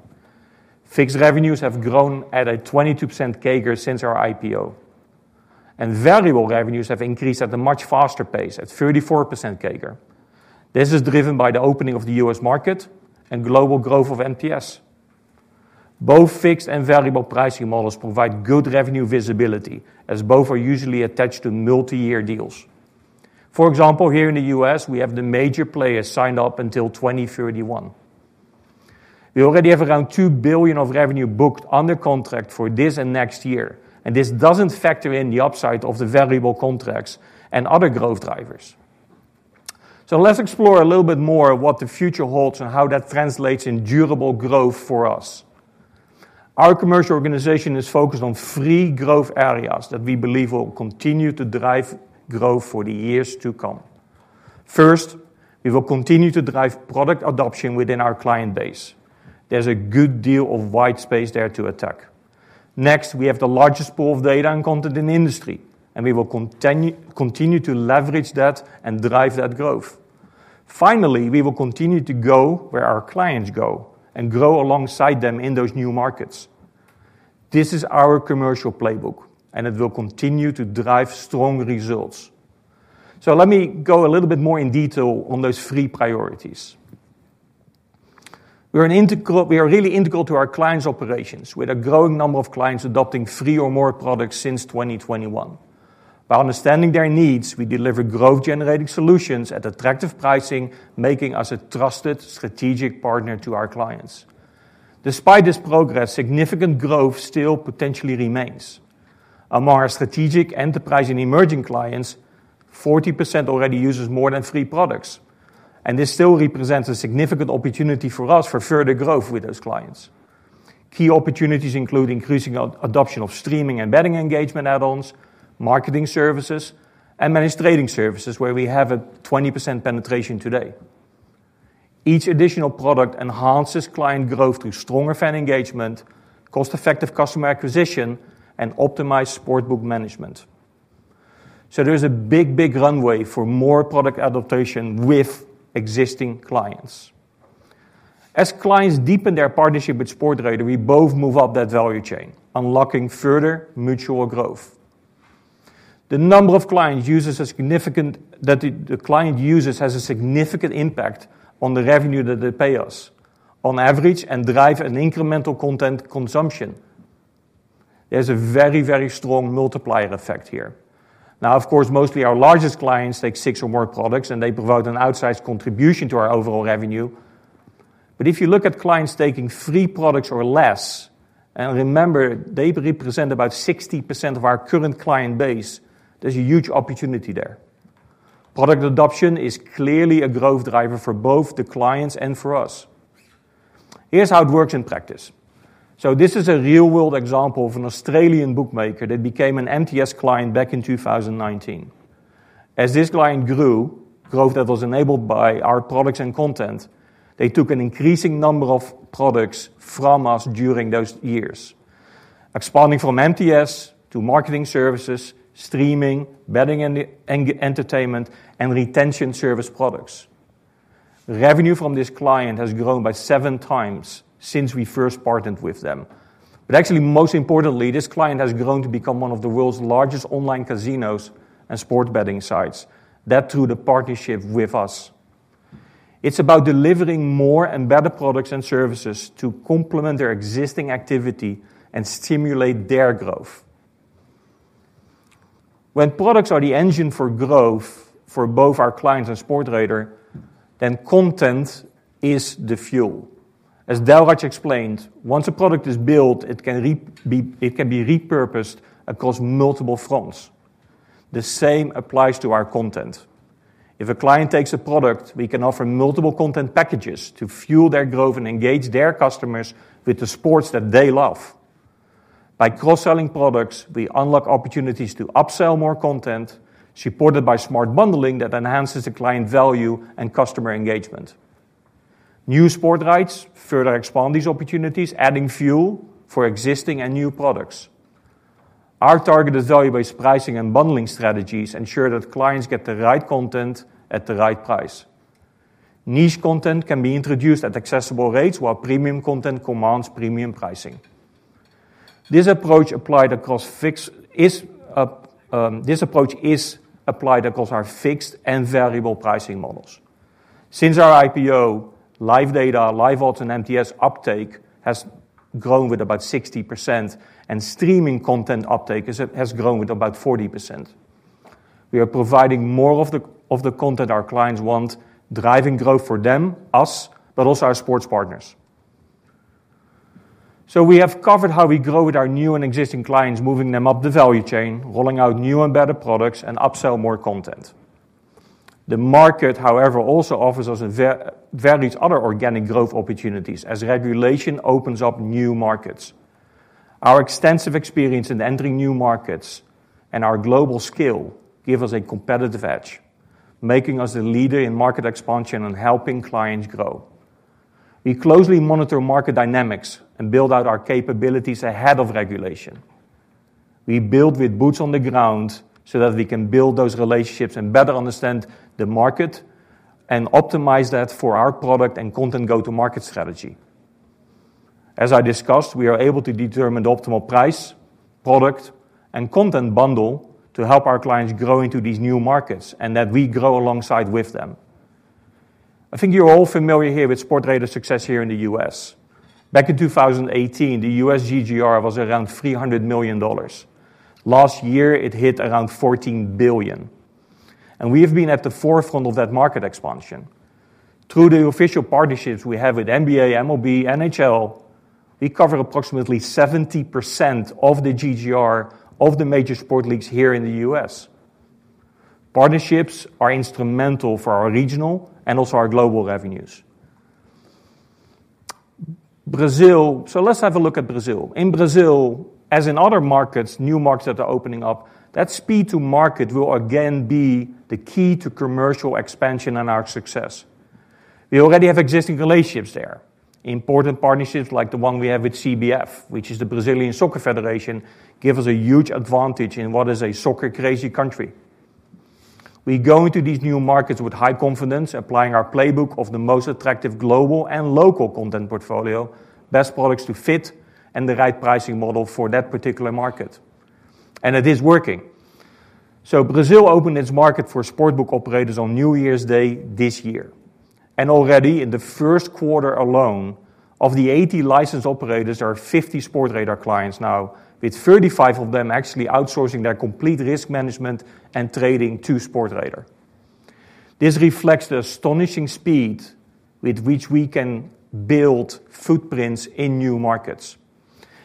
Fixed revenues have grown at a 22% CAGR since our IPO. Variable revenues have increased at a much faster pace, at 34% CAGR. This is driven by the opening of the US market and global growth of MTS. Both fixed and variable pricing models provide good revenue visibility, as both are usually attached to multi-year deals. For example, here in the U.S., we have the major players signed up until 2031. We already have around $2 billion of revenue booked under contract for this and next year. This does not factor in the upside of the variable contracts and other growth drivers. Let's explore a little bit more of what the future holds and how that translates in durable growth for us. Our commercial organization is focused on three growth areas that we believe will continue to drive growth for the years to come. First, we will continue to drive product adoption within our client base. There is a good deal of white space there to attack. Next, we have the largest pool of data and content in the industry. We will continue to leverage that and drive that growth. Finally, we will continue to go where our clients go and grow alongside them in those new markets. This is our commercial playbook. It will continue to drive strong results. Let me go a little bit more in detail on those three priorities. We are really integral to our clients' operations, with a growing number of clients adopting three or more products since 2021. By understanding their needs, we deliver growth-generating solutions at attractive pricing, making us a trusted strategic partner to our clients. Despite this progress, significant growth still potentially remains. Among our strategic enterprise and emerging clients, 40% already uses more than three products. This still represents a significant opportunity for us for further growth with those clients. Key opportunities include increasing adoption of streaming and betting engagement add-ons, marketing services, and managed trading services, where we have a 20% penetration today. Each additional product enhances client growth through stronger fan engagement, cost-effective customer acquisition, and optimized sportbook management. There is a big, big runway for more product adaptation with existing clients. As clients deepen their partnership with Sportradar, we both move up that value chain, unlocking further mutual growth. The number of products that the client uses has a significant impact on the revenue that they pay us, on average, and drives incremental content consumption. There is a very, very strong multiplier effect here. Of course, mostly our largest clients take six or more products, and they provide an outsized contribution to our overall revenue. If you look at clients taking three products or less, and remember, they represent about 60% of our current client base, there's a huge opportunity there. Product adoption is clearly a growth driver for both the clients and for us. Here's how it works in practice. This is a real-world example of an Australian bookmaker that became an MTS client back in 2019. As this client grew, growth that was enabled by our products and content, they took an increasing number of products from us during those years, expanding from MTS to marketing services, streaming, betting entertainment, and retention service products. Revenue from this client has grown by seven times since we first partnered with them. Actually, most importantly, this client has grown to become one of the world's largest online casinos and sport betting sites, that through the partnership with us. It's about delivering more and better products and services to complement their existing activity and stimulate their growth. When products are the engine for growth for both our clients and Sportradar, then content is the fuel. As Dalraj explained, once a product is built, it can be repurposed across multiple fronts. The same applies to our content. If a client takes a product, we can offer multiple content packages to fuel their growth and engage their customers with the sports that they love. By cross-selling products, we unlock opportunities to upsell more content, supported by smart bundling that enhances the client value and customer engagement. New sport rights further expand these opportunities, adding fuel for existing and new products. Our targeted value-based pricing and bundling strategies ensure that clients get the right content at the right price. Niche content can be introduced at accessible rates, while premium content commands premium pricing. This approach is applied across our fixed and variable pricing models. Since our IPO, live data, live odds, and MTS uptake has grown with about 60%, and streaming content uptake has grown with about 40%. We are providing more of the content our clients want, driving growth for them, us, but also our sports partners. We have covered how we grow with our new and existing clients, moving them up the value chain, rolling out new and better products, and upsell more content. The market, however, also offers us various other organic growth opportunities as regulation opens up new markets. Our extensive experience in entering new markets and our global skill give us a competitive edge, making us the leader in market expansion and helping clients grow. We closely monitor market dynamics and build out our capabilities ahead of regulation. We build with boots on the ground so that we can build those relationships and better understand the market and optimize that for our product and content go-to-market strategy. As I discussed, we are able to determine the optimal price, product, and content bundle to help our clients grow into these new markets and that we grow alongside with them. I think you're all familiar here with Sportradar's success here in the US. Back in 2018, the US GGR was around $300 million. Last year, it hit around $14 billion. We have been at the forefront of that market expansion. Through the official partnerships we have with NBA, MLB, and NHL, we cover approximately 70% of the GGR of the major sport leagues here in the US. Partnerships are instrumental for our regional and also our global revenues. Brazil, so let's have a look at Brazil. In Brazil, as in other markets, new markets that are opening up, that speed to market will again be the key to commercial expansion and our success. We already have existing relationships there. Important partnerships like the one we have with CBF, which is the Brazilian Soccer Federation, give us a huge advantage in what is a soccer-crazy country. We go into these new markets with high confidence, applying our playbook of the most attractive global and local content portfolio, best products to fit, and the right pricing model for that particular market. It is working. Brazil opened its market for sportbook operators on New Year's Day this year. Already in the first quarter alone, of the 80 licensed operators, there are 50 Sportradar clients now, with 35 of them actually outsourcing their complete risk management and trading to Sportradar. This reflects the astonishing speed with which we can build footprints in new markets.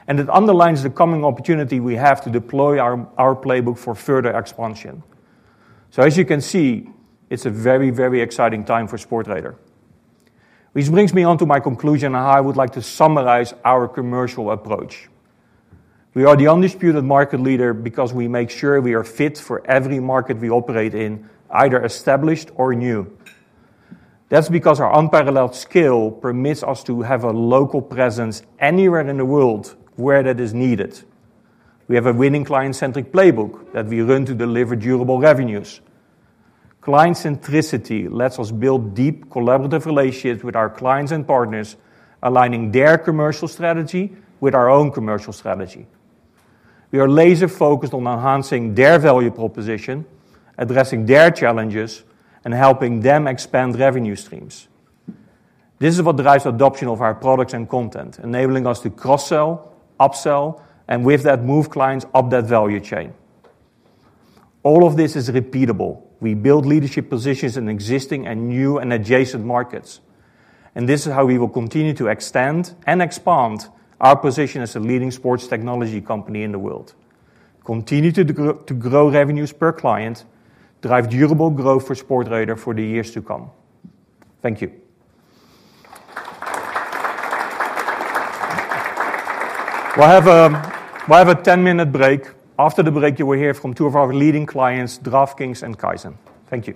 It underlines the coming opportunity we have to deploy our playbook for further expansion. As you can see, it's a very, very exciting time for Sportradar, which brings me on to my conclusion on how I would like to summarize our commercial approach. We are the undisputed market leader because we make sure we are fit for every market we operate in, either established or new. That's because our unparalleled skill permits us to have a local presence anywhere in the world where that is needed. We have a winning client-centric playbook that we run to deliver durable revenues. Client-centricity lets us build deep collaborative relationships with our clients and partners, aligning their commercial strategy with our own commercial strategy. We are laser-focused on enhancing their value proposition, addressing their challenges, and helping them expand revenue streams. This is what drives adoption of our products and content, enabling us to cross-sell, upsell, and with that, move clients up that value chain. All of this is repeatable. We build leadership positions in existing and new and adjacent markets. This is how we will continue to extend and expand our position as a leading sports technology company in the world, continue to grow revenues per client, drive durable growth for Sportradar for the years to come. Thank you. We'll have a 10-minute break. After the break, you will hear from two of our leading clients, DraftKings and Kaizen. Thank you.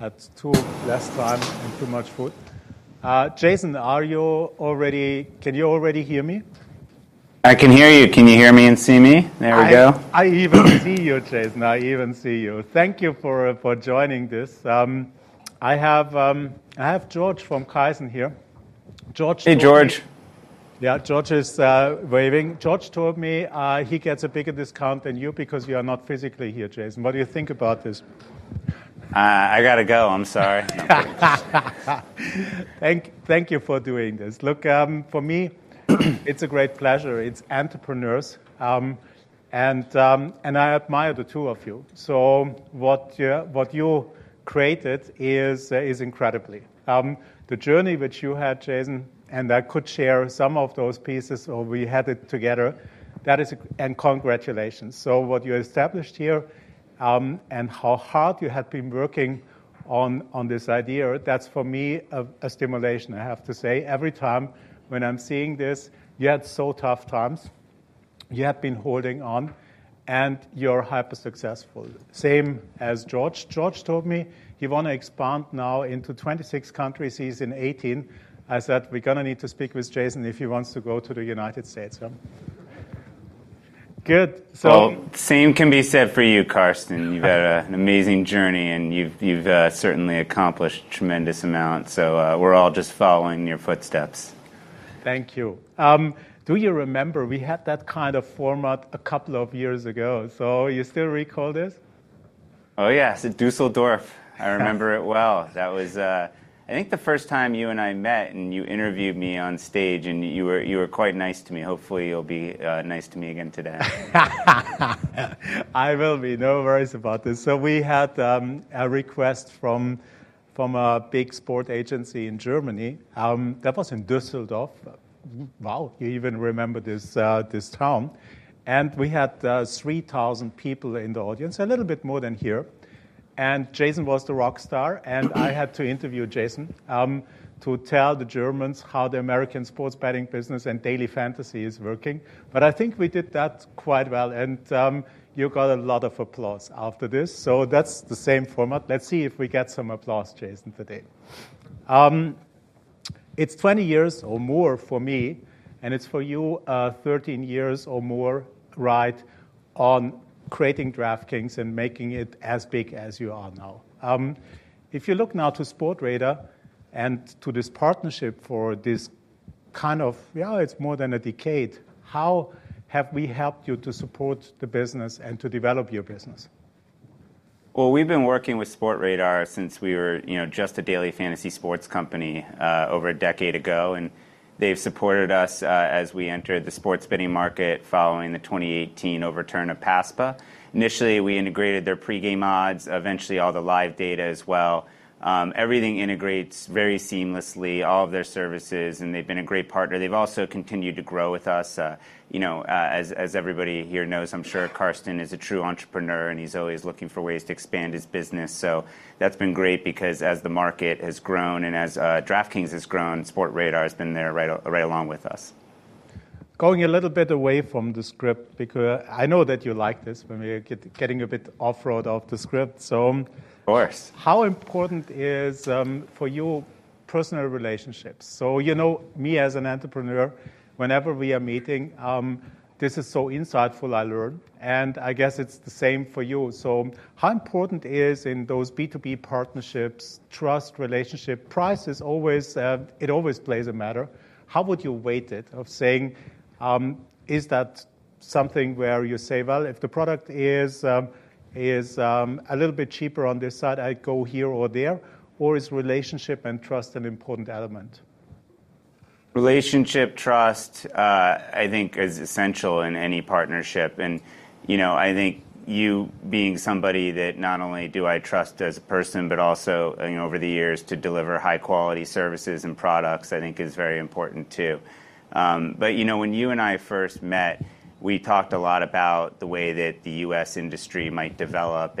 I had two last time and too much food. Jason, are you already—can you already hear me? I can hear you. Can you hear me and see me? There we go. I even see you, Jason. I even see you. Thank you for joining this. I have George from Kaizen here. George. Hey, George. Yeah, George is waving. George told me he gets a bigger discount than you because you are not physically here, Jason. What do you think about this? I got to go. I'm sorry. Thank you for doing this. Look, for me, it's a great pleasure. It's entrepreneurs. And I admire the two of you. So what you created is incredible. The journey which you had, Jason, and I could share some of those pieces or we had it together, that is—congratulations. So what you established here and how hard you had been working on this idea, that's for me a stimulation, I have to say. Every time when I'm seeing this, you had so tough times. You had been holding on, and you're hyper-successful, same as George. George told me he wanted to expand now into 26 countries. He's in 18. I said, "We're going to need to speak with Jason if he wants to go to the United States." Good. Same can be said for you, Carsten. You've had an amazing journey, and you've certainly accomplished a tremendous amount. So we're all just following in your footsteps. Thank you. Do you remember? We had that kind of format a couple of years ago. You still recall this? Oh, yes. At Düsseldorf. I remember it well. That was, I think, the first time you and I met, and you interviewed me on stage, and you were quite nice to me. Hopefully, you'll be nice to me again today. I will be. No worries about this. We had a request from a big sport agency in Germany. That was in Düsseldorf. Wow, you even remember this town. We had 3,000 people in the audience, a little bit more than here. Jason was the rock star. I had to interview Jason to tell the Germans how the American sports betting business and Daily Fantasy is working. I think we did that quite well. You got a lot of applause after this. That is the same format. Let's see if we get some applause, Jason, today. It is 20 years or more for me, and it is for you 13 years or more right on creating DraftKings and making it as big as you are now. If you look now to Sportradar and to this partnership for this kind of—yeah, it's more than a decade—how have we helped you to support the business and to develop your business? We've been working with Sportradar since we were just a Daily Fantasy sports company over a decade ago. They've supported us as we entered the sports betting market following the 2018 overturn of PASPA. Initially, we integrated their pregame odds, eventually all the live data as well. Everything integrates very seamlessly, all of their services, and they've been a great partner. They've also continued to grow with us. As everybody here knows, I'm sure Carsten is a true entrepreneur, and he's always looking for ways to expand his business. That's been great because as the market has grown and as DraftKings has grown, Sportradar has been there right along with us. Going a little bit away from the script because I know that you like this, but we're getting a bit off-road off the script. Of course. How important is for you personal relationships? You know me as an entrepreneur, whenever we are meeting, this is so insightful, I learn. I guess it's the same for you. How important is in those B2B partnerships, trust, relationship, price is always—it always plays a matter. How would you weight it of saying, is that something where you say, "Well, if the product is a little bit cheaper on this side, I go here or there"? Or is relationship and trust an important element? Relationship, trust, I think, is essential in any partnership. I think you being somebody that not only do I trust as a person, but also over the years to deliver high-quality services and products, I think, is very important too. When you and I first met, we talked a lot about the way that the US industry might develop.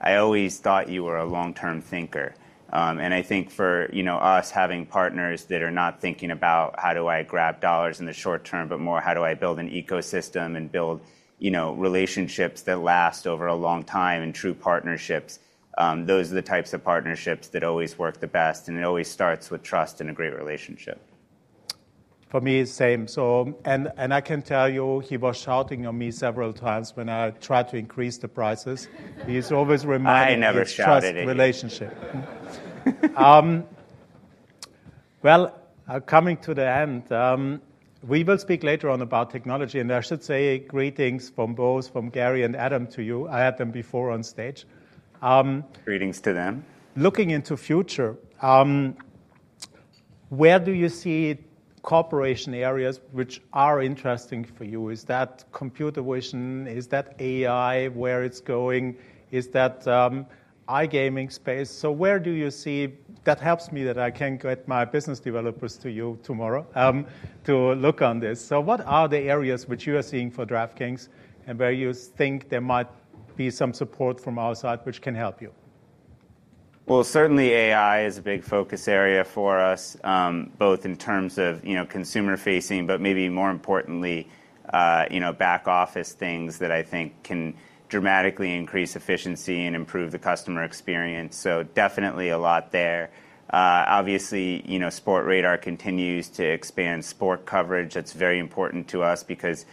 I always thought you were a long-term thinker. I think for us having partners that are not thinking about, "How do I grab dollars in the short term," but more, "How do I build an ecosystem and build relationships that last over a long time and true partnerships?" Those are the types of partnerships that always work the best. It always starts with trust and a great relationship. For me, same. I can tell you he was shouting at me several times when I tried to increase the prices. He's always reminding me to trust relationship. Coming to the end, we will speak later on about technology. I should say greetings from both, from Gary and Adam, to you. I had them before on stage. Greetings to them. Looking into the future, where do you see corporation areas which are interesting for you? Is that computer vision? Is that AI? Where it's going? Is that iGaming space? Where do you see—that helps me that I can get my business developers to you tomorrow to look on this. What are the areas which you are seeing for DraftKings and where you think there might be some support from our side which can help you? AI is a big focus area for us, both in terms of consumer-facing, but maybe more importantly, back office things that I think can dramatically increase efficiency and improve the customer experience. Definitely a lot there. Obviously, Sportradar continues to expand sport coverage. That's very important to us because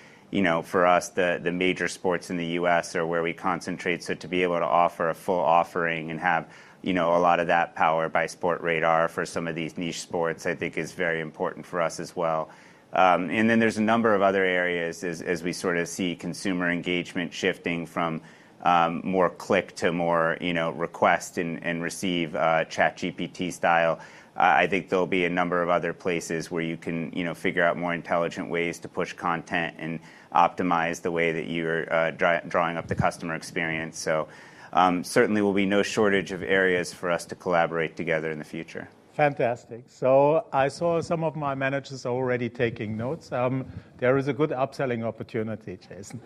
for us, the major sports in the U.S. are where we concentrate. To be able to offer a full offering and have a lot of that powered by Sportradar for some of these niche sports, I think, is very important for us as well. There are a number of other areas as we sort of see consumer engagement shifting from more click to more request and receive ChatGPT style. I think there'll be a number of other places where you can figure out more intelligent ways to push content and optimize the way that you're drawing up the customer experience. Certainly, there will be no shortage of areas for us to collaborate together in the future. Fantastic. I saw some of my managers already taking notes. There is a good upselling opportunity, Jason.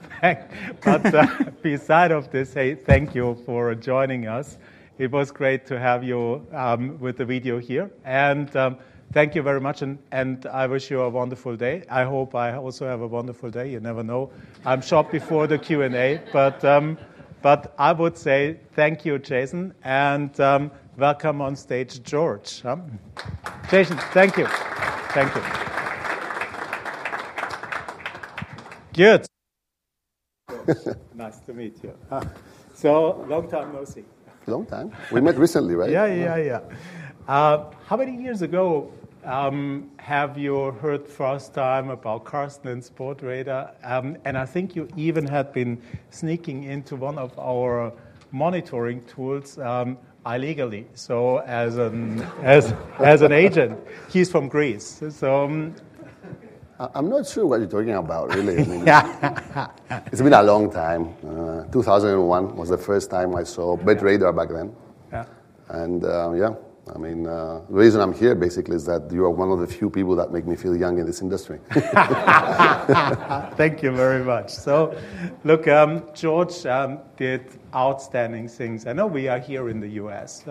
Beside all this, hey, thank you for joining us. It was great to have you with the video here. Thank you very much. I wish you a wonderful day. I hope I also have a wonderful day. You never know. I'm short before the Q&A. I would say thank you, Jason. Welcome on stage, George. Jason, thank you. Thank you. Good. Nice to meet you. Long time, no see. Long time. We met recently, right? Yeah, yeah, yeah. How many years ago have you heard first time about Carsten and Sportradar? I think you even had been sneaking into one of our monitoring tools illegally. As an agent, he's from Greece. I'm not sure what you're talking about, really. It's been a long time. 2001 was the first time I saw BetRadar back then. Yeah, I mean, the reason I'm here basically is that you are one of the few people that make me feel young in this industry. Thank you very much. Look, George did outstanding things. I know we are here in the U.S.,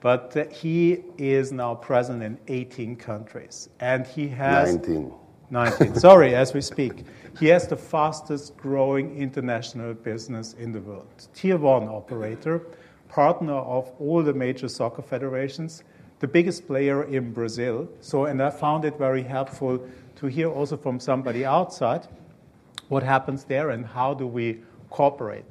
but he is now present in 18 countries. He has. Nineteen. Nineteen. Sorry, as we speak. He has the fastest growing international business in the world, tier one operator, partner of all the major soccer federations, the biggest player in Brazil. I found it very helpful to hear also from somebody outside what happens there and how do we cooperate.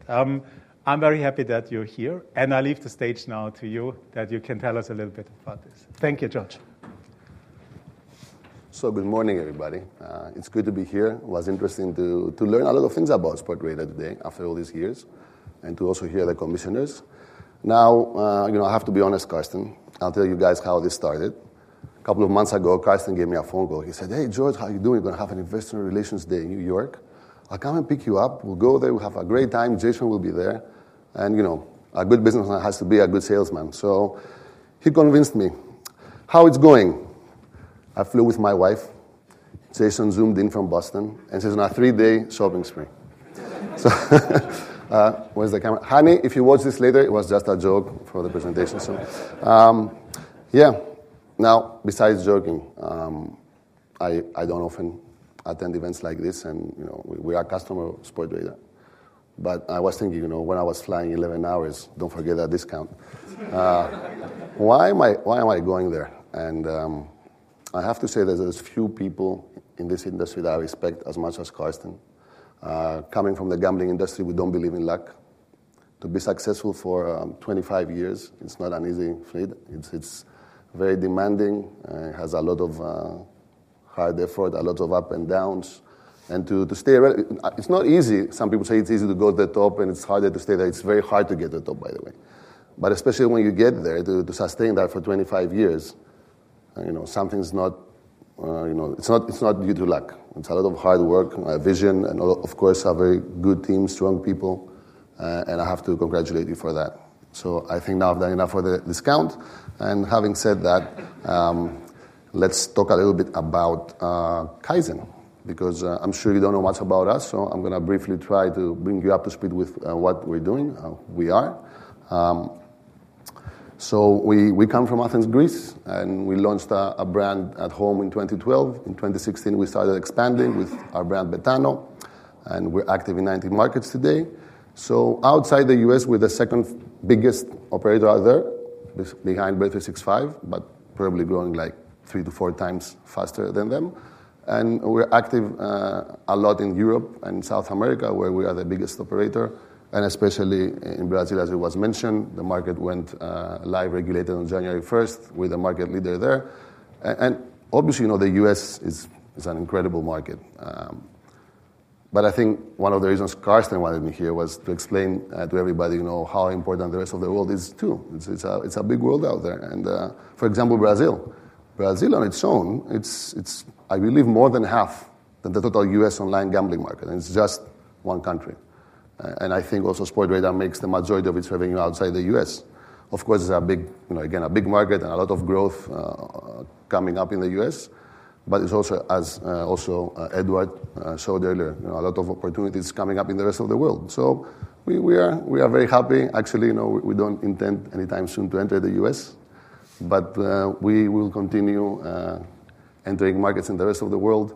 I'm very happy that you're here. I leave the stage now to you that you can tell us a little bit about this. Thank you, George. Good morning, everybody. It's good to be here. It was interesting to learn a lot of things about Sportradar today after all these years and to also hear the commissioners. I have to be honest, Carsten. I'll tell you guys how this started. A couple of months ago, Carsten gave me a phone call. He said, "Hey, George, how are you doing? You're going to have an investor relations day in New York. I'll come and pick you up. We'll go there. We'll have a great time. Jason will be there." A good businessman has to be a good salesman. He convinced me. How's it going? I flew with my wife. Jason zoomed in from Boston and says, "I'm on a three-day shopping spree." Where's the camera? Honey, if you watch this later, it was just a joke for the presentation. Yeah. Now, besides joking, I don't often attend events like this. We are a customer of Sportradar. I was thinking when I was flying 11 hours, don't forget that discount. Why am I going there? I have to say there's a few people in this industry that I respect as much as Carsten. Coming from the gambling industry, we don't believe in luck. To be successful for 25 years, it's not an easy field. It's very demanding. It has a lot of hard effort, a lot of ups and downs. To stay around, it's not easy. Some people say it's easy to go to the top, and it's harder to stay there. It's very hard to get to the top, by the way. Especially when you get there to sustain that for 25 years, something's not due to luck. It's a lot of hard work, vision, and of course, a very good team, strong people. I have to congratulate you for that. I think now I've done enough for the discount. Having said that, let's talk a little bit about Kaizen. I'm sure you don't know much about us, so I'm going to briefly try to bring you up to speed with what we're doing. We are. We come from Athens, Greece. We launched a brand at home in 2012. In 2016, we started expanding with our brand, Betano. We're active in 19 markets today. Outside the U.S., we're the second biggest operator out there, behind Bet365, but probably growing like three to four times faster than them. We're active a lot in Europe and South America, where we are the biggest operator. Especially in Brazil, as it was mentioned, the market went live regulated on January 1 with the market leader there. Obviously, the U.S. is an incredible market. I think one of the reasons Carsten wanted me here was to explain to everybody how important the rest of the world is too. It's a big world out there. For example, Brazil. Brazil on its own, I believe, is more than half the total U.S. online gambling market. It's just one country. I think also Sportradar makes the majority of its revenue outside the U.S. Of course, it's a big, again, a big market and a lot of growth coming up in the U.S. As also Edward showed earlier, a lot of opportunities coming up in the rest of the world. We are very happy. Actually, we don't intend anytime soon to enter the U.S. We will continue entering markets in the rest of the world.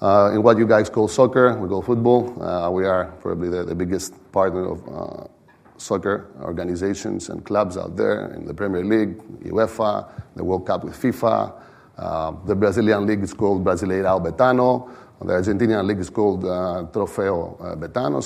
In what you guys call soccer, we call football. We are probably the biggest partner of soccer organizations and clubs out there in the Premier League, UEFA, the World Cup with FIFA. The Brazilian league is called Brasileirao Betano. The Argentinian league is called Trofeo Betano.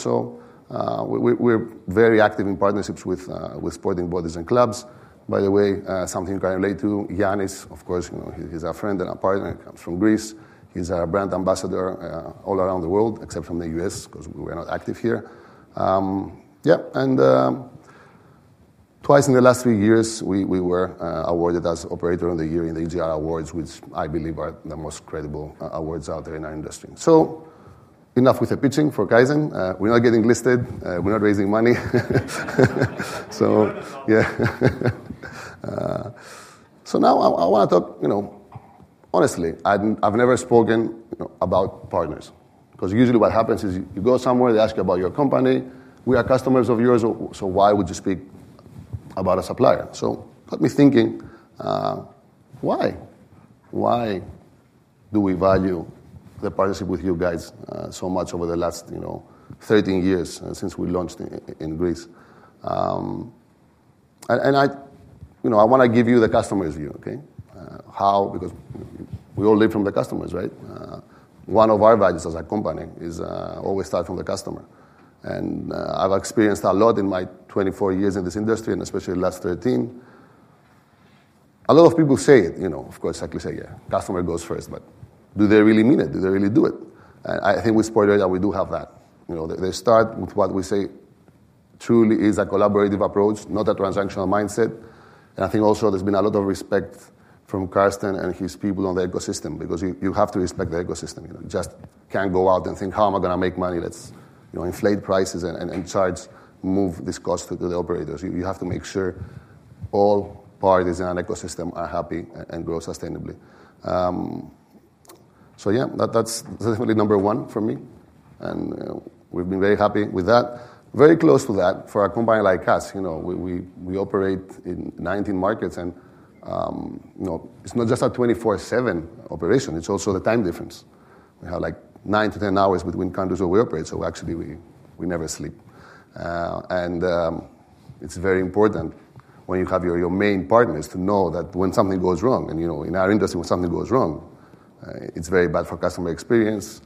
We are very active in partnerships with sporting bodies and clubs. By the way, something I relate to, Yannis, of course, he's a friend and a partner. He comes from Greece. He's our brand ambassador all around the world, except from the US because we're not active here. Yeah. Twice in the last three years, we were awarded as Operator of the Year in the EGR Awards, which I believe are the most credible awards out there in our industry. Enough with the pitching for Kaizen. We're not getting listed. We're not raising money. Yeah. Now I want to talk honestly. I've never spoken about partners. Because usually what happens is you go somewhere, they ask you about your company. We are customers of yours, so why would you speak about a supplier? Got me thinking. Why? Why do we value the partnership with you guys so much over the last 13 years since we launched in Greece? I want to give you the customer's view, okay? How? Because we all live from the customers, right? One of our values as a company is always start from the customer. I have experienced a lot in my 24 years in this industry, and especially the last 13. A lot of people say it. Of course, like you say, yeah, customer goes first. Do they really mean it? Do they really do it? I think with Sportradar, we do have that. They start with what we say truly is a collaborative approach, not a transactional mindset. I think also there has been a lot of respect from Carsten and his people on the ecosystem. You have to respect the ecosystem. You just cannot go out and think, "How am I going to make money? Let's inflate prices and charge, move this cost to the operators." You have to make sure all parties in our ecosystem are happy and grow sustainably. Yeah, that's definitely number one for me. We've been very happy with that. Very close to that for a company like us. We operate in 19 markets. It's not just a 24/7 operation. It's also the time difference. We have like 9-10 hours between countries where we operate. Actually, we never sleep. It's very important when you have your main partners to know that when something goes wrong. In our industry, when something goes wrong, it's very bad for customer experience.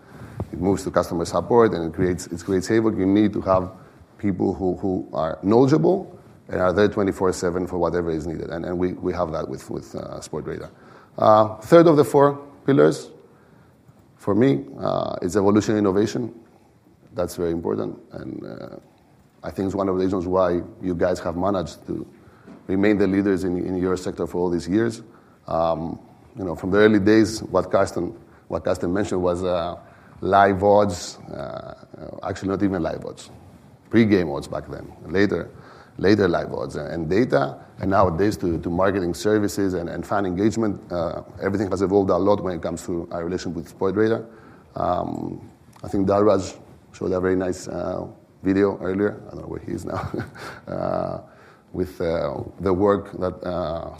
It moves to customer support, and it creates havoc. You need to have people who are knowledgeable and are there 24/7 for whatever is needed. We have that with Sportradar. Third of the four pillars for me, it's evolutionary innovation. That's very important. I think it's one of the reasons why you guys have managed to remain the leaders in your sector for all these years. From the early days, what Carsten mentioned was live odds. Actually, not even live odds. Pre-game odds back then. Later live odds. And data. Nowadays, to marketing services and fan engagement, everything has evolved a lot when it comes to our relation with Sportradar. I think Dalraj showed a very nice video earlier. I don't know where he is now. With the work that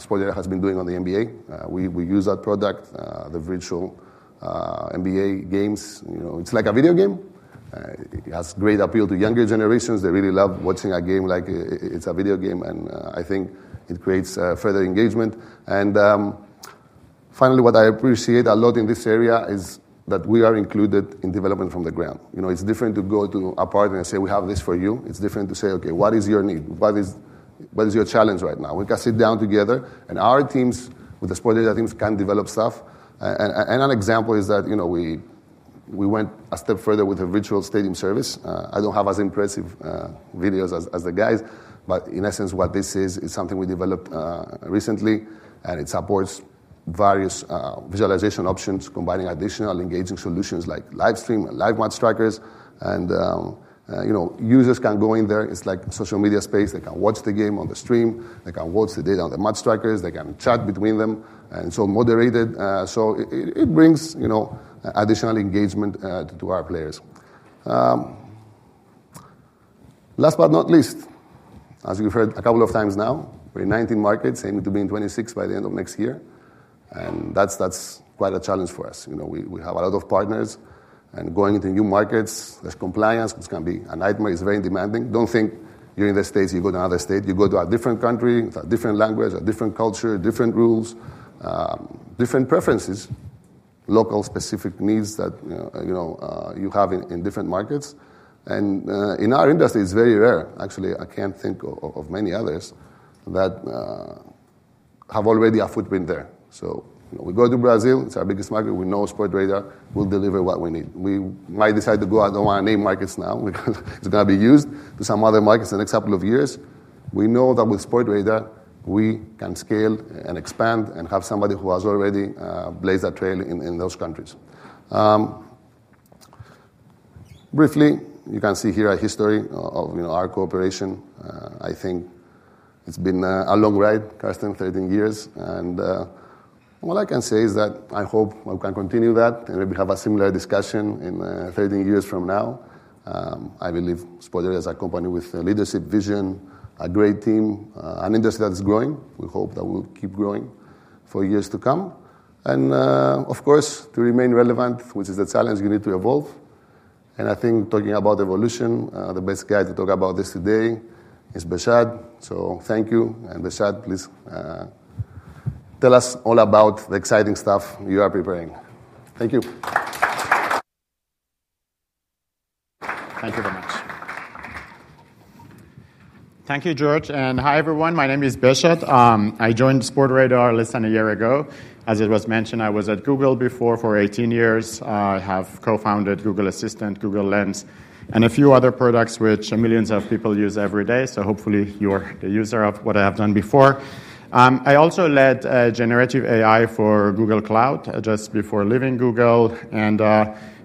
Sportradar has been doing on the NBA, we use that product, the virtual NBA games. It's like a video game. It has great appeal to younger generations. They really love watching a game like it's a video game. I think it creates further engagement. Finally, what I appreciate a lot in this area is that we are included in development from the ground. It's different to go to a partner and say, "We have this for you." It's different to say, "Okay, what is your need? What is your challenge right now?" We can sit down together. Our teams, with the Sportradar teams, can develop stuff. An example is that we went a step further with a Virtual Stadium service. I don't have as impressive videos as the guys. In essence, what this is, is something we developed recently. It supports various visualization options, combining additional engaging solutions like livestream and live match strikers. Users can go in there. It's like a social media space. They can watch the game on the stream. They can watch the data on the match strikers. They can chat between them. It is all moderated. It brings additional engagement to our players. Last but not least, as you've heard a couple of times now, we're in 19 markets, aiming to be in 26 by the end of next year. That is quite a challenge for us. We have a lot of partners. Going into new markets, there is compliance. This can be a nightmare. It is very demanding. Do not think you are in the States, you go to another state. You go to a different country with a different language, a different culture, different rules, different preferences, local specific needs that you have in different markets. In our industry, it is very rare. Actually, I cannot think of many others that have already a footprint there. We go to Brazil. It is our biggest market. We know Sportradar will deliver what we need. We might decide to go out. I don't want to name markets now. It's going to be used to some other markets in the next couple of years. We know that with Sportradar, we can scale and expand and have somebody who has already blazed a trail in those countries. Briefly, you can see here a history of our cooperation. I think it's been a long ride, Carsten, 13 years. All I can say is that I hope we can continue that. Maybe have a similar discussion in 13 years from now. I believe Sportradar is a company with leadership vision, a great team, an industry that is growing. We hope that we'll keep growing for years to come. Of course, to remain relevant, which is the challenge, you need to evolve. I think talking about evolution, the best guy to talk about this today is Beshad. Thank you. Beshad, please tell us all about the exciting stuff you are preparing. Thank you. Thank you very much. Thank you, George. Hi, everyone. My name is Beshad. I joined Sportradar less than a year ago. As it was mentioned, I was at Google before for 18 years. I have co-founded Google Assistant, Google Lens, and a few other products which millions of people use every day. Hopefully, you're the user of what I have done before. I also led generative AI for Google Cloud just before leaving Google.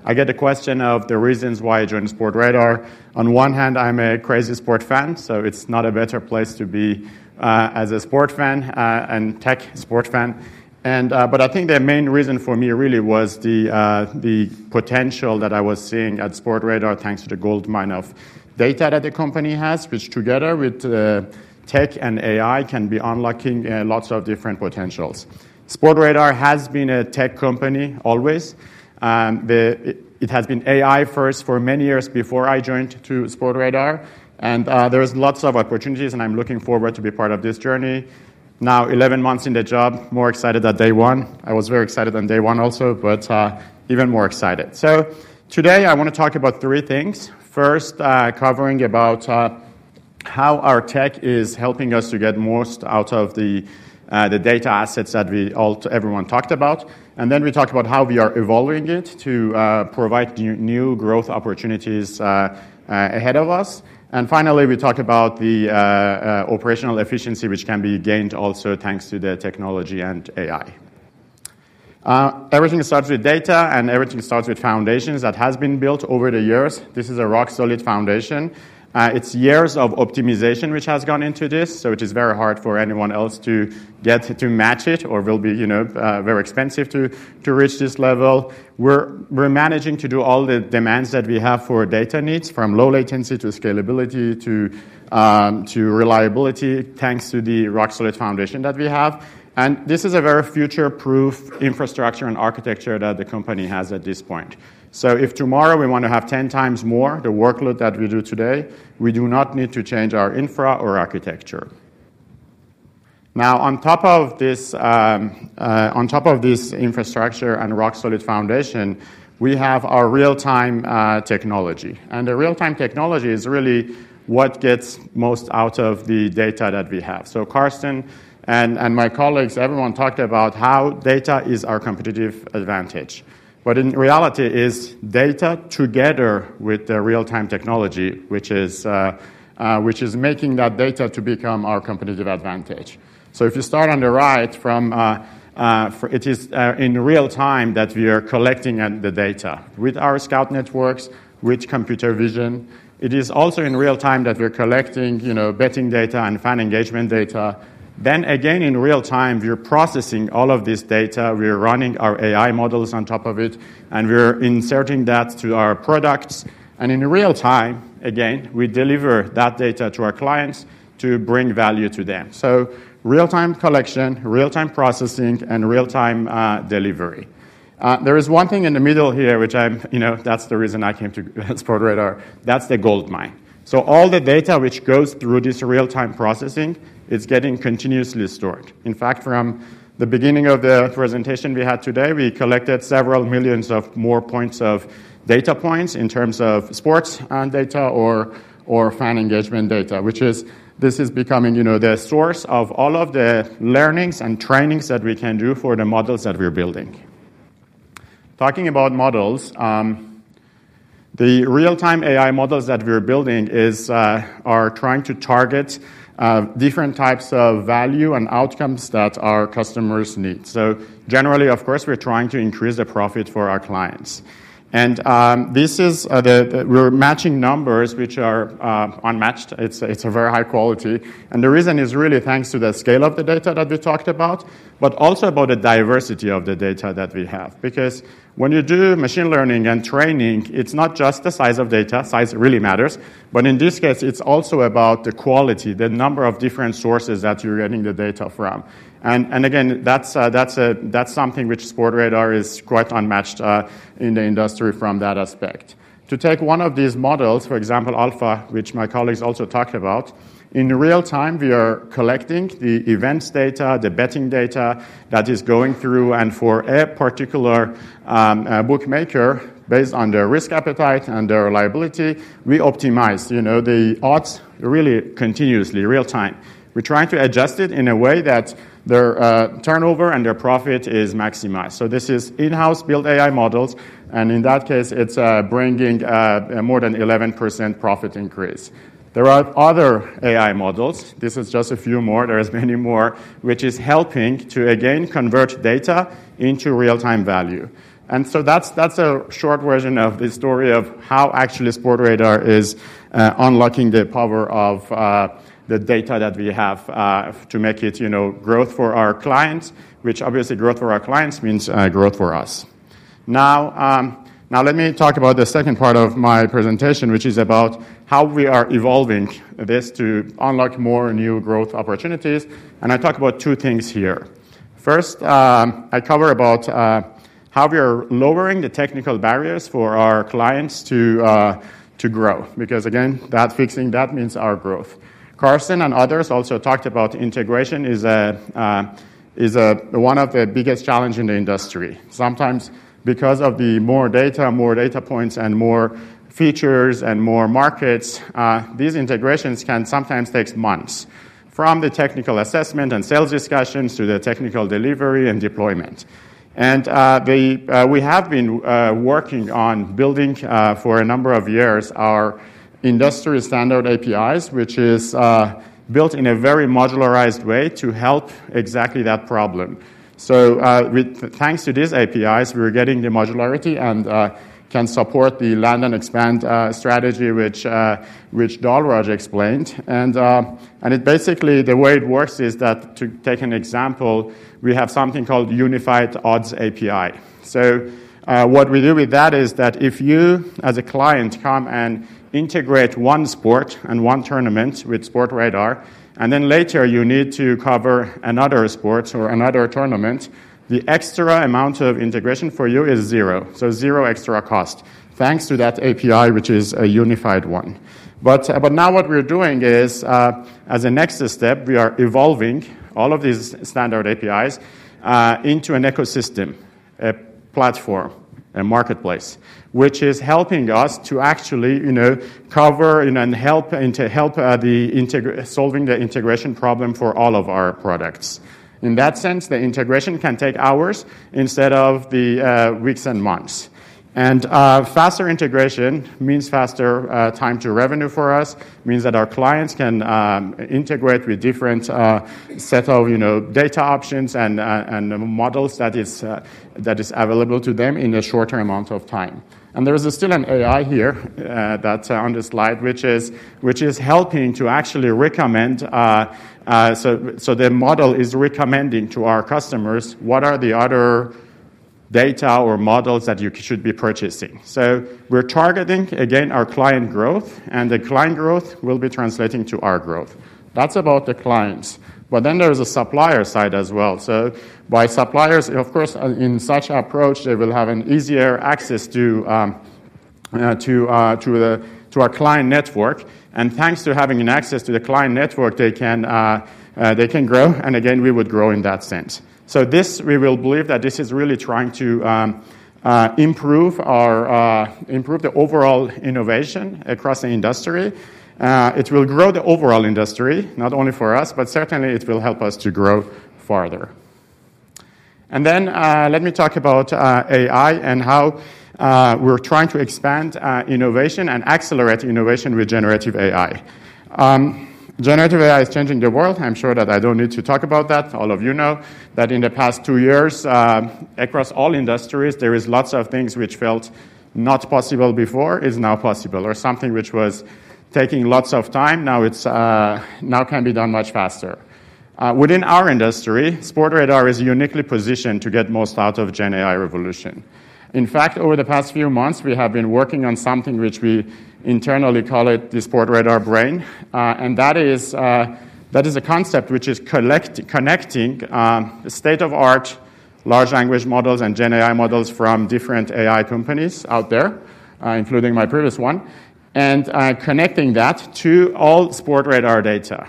I get the question of the reasons why I joined Sportradar. On one hand, I'm a crazy sports fan. It's not a better place to be as a sports fan and tech sports fan. I think the main reason for me really was the potential that I was seeing at Sportradar thanks to the gold mine of data that the company has, which together with tech and AI can be unlocking lots of different potentials. Sportradar has been a tech company always. It has been AI first for many years before I joined Sportradar. There are lots of opportunities. I am looking forward to be part of this journey. Now, 11 months in the job, more excited than day one. I was very excited on day one also, but even more excited. Today, I want to talk about three things. First, covering about how our tech is helping us to get most out of the data assets that everyone talked about. Then we talk about how we are evolving it to provide new growth opportunities ahead of us. Finally, we talk about the operational efficiency, which can be gained also thanks to the technology and AI. Everything starts with data. Everything starts with foundations that have been built over the years. This is a rock-solid foundation. It's years of optimization, which has gone into this. It is very hard for anyone else to get to match it or will be very expensive to reach this level. We're managing to do all the demands that we have for data needs, from low latency to scalability to reliability, thanks to the rock-solid foundation that we have. This is a very future-proof infrastructure and architecture that the company has at this point. If tomorrow we want to have 10 times more the workload that we do today, we do not need to change our infra or architecture. Now, on top of this infrastructure and rock-solid foundation, we have our real-time technology. The real-time technology is really what gets most out of the data that we have. Carsten and my colleagues, everyone talked about how data is our competitive advantage. In reality, it is data together with the real-time technology, which is making that data to become our competitive advantage. If you start on the right, it is in real time that we are collecting the data with our scout networks, with computer vision. It is also in real time that we're collecting betting data and fan engagement data. Again, in real time, we're processing all of this data. We're running our AI models on top of it. We're inserting that to our products. In real time, again, we deliver that data to our clients to bring value to them. Real-time collection, real-time processing, and real-time delivery. There is one thing in the middle here, which that's the reason I came to Sportradar. That's the gold mine. All the data which goes through this real-time processing, it's getting continuously stored. In fact, from the beginning of the presentation we had today, we collected several millions of more points of data points in terms of sports data or fan engagement data, which is this is becoming the source of all of the learnings and trainings that we can do for the models that we're building. Talking about models, the real-time AI models that we're building are trying to target different types of value and outcomes that our customers need. Generally, of course, we're trying to increase the profit for our clients. This is we're matching numbers, which are unmatched. It's a very high quality. The reason is really thanks to the scale of the data that we talked about, but also about the diversity of the data that we have. Because when you do machine learning and training, it's not just the size of data. Size really matters. In this case, it's also about the quality, the number of different sources that you're getting the data from. Again, that's something which Sportradar is quite unmatched in the industry from that aspect. To take one of these models, for example, Alpha, which my colleagues also talked about, in real time, we are collecting the events data, the betting data that is going through. For a particular bookmaker, based on their risk appetite and their reliability, we optimize the odds really continuously, real time. We're trying to adjust it in a way that their turnover and their profit is maximized. This is in-house built AI models. In that case, it's bringing more than 11% profit increase. There are other AI models. This is just a few more. There are many more, which is helping to, again, convert data into real-time value. That's a short version of the story of how actually Sportradar is unlocking the power of the data that we have to make it growth for our clients, which obviously growth for our clients means growth for us. Now, let me talk about the second part of my presentation, which is about how we are evolving this to unlock more new growth opportunities. I talk about two things here. First, I cover about how we are lowering the technical barriers for our clients to grow. Because again, that fixing, that means our growth. Carsten and others also talked about integration is one of the biggest challenges in the industry. Sometimes, because of the more data, more data points, and more features, and more markets, these integrations can sometimes take months from the technical assessment and sales discussions to the technical delivery and deployment. We have been working on building for a number of years our industry standard APIs, which is built in a very modularized way to help exactly that problem. Thanks to these APIs, we're getting the modularity and can support the land and expand strategy, which Dalraj explained. Basically, the way it works is that to take an example, we have something called Unified Odds API. What we do with that is that if you, as a client, come and integrate one sport and one tournament with Sportradar, and then later you need to cover another sport or another tournament, the extra amount of integration for you is zero. Zero extra cost, thanks to that API, which is a unified one. Now what we're doing is, as a next step, we are evolving all of these standard APIs into an ecosystem, a platform, a marketplace, which is helping us to actually cover and help solving the integration problem for all of our products. In that sense, the integration can take hours instead of the weeks and months. Faster integration means faster time to revenue for us, means that our clients can integrate with different sets of data options and models that is available to them in a shorter amount of time. There is still an AI here on the slide, which is helping to actually recommend. The model is recommending to our customers what are the other data or models that you should be purchasing. We're targeting, again, our client growth. The client growth will be translating to our growth. That's about the clients. There is a supplier side as well. By suppliers, of course, in such an approach, they will have easier access to our client network. Thanks to having access to the client network, they can grow. Again, we would grow in that sense. We believe that this is really trying to improve the overall innovation across the industry. It will grow the overall industry, not only for us, but certainly, it will help us to grow farther. Let me talk about AI and how we're trying to expand innovation and accelerate innovation with generative AI. Generative AI is changing the world. I'm sure that I don't need to talk about that. All of you know that in the past two years, across all industries, there were lots of things which felt not possible before is now possible or something which was taking lots of time. Now it can be done much faster. Within our industry, Sportradar is uniquely positioned to get most out of Gen AI revolution. In fact, over the past few months, we have been working on something which we internally call it the Sportradar Brain. That is a concept which is connecting state-of-art large language models and Gen AI models from different AI companies out there, including my previous one, and connecting that to all Sportradar data,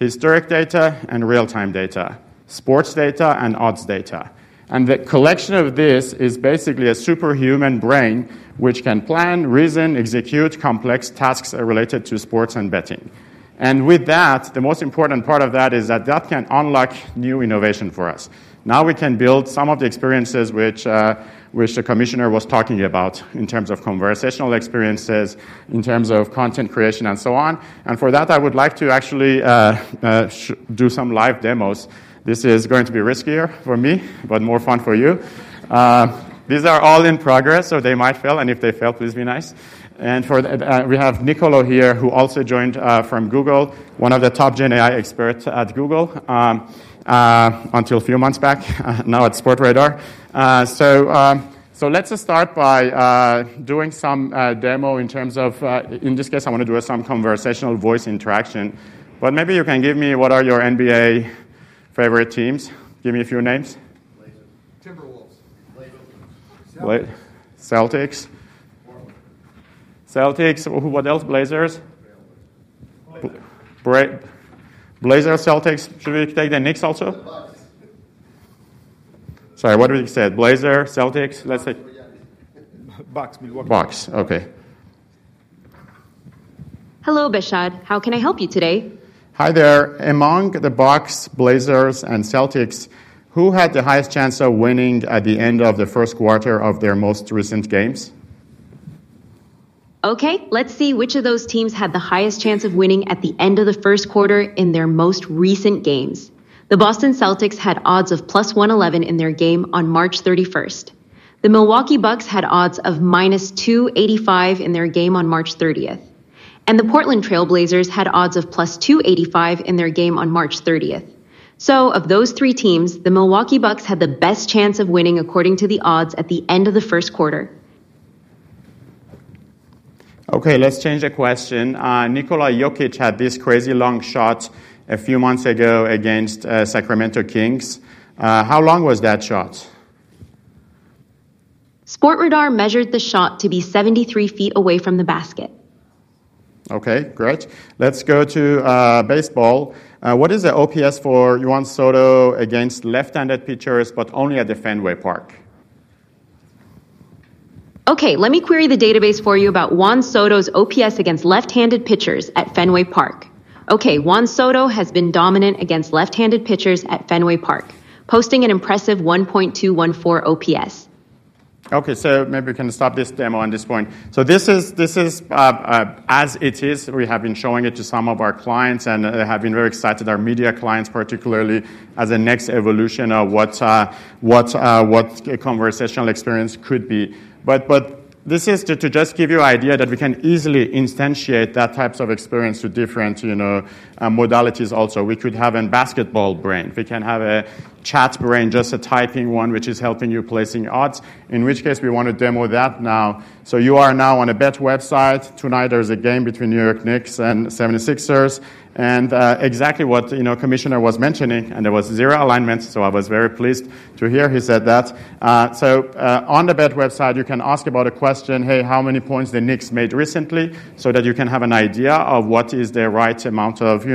historic data, and real-time data, sports data, and odds data. The collection of this is basically a superhuman brain which can plan, reason, execute complex tasks related to sports and betting. With that, the most important part of that is that that can unlock new innovation for us. Now we can build some of the experiences which the commissioner was talking about in terms of conversational experiences, in terms of content creation, and so on. For that, I would like to actually do some live demos. This is going to be riskier for me, but more fun for you. These are all in progress. They might fail. If they fail, please be nice. We have Nicolo here, who also joined from Google, one of the top Gen AI experts at Google until a few months back, now at Sportradar. Let's start by doing some demo in terms of, in this case, I want to do some conversational voice interaction. Maybe you can give me, what are your NBA favorite teams? Give me a few names. Timberwolves. Celtics. Celtics. What else? Blazers. Blazers. Blazers, Celtics. Should we take the Knicks also? Sorry. What did we say? Blazers, Celtics? Box. Box. OK. Hello, Beshad. How can I help you today? Hi there. Among the Bucks, Blazers, and Celtics, who had the highest chance of winning at the end of the first quarter of their most recent games? OK. Let's see which of those teams had the highest chance of winning at the end of the first quarter in their most recent games. The Boston Celtics had odds of +111 in their game on March 31. The Milwaukee Bucks had odds of -285 in their game on March 30. The Portland Trail Blazers had odds of +285 in their game on March 30. Of those three teams, the Milwaukee Bucks had the best chance of winning according to the odds at the end of the first quarter. OK. Let's change the question. Nikola Jokić had this crazy long shot a few months ago against Sacramento Kings. How long was that shot? Sportradar measured the shot to be 73 ft away from the basket. OK. Great. Let's go to baseball. What is the OPS for Juan Soto against left-handed pitchers, but only at the Fenway Park? OK. Let me query the database for you about Juan Soto's OPS against left-handed pitchers at Fenway Park. OK. Juan Soto has been dominant against left-handed pitchers at Fenway Park, posting an impressive 1.214 OPS. OK. Maybe we can stop this demo at this point. This is as it is. We have been showing it to some of our clients, and they have been very excited, our media clients particularly, as a next evolution of what conversational experience could be. This is to just give you an idea that we can easily instantiate that type of experience to different modalities also. We could have a basketball brain. We can have a chat brain, just a typing one, which is helping you placing odds, in which case we want to demo that now. You are now on a bet website. Tonight, there is a game between New York Knicks and 76ers. Exactly what the commissioner was mentioning, and there was zero alignment. I was very pleased to hear he said that. On the bet website, you can ask about a question, hey, how many points the Knicks made recently, so that you can have an idea of what is the right amount of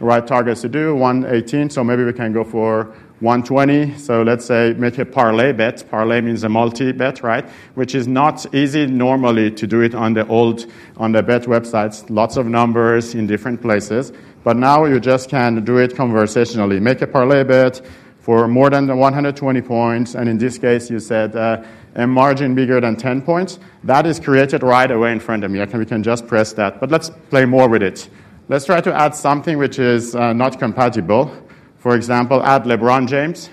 right targets to do, 118. Maybe we can go for 120. Let's say make a parlay bet. Parlay means a multibet, right, which is not easy normally to do it on the old bet websites, lots of numbers in different places. Now you just can do it conversationally. Make a parlay bet for more than 120 points. In this case, you said a margin bigger than 10 points. That is created right away in front of me. We can just press that. Let's play more with it. Let's try to add something which is not compatible. For example, add LeBron James,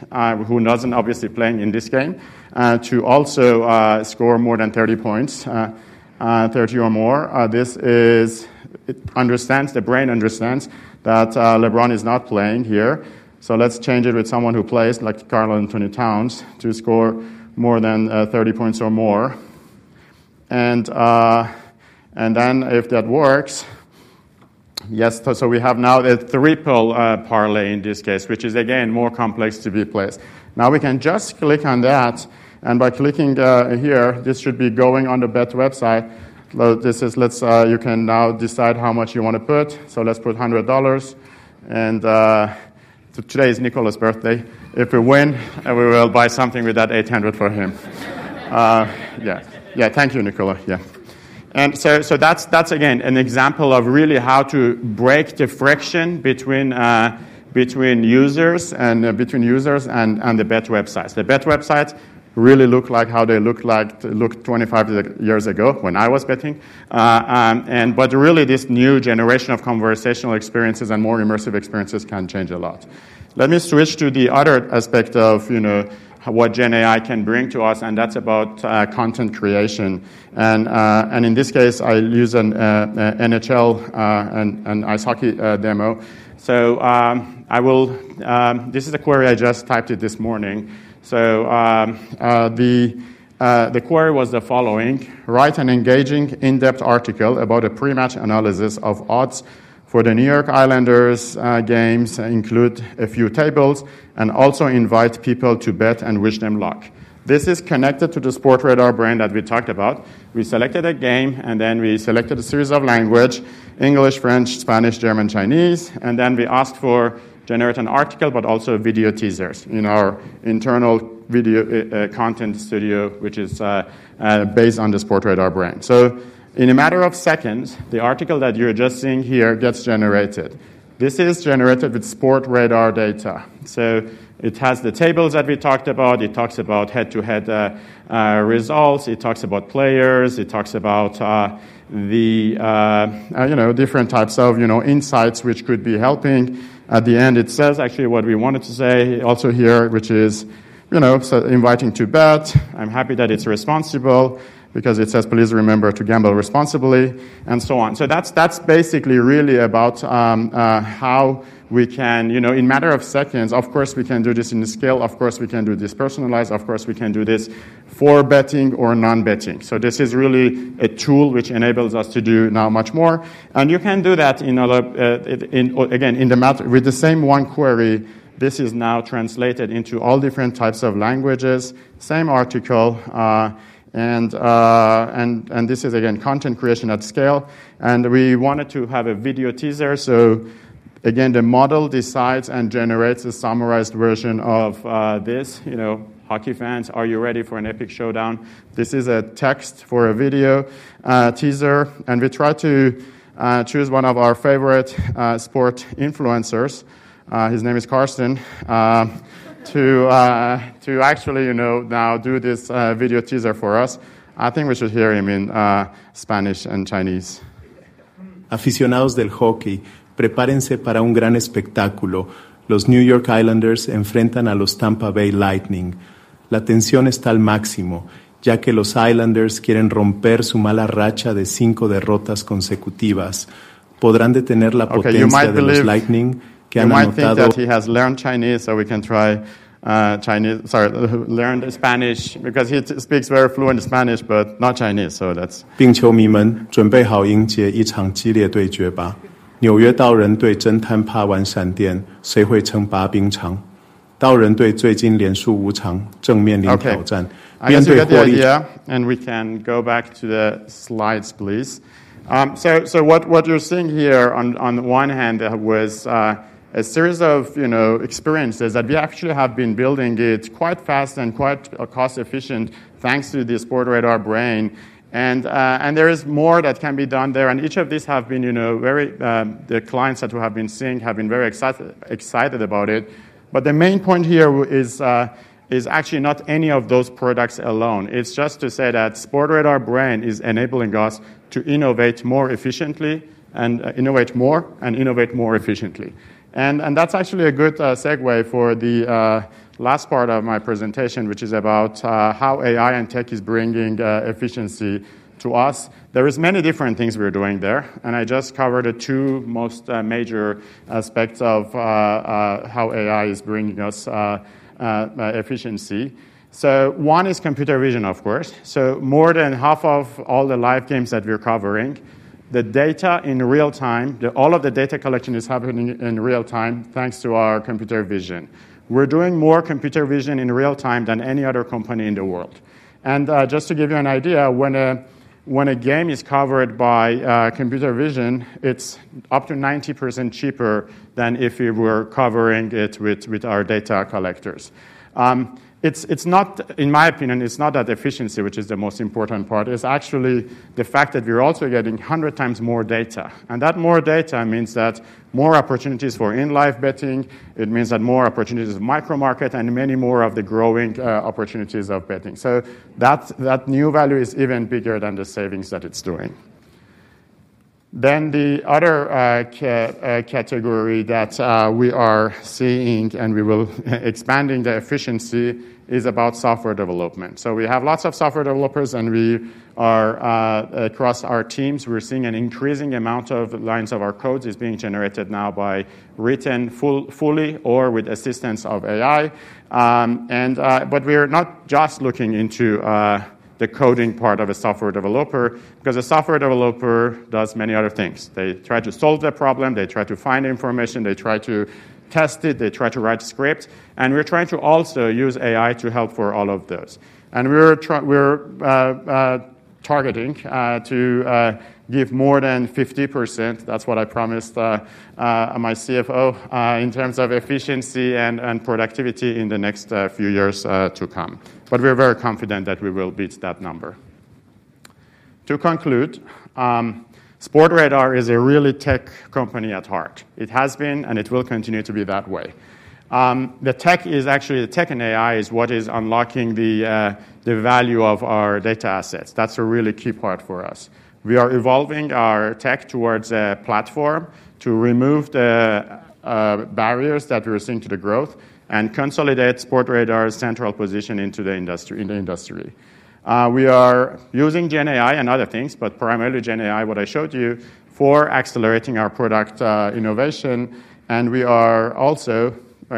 who doesn't obviously play in this game, to also score more than 30 points, 30 or more. This is the brain understands that LeBron is not playing here. Let's change it with someone who plays, like Karl-Anthony Towns, to score more than 30 points or more. If that works, yes. We have now a triple parlay in this case, which is, again, more complex to be played. We can just click on that. By clicking here, this should be going on the bet website. You can now decide how much you want to put. Let's put $100. Today is Nikola's birthday. If we win, we will buy something with that $800 for him. Yeah. Yeah. Thank you, Nikola. Yeah. That's, again, an example of really how to break the friction between users and the bet websites. The bet websites really look like how they looked 25 years ago when I was betting. Really, this new generation of conversational experiences and more immersive experiences can change a lot. Let me switch to the other aspect of what Gen AI can bring to us. That's about content creation. In this case, I use an NHL and ice hockey demo. This is a query I just typed this morning. The query was the following: write an engaging, in-depth article about a pre-match analysis of odds for the New York Islanders games, include a few tables, and also invite people to bet and wish them luck. This is connected to the Sportradar Brain that we talked about. We selected a game. We selected a series of languages: English, French, Spanish, German, Chinese. We asked for generating an article, but also video teasers in our internal video content studio, which is based on the Sportradar Brain. In a matter of seconds, the article that you're just seeing here gets generated. This is generated with Sportradar data. It has the tables that we talked about. It talks about head-to-head results. It talks about players. It talks about the different types of insights which could be helping. At the end, it says actually what we wanted to say also here, which is inviting to bet. I'm happy that it's responsible because it says, please remember to gamble responsibly, and so on. That's basically really about how we can, in a matter of seconds, of course, we can do this in scale. Of course, we can do this personalized. Of course, we can do this for betting or non-betting. This is really a tool which enables us to do now much more. You can do that, again, with the same one query. This is now translated into all different types of languages, same article. This is, again, content creation at scale. We wanted to have a video teaser. Again, the model decides and generates a summarized version of this. Hockey fans, are you ready for an epic showdown? This is a text for a video teaser. We tried to choose one of our favorite sport influencers. His name is Carsten, to actually now do this video teaser for us. I think we should hear him in Spanish and Chinese. Aficionados del hockey, prepárense para un gran espectáculo. Los New York Islanders enfrentan a los Tampa Bay Lightning. La tensión está al máximo, ya que los Islanders quieren romper su mala racha de cinco derrotas consecutivas. ¿Podrán detener la potencia de los Lightning, que han anotado? He has learned Chinese, so we can try Chinese, sorry, learned Spanish, because he speaks very fluent Spanish, but not Chinese. That's. 冰球迷们，准备好迎接一场激烈对决吧！纽约道人对侦探帕万闪电，谁会称霸冰场？道人队最近连输无常，正面临挑战。面对玻璃。I see the idea. We can go back to the slides, please. What you're seeing here, on the one hand, was a series of experiences that we actually have been building. It's quite fast and quite cost-efficient, thanks to the Sportradar Brain. There is more that can be done there. Each of these have been very—the clients that we have been seeing have been very excited about it. The main point here is actually not any of those products alone. It's just to say that Sportradar Brain is enabling us to innovate more efficiently and innovate more and innovate more efficiently. That's actually a good segue for the last part of my presentation, which is about how AI and tech is bringing efficiency to us. There are many different things we're doing there. I just covered the two most major aspects of how AI is bringing us efficiency. One is computer vision, of course. More than half of all the live games that we're covering, the data in real time, all of the data collection is happening in real time, thanks to our computer vision. We're doing more computer vision in real time than any other company in the world. Just to give you an idea, when a game is covered by computer vision, it's up to 90% cheaper than if we were covering it with our data collectors. In my opinion, it's not that efficiency, which is the most important part. It's actually the fact that we're also getting 100 times more data. That more data means more opportunities for in-life betting. It means that more opportunities of micro-market and many more of the growing opportunities of betting. That new value is even bigger than the savings that it's doing. The other category that we are seeing, and we will expand the efficiency, is about software development. We have lots of software developers. Across our teams, we're seeing an increasing amount of lines of our code is being generated now by written fully or with assistance of AI. We are not just looking into the coding part of a software developer, because a software developer does many other things. They try to solve the problem. They try to find information. They try to test it. They try to write scripts. We're trying to also use AI to help for all of those. We're targeting to give more than 50%. That's what I promised my CFO in terms of efficiency and productivity in the next few years to come. We're very confident that we will beat that number. To conclude, Sportradar is a really tech company at heart. It has been, and it will continue to be that way. The tech is actually the tech and AI is what is unlocking the value of our data assets. That's a really key part for us. We are evolving our tech towards a platform to remove the barriers that we're seeing to the growth and consolidate Sportradar's central position in the industry. We are using Gen AI and other things, but primarily Gen AI, what I showed you, for accelerating our product innovation. We are also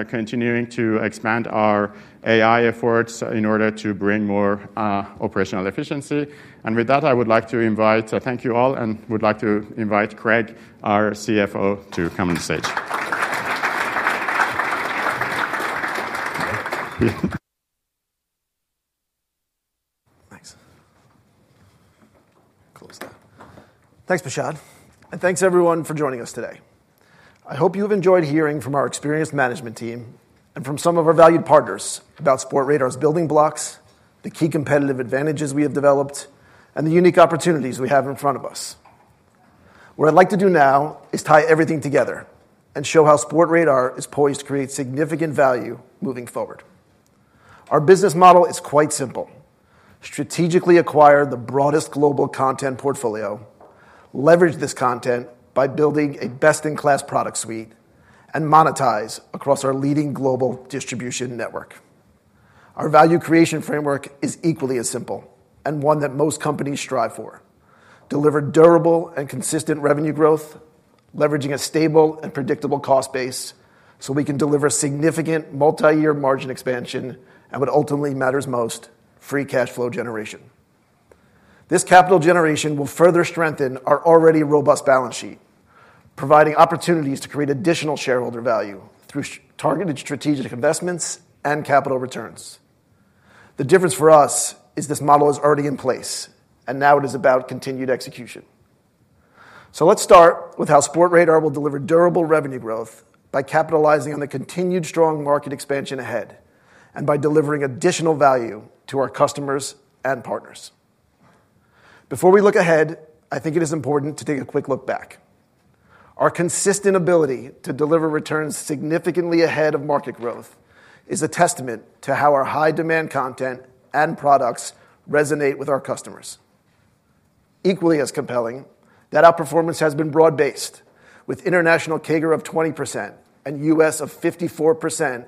continuing to expand our AI efforts in order to bring more operational efficiency. With that, I would like to invite--thank you all. I would like to invite Craig, our CFO, to come on stage. Thanks. Close that. Thanks, Beshad. Thanks, everyone, for joining us today. I hope you have enjoyed hearing from our experienced management team and from some of our valued partners about Sportradar's building blocks, the key competitive advantages we have developed, and the unique opportunities we have in front of us. What I'd like to do now is tie everything together and show how Sportradar is poised to create significant value moving forward. Our business model is quite simple. Strategically acquire the broadest global content portfolio, leverage this content by building a best-in-class product suite, and monetize across our leading global distribution network. Our value creation framework is equally as simple and one that most companies strive for: deliver durable and consistent revenue growth, leveraging a stable and predictable cost base so we can deliver significant multi-year margin expansion and what ultimately matters most, free cash flow generation. This capital generation will further strengthen our already robust balance sheet, providing opportunities to create additional shareholder value through targeted strategic investments and capital returns. The difference for us is this model is already in place, and now it is about continued execution. Let's start with how Sportradar will deliver durable revenue growth by capitalizing on the continued strong market expansion ahead and by delivering additional value to our customers and partners. Before we look ahead, I think it is important to take a quick look back. Our consistent ability to deliver returns significantly ahead of market growth is a testament to how our high-demand content and products resonate with our customers. Equally as compelling, that our performance has been broad-based, with international CAGR of 20% and US of 54%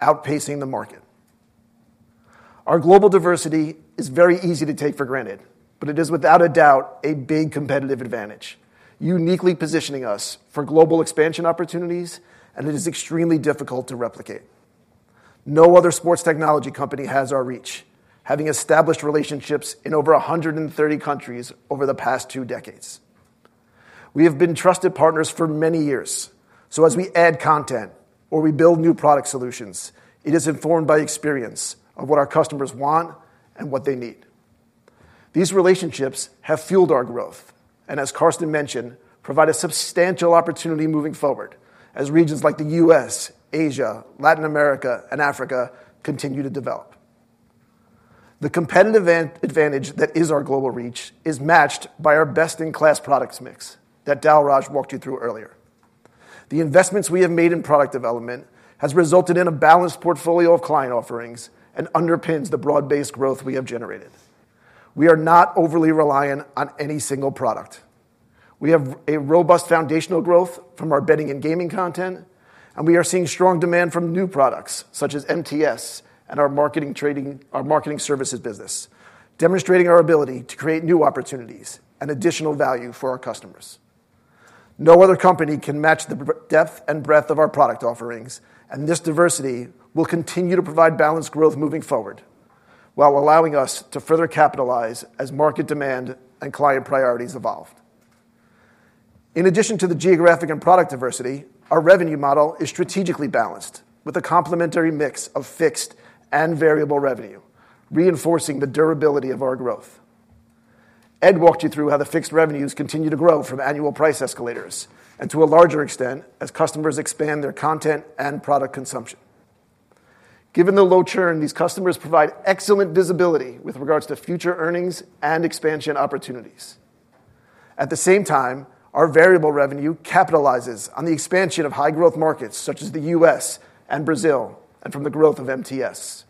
outpacing the market. Our global diversity is very easy to take for granted, but it is, without a doubt, a big competitive advantage, uniquely positioning us for global expansion opportunities, and it is extremely difficult to replicate. No other sports technology company has our reach, having established relationships in over 130 countries over the past two decades. We have been trusted partners for many years. As we add content or we build new product solutions, it is informed by experience of what our customers want and what they need. These relationships have fueled our growth and, as Carsten mentioned, provide a substantial opportunity moving forward as regions like the U.S., Asia, Latin America, and Africa continue to develop. The competitive advantage that is our global reach is matched by our best-in-class products mix that Dalraj walked you through earlier. The investments we have made in product development have resulted in a balanced portfolio of client offerings and underpin the broad-based growth we have generated. We are not overly reliant on any single product. We have a robust foundational growth from our betting and gaming content, and we are seeing strong demand from new products such as MTS and our marketing services business, demonstrating our ability to create new opportunities and additional value for our customers. No other company can match the depth and breadth of our product offerings, and this diversity will continue to provide balanced growth moving forward while allowing us to further capitalize as market demand and client priorities evolved. In addition to the geographic and product diversity, our revenue model is strategically balanced with a complementary mix of fixed and variable revenue, reinforcing the durability of our growth. Ed walked you through how the fixed revenues continue to grow from annual price escalators and, to a larger extent, as customers expand their content and product consumption. Given the low churn, these customers provide excellent visibility with regards to future earnings and expansion opportunities. At the same time, our variable revenue capitalizes on the expansion of high-growth markets such as the US and Brazil and from the growth of MTS.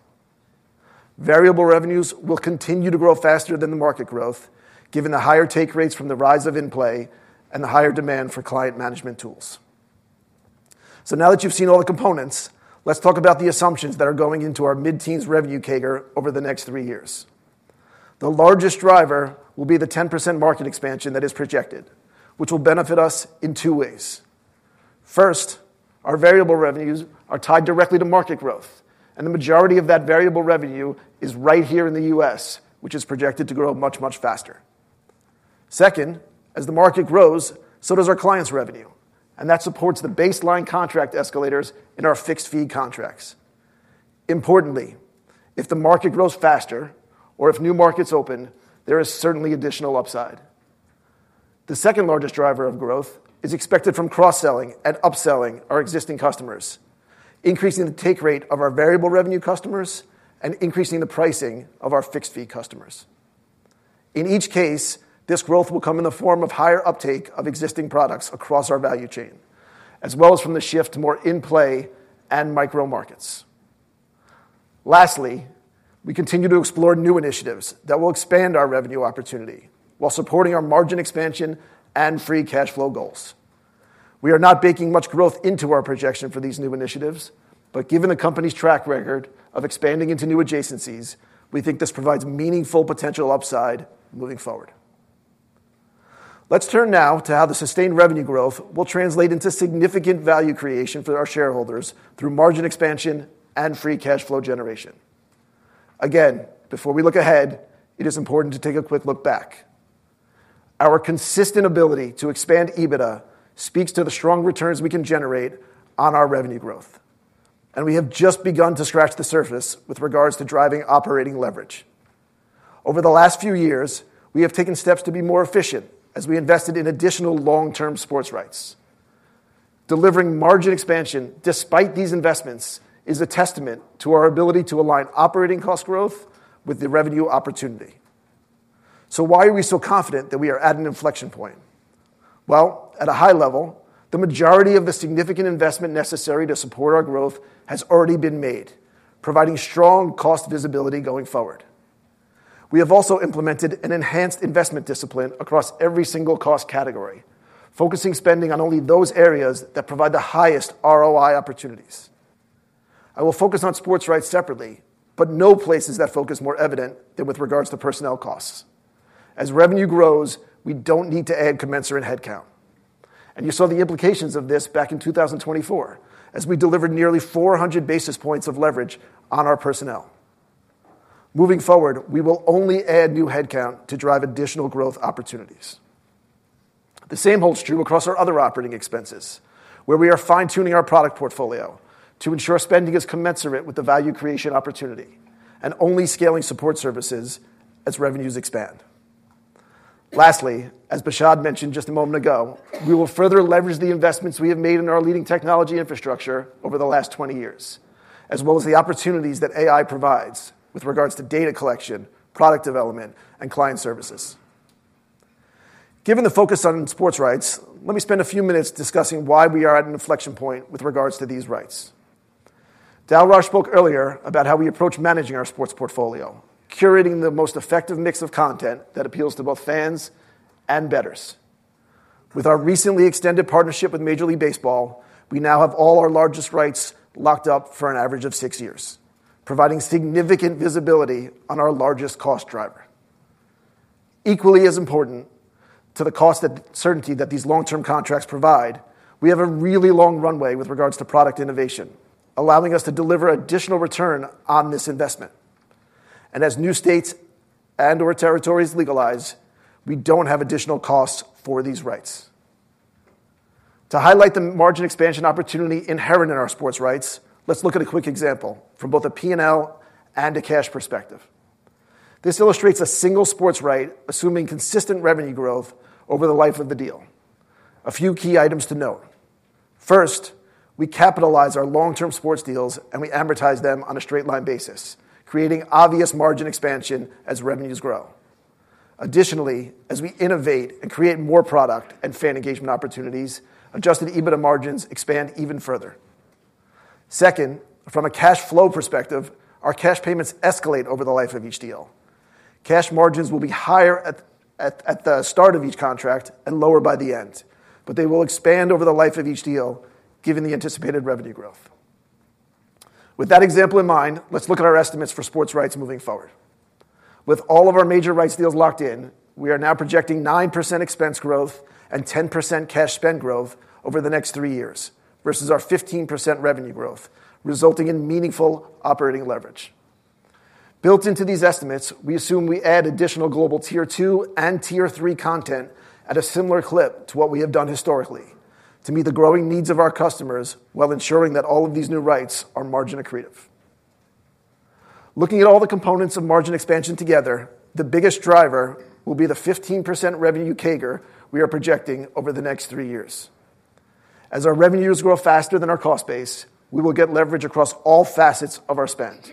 Variable revenues will continue to grow faster than the market growth, given the higher take rates from the rise of in-play and the higher demand for client management tools. Now that you've seen all the components, let's talk about the assumptions that are going into our mid-teens revenue CAGR over the next three years. The largest driver will be the 10% market expansion that is projected, which will benefit us in two ways. First, our variable revenues are tied directly to market growth, and the majority of that variable revenue is right here in the U.S., which is projected to grow much, much faster. Second, as the market grows, so does our clients' revenue, and that supports the baseline contract escalators in our fixed-fee contracts. Importantly, if the market grows faster or if new markets open, there is certainly additional upside. The second largest driver of growth is expected from cross-selling and upselling our existing customers, increasing the take rate of our variable revenue customers and increasing the pricing of our fixed-fee customers. In each case, this growth will come in the form of higher uptake of existing products across our value chain, as well as from the shift to more in-play and micro-markets. Lastly, we continue to explore new initiatives that will expand our revenue opportunity while supporting our margin expansion and free cash flow goals. We are not baking much growth into our projection for these new initiatives, but given the company's track record of expanding into new adjacencies, we think this provides meaningful potential upside moving forward. Let's turn now to how the sustained revenue growth will translate into significant value creation for our shareholders through margin expansion and free cash flow generation. Again, before we look ahead, it is important to take a quick look back. Our consistent ability to expand EBITDA speaks to the strong returns we can generate on our revenue growth. We have just begun to scratch the surface with regards to driving operating leverage. Over the last few years, we have taken steps to be more efficient as we invested in additional long-term sports rights. Delivering margin expansion despite these investments is a testament to our ability to align operating cost growth with the revenue opportunity. Why are we so confident that we are at an inflection point? At a high level, the majority of the significant investment necessary to support our growth has already been made, providing strong cost visibility going forward. We have also implemented an enhanced investment discipline across every single cost category, focusing spending on only those areas that provide the highest ROI opportunities. I will focus on sports rights separately, but no place is that focus more evident than with regards to personnel costs. As revenue grows, we do not need to add commensurate headcount. You saw the implications of this back in 2024 as we delivered nearly 400 basis points of leverage on our personnel. Moving forward, we will only add new headcount to drive additional growth opportunities. The same holds true across our other operating expenses, where we are fine-tuning our product portfolio to ensure spending is commensurate with the value creation opportunity and only scaling support services as revenues expand. Lastly, as Beshad mentioned just a moment ago, we will further leverage the investments we have made in our leading technology infrastructure over the last 20 years, as well as the opportunities that AI provides with regards to data collection, product development, and client services. Given the focus on sports rights, let me spend a few minutes discussing why we are at an inflection point with regards to these rights. Dalraj spoke earlier about how we approach managing our sports portfolio, curating the most effective mix of content that appeals to both fans and bettors. With our recently extended partnership with Major League Baseball, we now have all our largest rights locked up for an average of six years, providing significant visibility on our largest cost driver. Equally as important to the cost certainty that these long-term contracts provide, we have a really long runway with regards to product innovation, allowing us to deliver additional return on this investment. As new states and/or territories legalize, we do not have additional costs for these rights. To highlight the margin expansion opportunity inherent in our sports rights, let's look at a quick example from both a P&L and a cash perspective. This illustrates a single sports right assuming consistent revenue growth over the life of the deal. A few key items to note. First, we capitalize our long-term sports deals, and we amortize them on a straight-line basis, creating obvious margin expansion as revenues grow. Additionally, as we innovate and create more product and fan engagement opportunities, adjusted EBITDA margins expand even further. Second, from a cash flow perspective, our cash payments escalate over the life of each deal. Cash margins will be higher at the start of each contract and lower by the end, but they will expand over the life of each deal given the anticipated revenue growth. With that example in mind, let's look at our estimates for sports rights moving forward. With all of our major rights deals locked in, we are now projecting 9% expense growth and 10% cash spend growth over the next three years versus our 15% revenue growth, resulting in meaningful operating leverage. Built into these estimates, we assume we add additional global tier two and tier three content at a similar clip to what we have done historically to meet the growing needs of our customers while ensuring that all of these new rights are margin accretive. Looking at all the components of margin expansion together, the biggest driver will be the 15% revenue CAGR we are projecting over the next three years. As our revenues grow faster than our cost base, we will get leverage across all facets of our spend.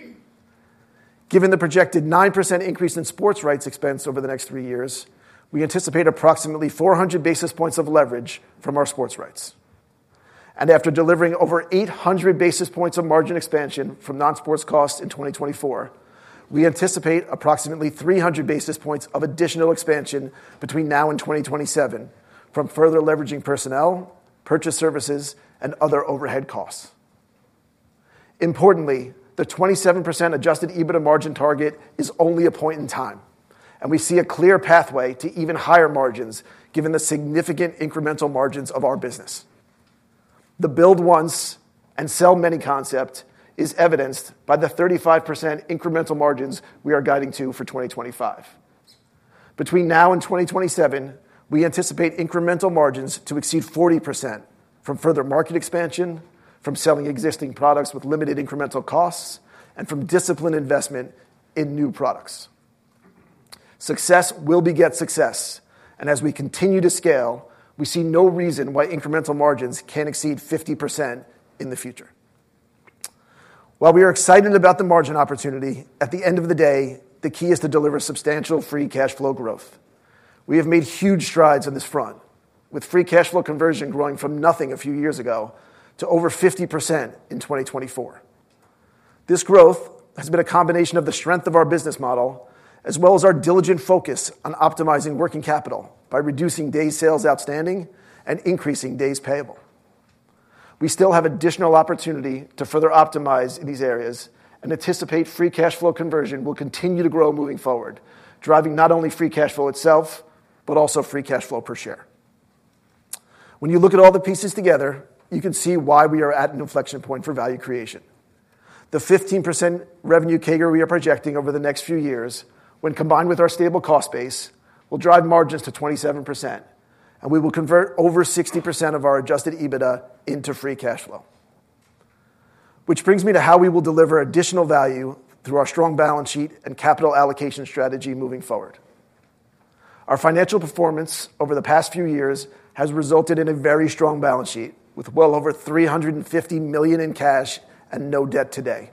Given the projected 9% increase in sports rights expense over the next three years, we anticipate approximately 400 basis points of leverage from our sports rights. After delivering over 800 basis points of margin expansion from non-sports costs in 2024, we anticipate approximately 300 basis points of additional expansion between now and 2027 from further leveraging personnel, purchase services, and other overhead costs. Importantly, the 27% adjusted EBITDA margin target is only a point in time, and we see a clear pathway to even higher margins given the significant incremental margins of our business. The build once and sell many concept is evidenced by the 35% incremental margins we are guiding to for 2025. Between now and 2027, we anticipate incremental margins to exceed 40% from further market expansion, from selling existing products with limited incremental costs, and from disciplined investment in new products. Success will beget success, and as we continue to scale, we see no reason why incremental margins can't exceed 50% in the future. While we are excited about the margin opportunity, at the end of the day, the key is to deliver substantial free cash flow growth. We have made huge strides on this front, with free cash flow conversion growing from nothing a few years ago to over 50% in 2024. This growth has been a combination of the strength of our business model as well as our diligent focus on optimizing working capital by reducing day sales outstanding and increasing days payable. We still have additional opportunity to further optimize in these areas, and anticipate free cash flow conversion will continue to grow moving forward, driving not only free cash flow itself, but also free cash flow per share. When you look at all the pieces together, you can see why we are at an inflection point for value creation. The 15% revenue CAGR we are projecting over the next few years, when combined with our stable cost base, will drive margins to 27%, and we will convert over 60% of our adjusted EBITDA into free cash flow. Which brings me to how we will deliver additional value through our strong balance sheet and capital allocation strategy moving forward. Our financial performance over the past few years has resulted in a very strong balance sheet with well over $350 million in cash and no debt today.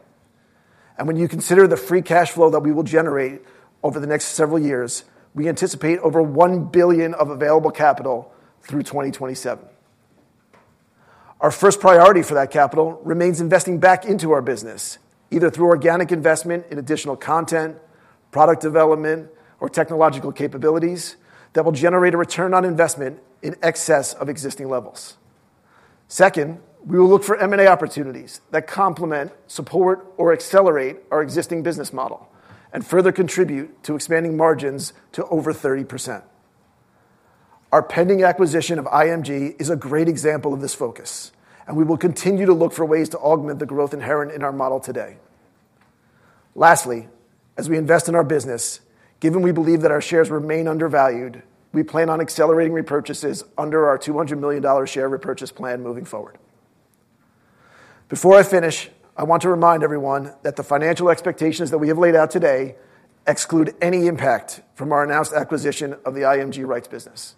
When you consider the free cash flow that we will generate over the next several years, we anticipate over $1 billion of available capital through 2027. Our first priority for that capital remains investing back into our business, either through organic investment in additional content, product development, or technological capabilities that will generate a return on investment in excess of existing levels. Second, we will look for M&A opportunities that complement, support, or accelerate our existing business model and further contribute to expanding margins to over 30%. Our pending acquisition of IMG Arena is a great example of this focus, and we will continue to look for ways to augment the growth inherent in our model today. Lastly, as we invest in our business, given we believe that our shares remain undervalued, we plan on accelerating repurchases under our $200 million share repurchase plan moving forward. Before I finish, I want to remind everyone that the financial expectations that we have laid out today exclude any impact from our announced acquisition of the IMG Arena rights business.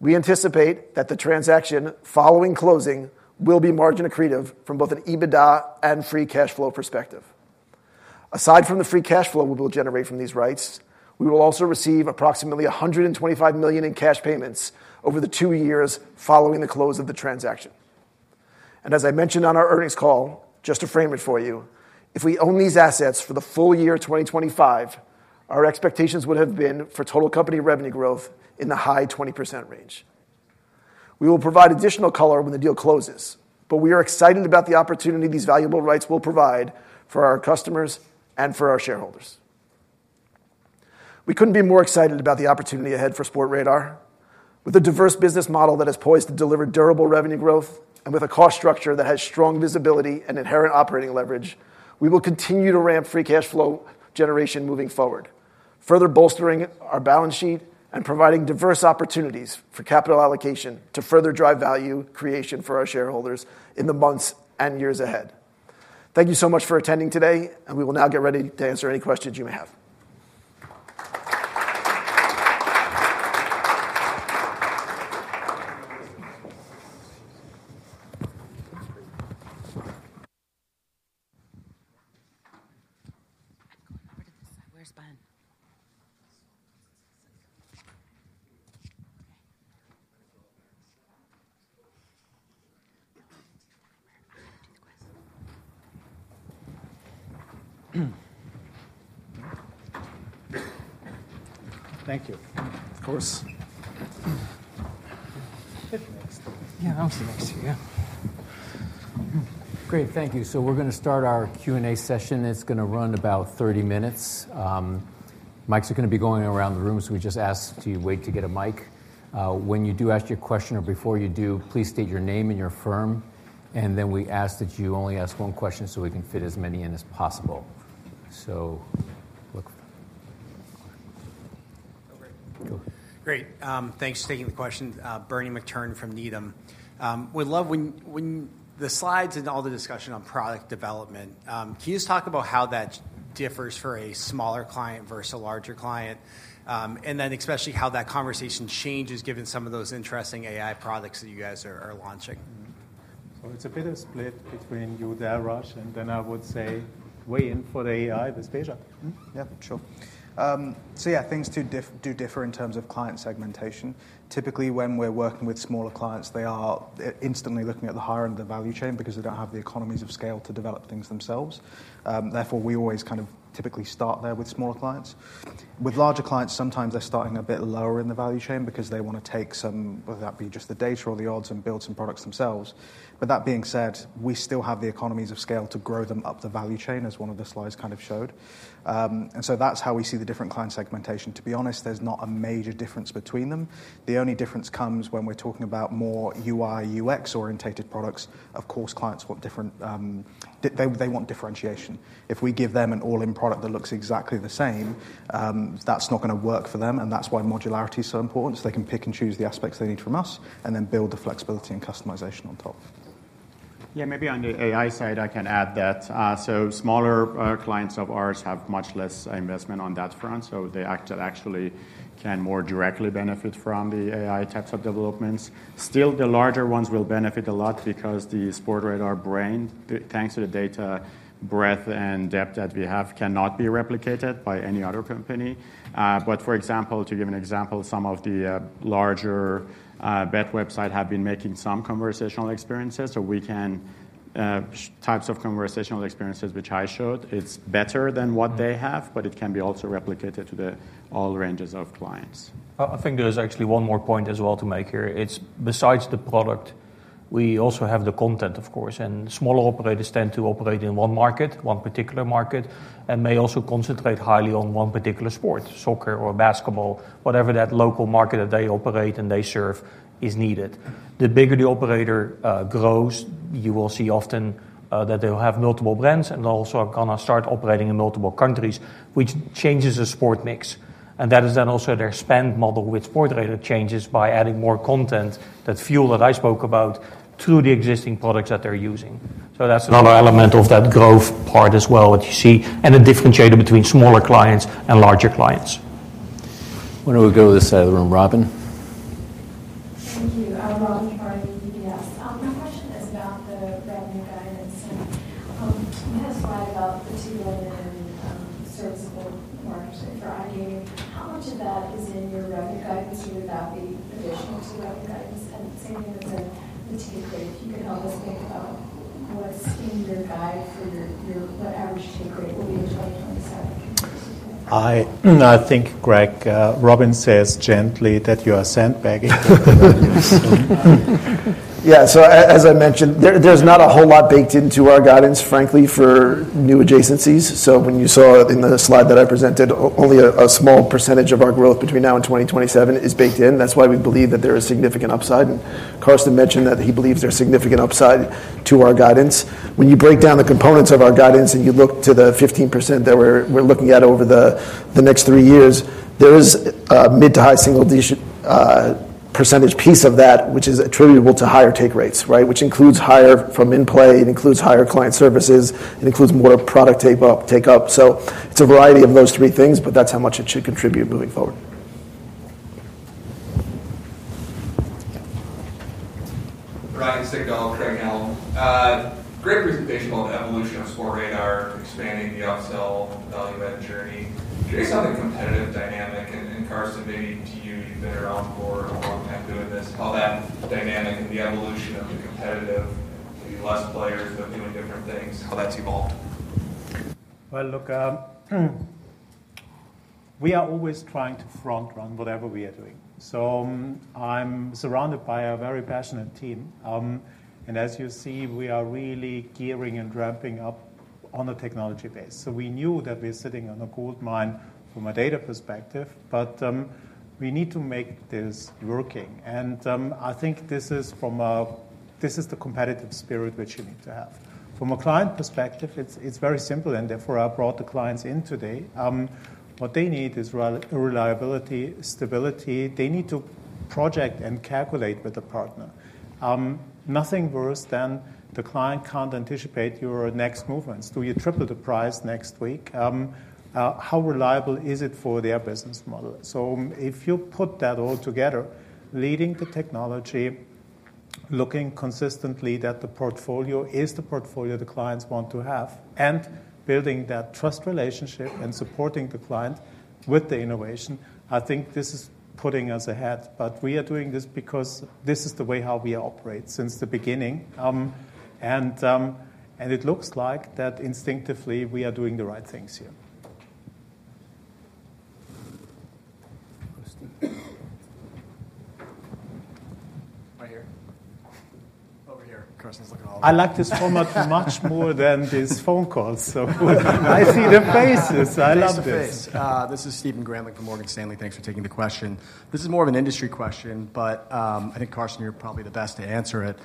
We anticipate that the transaction following closing will be margin accretive from both an EBITDA and free cash flow perspective. Aside from the free cash flow we will generate from these rights, we will also receive approximately $125 million in cash payments over the two years following the close of the transaction. As I mentioned on our earnings call, just to frame it for you, if we own these assets for the full year 2025, our expectations would have been for total company revenue growth in the high 20% range. We will provide additional color when the deal closes. We are excited about the opportunity these valuable rights will provide for our customers and for our shareholders. We could not be more excited about the opportunity ahead for Sportradar. With a diverse business model that has poised to deliver durable revenue growth and with a cost structure that has strong visibility and inherent operating leverage, we will continue to ramp free cash flow generation moving forward, further bolstering our balance sheet and providing diverse opportunities for capital allocation to further drive value creation for our shareholders in the months and years ahead. Thank you so much for attending today, and we will now get ready to answer any questions you may have. Thank you. Of course. Yeah, I'm sitting next to you. Great, thank you. We are going to start our Q&A session. It's going to run about 30 minutes. Mics are going to be going around the room, so we just ask that you wait to get a mic. When you do ask your question or before you do, please state your name and your firm, and then we ask that you only ask one question so we can fit as many in as possible. Look. Great. Thanks for taking the question, Bernard McTernan from Needham. Would love when the slides and all the discussion on product development, can you just talk about how that differs for a smaller client versus a larger client? Especially how that conversation changes given some of those interesting AI products that you guys are launching. It's a bit of split between you, Dalraj, and then I would say weigh in for the AI with Stasia. Yeah, sure. Yeah, things do differ in terms of client segmentation. Typically, when we're working with smaller clients, they are instantly looking at the higher end of the value chain because they don't have the economies of scale to develop things themselves. Therefore, we always kind of typically start there with smaller clients. With larger clients, sometimes they're starting a bit lower in the value chain because they want to take some, whether that be just the data or the odds and build some products themselves. That being said, we still have the economies of scale to grow them up the value chain, as one of the slides kind of showed. That is how we see the different client segmentation. To be honest, there's not a major difference between them. The only difference comes when we're talking about more UI/UX orientated products. Of course, clients want different—they want differentiation. If we give them an all-in product that looks exactly the same, that's not going to work for them. That's why modularity is so important. They can pick and choose the aspects they need from us and then build the flexibility and customization on top. Yeah, maybe on the AI side, I can add that. Smaller clients of ours have much less investment on that front. They actually can more directly benefit from the AI types of developments. Still, the larger ones will benefit a lot because the Sportradar brand, thanks to the data breadth and depth that we have, cannot be replicated by any other company. For example, to give an example, some of the larger bet websites have been making some conversational experiences. We can types of conversational experiences which I showed. It's better than what they have, but it can be also replicated to all ranges of clients. I think there's actually one more point as well to make here. It's besides the product, we also have the content, of course. Smaller operators tend to operate in one market, one particular market, and may also concentrate highly on one particular sport, soccer or basketball, whatever that local market that they operate and they serve is needed. The bigger the operator grows, you will see often that they will have multiple brands and also are going to start operating in multiple countries, which changes the sport mix. That is then also their spend model with Sportradar changes by adding more content, that fuel that I spoke about through the existing products that they're using. That's another element of that growth part as well that you see and a differentiator between smaller clients and larger clients. Why don't we go to the side of the room, Robin? today. I think Greg, Robin says gently that you are sandbagging. Yeah, as I mentioned, there's not a whole lot baked into our guidance, frankly, for new adjacencies. When you saw in the slide that I presented, only a small percentage of our growth between now and 2027 is baked in. That is why we believe that there is significant upside. Carsten mentioned that he believes there is significant upside to our guidance. When you break down the components of our guidance and you look to the 15% that we are looking at over the next three years, there is a mid to high single percentage piece of that, which is attributable to higher take rates, right? Which includes higher from in-play. It includes higher client services. It includes more product take-up. It is a variety of those three things, but that is how much it should contribute moving forward. Ryan Sigdahl, Craig-Hallum. Great presentation on the evolution of Sportradar expanding the upsell value-add journey. Do you have something competitive, dynamic? Carsten, maybe to you, you've been around for a long time doing this. How that dynamic and the evolution of the competitive, maybe fewer players, but doing different things. That's evolved. Look, we are always trying to front-run whatever we are doing. I'm surrounded by a very passionate team. As you see, we are really gearing and ramping up on the technology base. We knew that we're sitting on a gold mine from a data perspective, but we need to make this working. I think this is the competitive spirit which you need to have. From a client perspective, it's very simple, and therefore I brought the clients in today. What they need is reliability, stability. They need to project and calculate with a partner. Nothing worse than the client can't anticipate your next movements. Do you triple the price next week? How reliable is it for their business model? If you put that all together, leading the technology, looking consistently that the portfolio is the portfolio the clients want to have, and building that trust relationship and supporting the client with the innovation, I think this is putting us ahead. We are doing this because this is the way how we operate since the beginning. It looks like that instinctively we are doing the right things here. Right here. Over here. Carsten's looking all over. I like this format much more than these phone calls, so I see the faces. I love this. This is Stephen Grandlick from Morgan Stanley. Thanks for taking the question. This is more of an industry question, but I think Carsten, you're probably the best to answer it.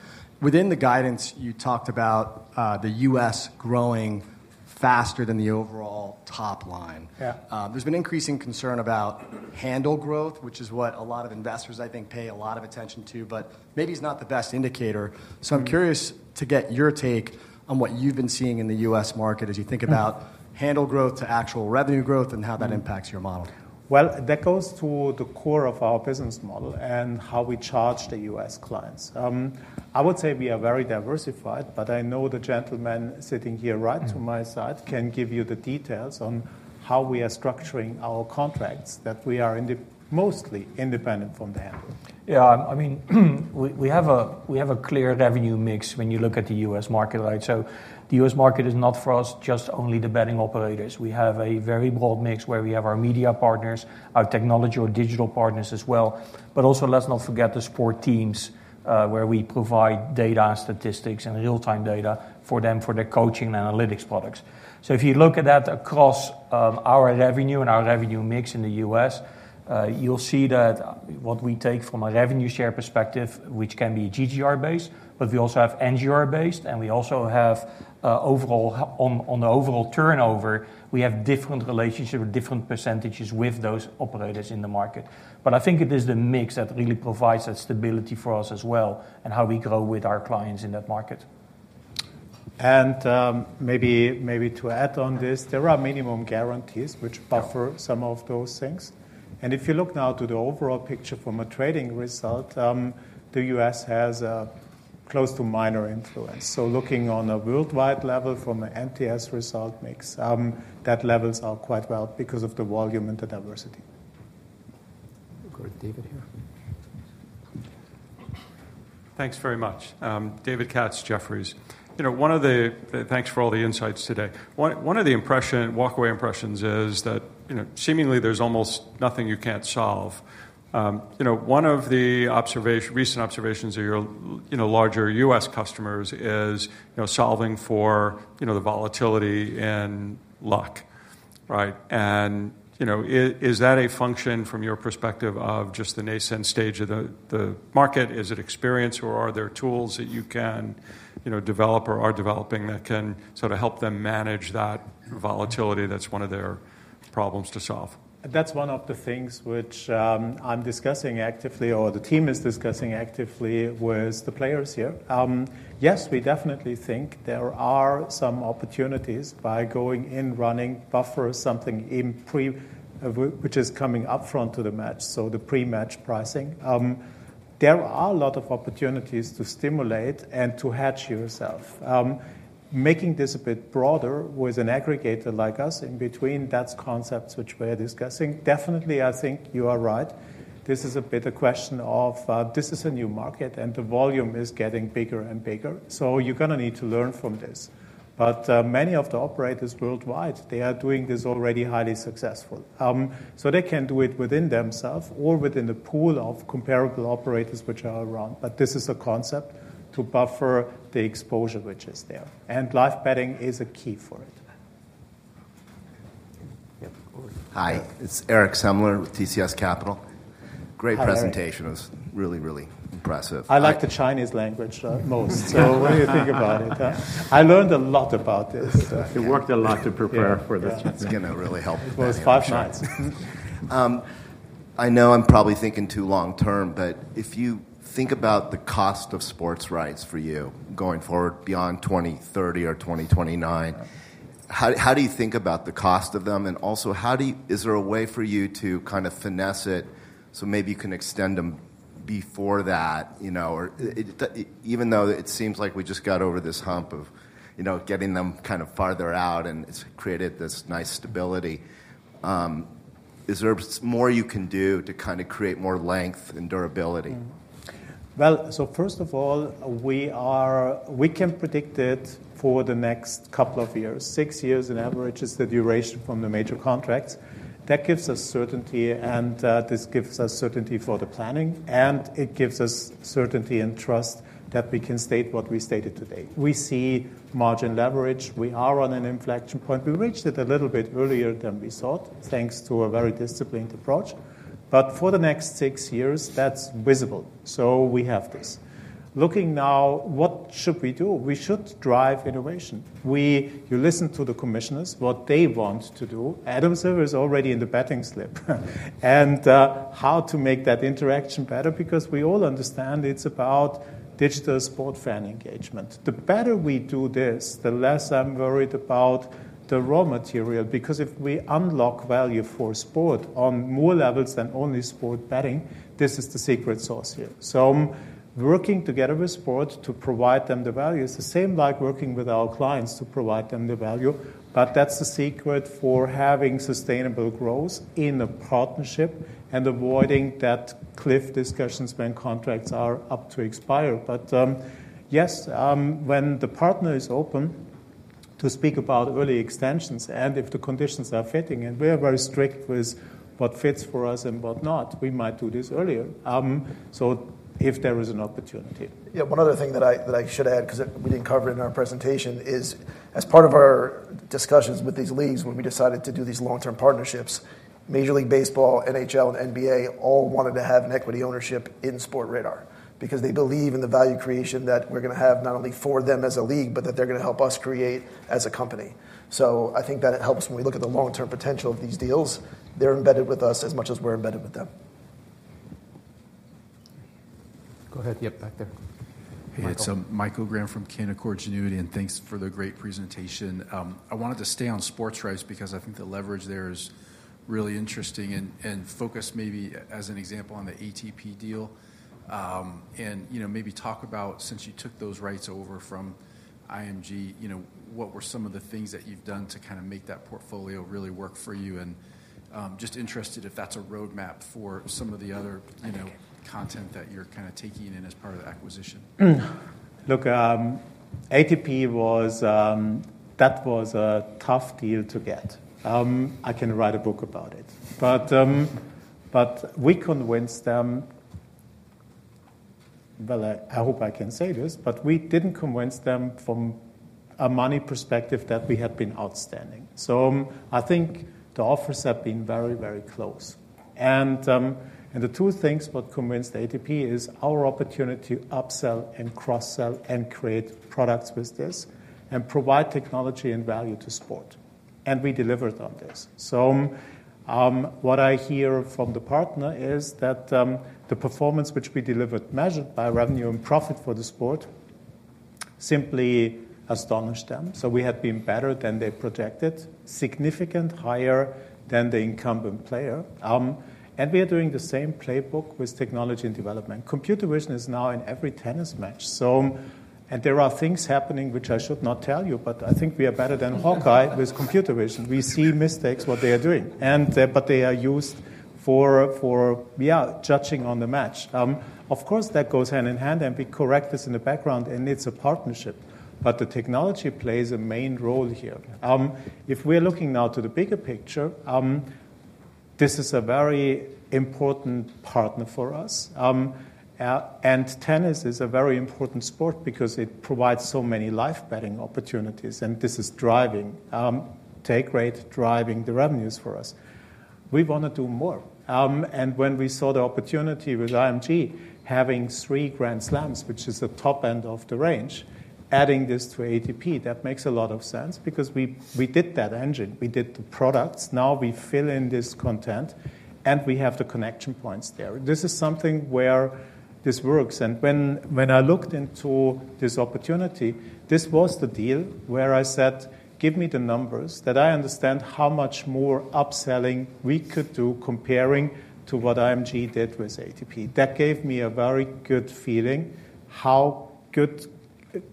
Within the guidance, you talked about the US growing faster than the overall top line. There's been increasing concern about handle growth, which is what a lot of investors, I think, pay a lot of attention to, but maybe it's not the best indicator. I'm curious to get your take on what you've been seeing in the US market as you think about handle growth to actual revenue growth and how that impacts your model. That goes to the core of our business model and how we charge the US clients. I would say we are very diversified, but I know the gentleman sitting here right to my side can give you the details on how we are structuring our contracts that we are mostly independent from the handle. I mean, we have a clear revenue mix when you look at the US market, right? The US market is not for us just only the betting operators. We have a very broad mix where we have our media partners, our technology or digital partners as well. Also, let's not forget the sport teams where we provide data and statistics and real-time data for them for their coaching and analytics products. If you look at that across our revenue and our revenue mix in the US, you'll see that what we take from a revenue share perspective, which can be GGR-based, but we also have NGR-based, and we also have overall on the overall turnover, we have different relationships, different percentages with those operators in the market. I think it is the mix that really provides that stability for us as well and how we grow with our clients in that market. Maybe to add on this, there are minimum guarantees which buffer some of those things. If you look now to the overall picture from a trading result, the U.S. has close to minor influence. Looking on a worldwide level from an MTS result mix, that levels are quite well because of the volume and the diversity. We've got David here. Thanks very much. David Katz, Jefferies. Thanks for all the insights today. One of the impression walkway impressions is that seemingly there's almost nothing you can't solve. One of the recent observations of your larger U.S. customers is solving for the volatility and luck, right? Is that a function from your perspective of just the nascent stage of the market? Is it experience or are there tools that you can develop or are developing that can sort of help them manage that volatility that's one of their problems to solve? That's one of the things which I'm discussing actively or the team is discussing actively with the players here. Yes, we definitely think there are some opportunities by going in, running buffers, something which is coming up front to the match, so the pre-match pricing. There are a lot of opportunities to stimulate and to hedge yourself. Making this a bit broader with an aggregator like us in between, that's concepts which we are discussing. Definitely, I think you are right. This is a bit a question of this is a new market and the volume is getting bigger and bigger. You are going to need to learn from this. Many of the operators worldwide, they are doing this already highly successful. They can do it within themselves or within the pool of comparable operators which are around. This is a concept to buffer the exposure which is there. Live betting is a key for it. Hi, it's Eric Semler with TCS Capital. Great presentation. It was really, really impressive. I like the Chinese language most. What do you think about it? I learned a lot about this. It worked a lot to prepare for this. It's going to really help. It was five nights. I know I'm probably thinking too long term, but if you think about the cost of sports rights for you going forward beyond 2030 or 2029, how do you think about the cost of them? Is there a way for you to kind of finesse it so maybe you can extend them before that? Even though it seems like we just got over this hump of getting them kind of farther out and it's created this nice stability, is there more you can do to kind of create more length and durability? First of all, we can predict it for the next couple of years. Six years in average is the duration from the major contracts. That gives us certainty, and this gives us certainty for the planning, and it gives us certainty and trust that we can state what we stated today. We see margin leverage. We are on an inflection point. We reached it a little bit earlier than we thought thanks to a very disciplined approach. For the next six years, that's visible. We have this. Looking now, what should we do? We should drive innovation. You listen to the commissioners, what they want to do. Adam Silver is already in the betting slip. And how to make that interaction better? Because we all understand it's about digital sport fan engagement. The better we do this, the less I'm worried about the raw material. Because if we unlock value for sport on more levels than only sport betting, this is the secret sauce here. So working together with sport to provide them the value is the same like working with our clients to provide them the value. But that's the secret for having sustainable growth in a partnership and avoiding that cliff discussions when contracts are up to expire. Yes, when the partner is open to speak about early extensions and if the conditions are fitting, and we are very strict with what fits for us and whatnot, we might do this earlier. If there is an opportunity. One other thing that I should add because we did not cover it in our presentation is as part of our discussions with these leagues when we decided to do these long-term partnerships, Major League Baseball, NHL, and NBA all wanted to have an equity ownership in Sportradar because they believe in the value creation that we are going to have not only for them as a league, but that they are going to help us create as a company. I think that it helps when we look at the long-term potential of these deals. They are embedded with us as much as we are embedded with them. Go ahead. Yep, back there. Hey, it's Michael Graham from Cannacord Genuity, and thanks for the great presentation. I wanted to stay on sports rights because I think the leverage there is really interesting and focus maybe as an example on the ATP deal. Maybe talk about since you took those rights over from IMG Arena, what were some of the things that you've done to kind of make that portfolio really work for you? Just interested if that's a roadmap for some of the other content that you're kind of taking in as part of the acquisition. Look, ATP was that was a tough deal to get. I can write a book about it. We convinced them, I hope I can say this, but we didn't convince them from a money perspective that we had been outstanding. I think the offers have been very, very close. The two things what convinced ATP is our opportunity to upsell and cross-sell and create products with this and provide technology and value to sport. We delivered on this. What I hear from the partner is that the performance which we delivered measured by revenue and profit for the sport simply astonished them. We had been better than they projected, significantly higher than the incumbent player. We are doing the same playbook with technology and development. Computer vision is now in every tennis match. There are things happening which I should not tell you, but I think we are better than Hawkeye with computer vision. We see mistakes what they are doing. They are used for, yeah, judging on the match. Of course, that goes hand in hand, and we correct this in the background, and it's a partnership. The technology plays a main role here. If we are looking now to the bigger picture, this is a very important partner for us. Tennis is a very important sport because it provides so many live betting opportunities, and this is driving take rate, driving the revenues for us. We want to do more. When we saw the opportunity with IMG having three Grand Slams, which is the top end of the range, adding this to ATP, that makes a lot of sense because we did that engine. We did the products. Now we fill in this content, and we have the connection points there. This is something where this works. When I looked into this opportunity, this was the deal where I said, "Give me the numbers that I understand how much more upselling we could do comparing to what IMG did with ATP." That gave me a very good feeling how good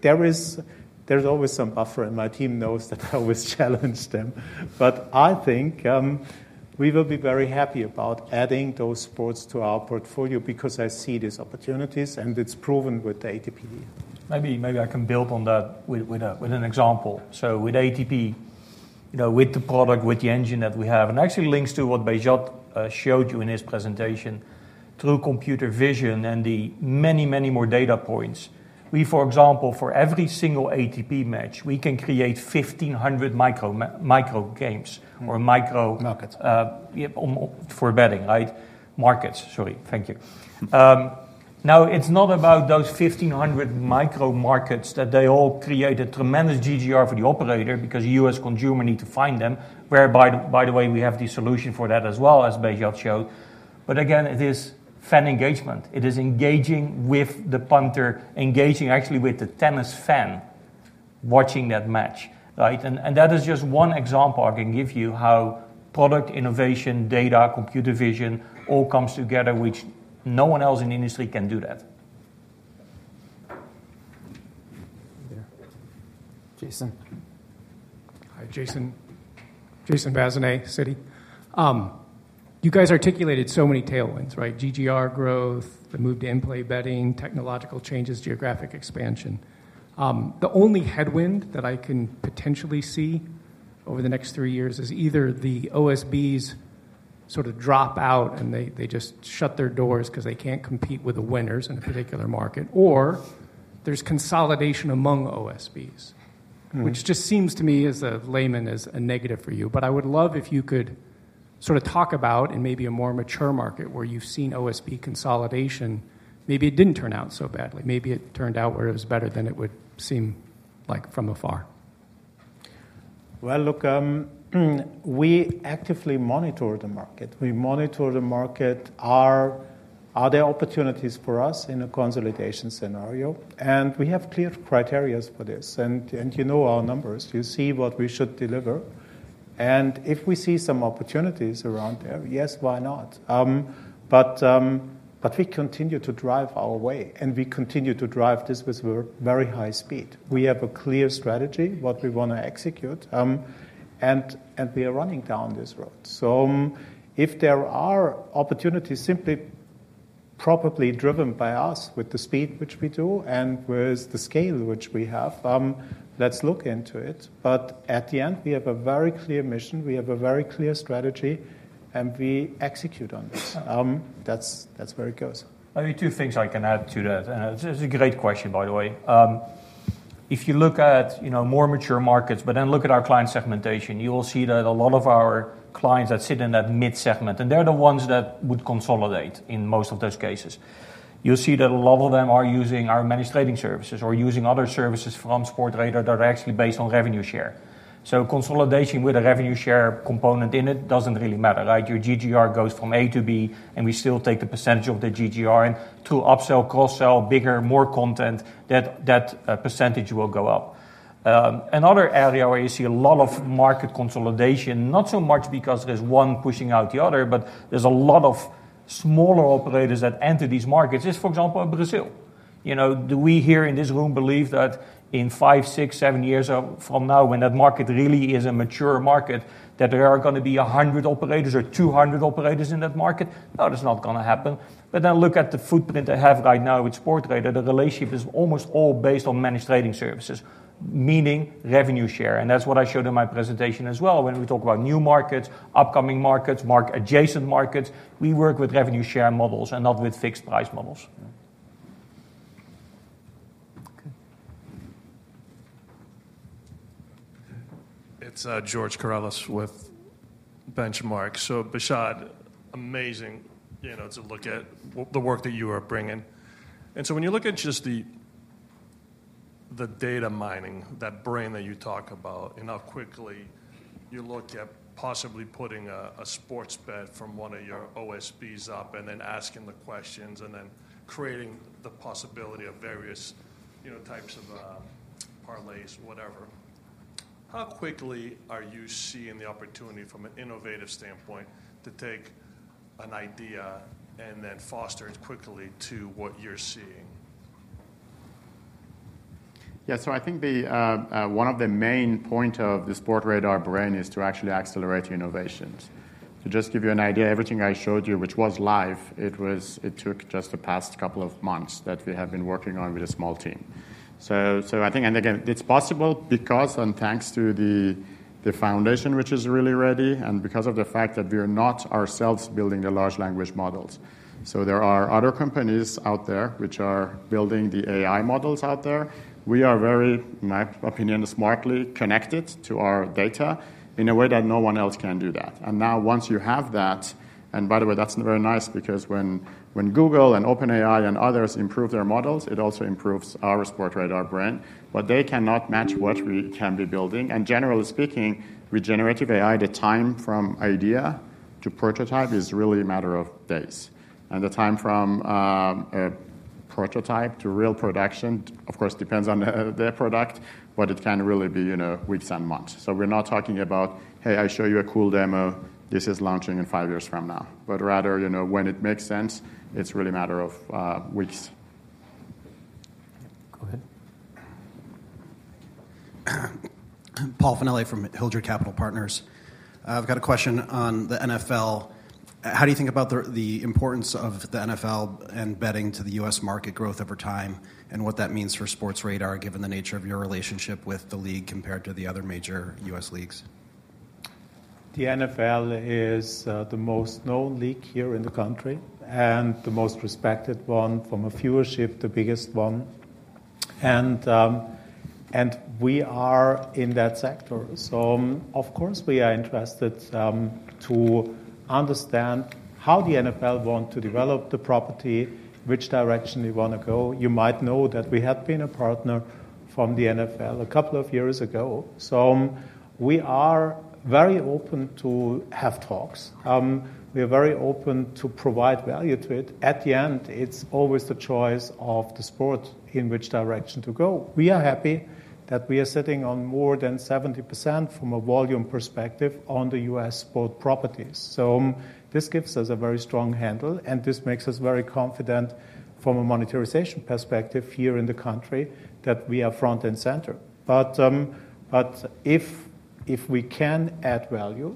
there is always some buffer, and my team knows that I always challenge them. I think we will be very happy about adding those sports to our portfolio because I see these opportunities, and it's proven with the ATP. Maybe I can build on that with an example. With ATP, with the product, with the engine that we have, and actually links to what Beshad showed you in his presentation through computer vision and the many, many more data points. We, for example, for every single ATP match, we can create 1,500 micro games or micro markets for betting, right? Markets, sorry. Thank you. Now, it's not about those 1,500 micro markets that they all create a tremendous GGR for the operator because US consumer need to find them, whereby, by the way, we have the solution for that as well, as Beshad showed. Again, it is fan engagement. It is engaging with the punter, engaging actually with the tennis fan watching that match, right? That is just one example I can give you how product innovation, data, computer vision all comes together, which no one else in the industry can do that. Jason. Hi, Jason. Jason Bazinet, Citi. You guys articulated so many tailwinds, right? GGR growth, the move to in-play betting, technological changes, geographic expansion. The only headwind that I can potentially see over the next three years is either the OSBs sort of drop out and they just shut their doors because they can't compete with the winners in a particular market, or there's consolidation among OSBs, which just seems to me as a layman is a negative for you. I would love if you could sort of talk about in maybe a more mature market where you've seen OSB consolidation, maybe it didn't turn out so badly. Maybe it turned out where it was better than it would seem like from afar. Look, we actively monitor the market. We monitor the market. Are there opportunities for us in a consolidation scenario? We have clear criteria for this. You know our numbers. You see what we should deliver. If we see some opportunities around there, yes, why not? We continue to drive our way, and we continue to drive this with very high speed. We have a clear strategy, what we want to execute, and we are running down this road. If there are opportunities simply probably driven by us with the speed which we do and with the scale which we have, let's look into it. At the end, we have a very clear mission. We have a very clear strategy, and we execute on this. That's where it goes. Maybe two things I can add to that. It's a great question, by the way. If you look at more mature markets, but then look at our client segmentation, you will see that a lot of our clients that sit in that mid-segment, and they're the ones that would consolidate in most of those cases. You'll see that a lot of them are using our Managed Trading Services or using other services from Sportradar that are actually based on revenue share. Consolidation with a revenue share component in it doesn't really matter, right? Your GGR goes from A to B, and we still take the percentage of the GGR and to upsell, cross-sell, bigger, more content, that percentage will go up. Another area where you see a lot of market consolidation, not so much because there's one pushing out the other, but there's a lot of smaller operators that enter these markets is, for example, Brazil. Do we here in this room believe that in five, six, seven years from now, when that market really is a mature market, that there are going to be 100 operators or 200 operators in that market? No, that's not going to happen. Look at the footprint they have right now with Sportradar. The relationship is almost all based on Managed Trading Services, meaning revenue share. That's what I showed in my presentation as well when we talk about new markets, upcoming markets, market-adjacent markets. We work with revenue share models and not with fixed price models. It's George Karalis with Benchmark. Beshad, amazing to look at the work that you are bringing. When you look at just the data mining, that brain that you talk about, and how quickly you look at possibly putting a sports bet from one of your OSBs up and then asking the questions and then creating the possibility of various types of parlays, whatever, how quickly are you seeing the opportunity from an innovative standpoint to take an idea and then foster it quickly to what you're seeing? Yeah, I think one of the main points of the Sportradar Brain is to actually accelerate innovations. To just give you an idea, everything I showed you, which was live, it took just the past couple of months that we have been working on with a small team. I think, and again, it's possible because and thanks to the foundation, which is really ready, and because of the fact that we are not ourselves building the large language models. There are other companies out there which are building the AI models out there. We are very, in my opinion, smartly connected to our data in a way that no one else can do that. Now once you have that, and by the way, that's very nice because when Google and OpenAI and others improve their models, it also improves our Sportradar Brain. They cannot match what we can be building. Generally speaking, with generative AI, the time from idea to prototype is really a matter of days. The time from a prototype to real production, of course, depends on their product, but it can really be weeks and months. We are not talking about, "Hey, I show you a cool demo. This is launching in five years from now." Rather, when it makes sense, it is really a matter of weeks. Go ahead. Paolo Personeni from Hildreth Capital Partners. I have got a question on the NFL. How do you think about the importance of the NFL and betting to the US market growth over time and what that means for Sportradar, given the nature of your relationship with the league compared to the other major US leagues? The NFL is the most known league here in the country and the most respected one from a viewership, the biggest one. We are in that sector. Of course, we are interested to understand how the NFL wants to develop the property, which direction we want to go. You might know that we had been a partner from the NFL a couple of years ago. We are very open to have talks. We are very open to provide value to it. At the end, it's always the choice of the sport in which direction to go. We are happy that we are sitting on more than 70% from a volume perspective on the US sport properties. This gives us a very strong handle, and this makes us very confident from a monetization perspective here in the country that we are front and center. If we can add value,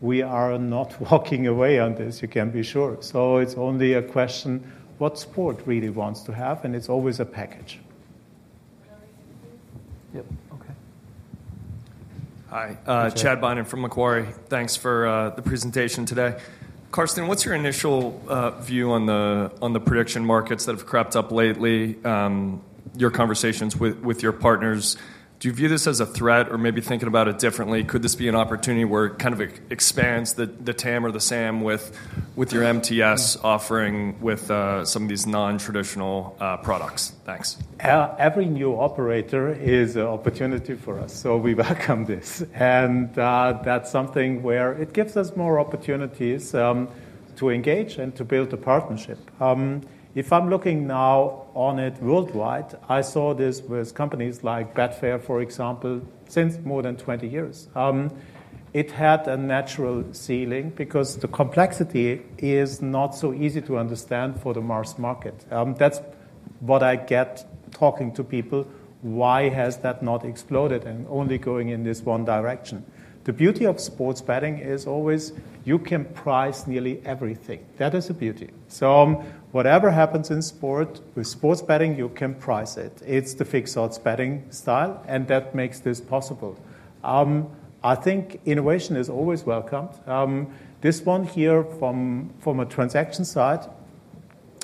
we are not walking away on this, you can be sure. It is only a question what sport really wants to have, and it is always a package. Yep. Okay. Hi. Chad Beynon from Macquarie. Thanks for the presentation today. Carsten, what is your initial view on the prediction markets that have crept up lately, your conversations with your partners? Do you view this as a threat or maybe thinking about it differently? Could this be an opportunity where it kind of expands the TAM or the SAM with your MTS offering with some of these non-traditional products? Thanks. Every new operator is an opportunity for us, so we welcome this. That is something where it gives us more opportunities to engage and to build a partnership. If I'm looking now on it worldwide, I saw this with companies like Betfair, for example, since more than 20 years. It had a natural ceiling because the complexity is not so easy to understand for the mass market. That's what I get talking to people. Why has that not exploded and only going in this one direction? The beauty of sports betting is always you can price nearly everything. That is a beauty. So whatever happens in sport with sports betting, you can price it. It's the fixed odds betting style, and that makes this possible. I think innovation is always welcomed. This one here from a transaction side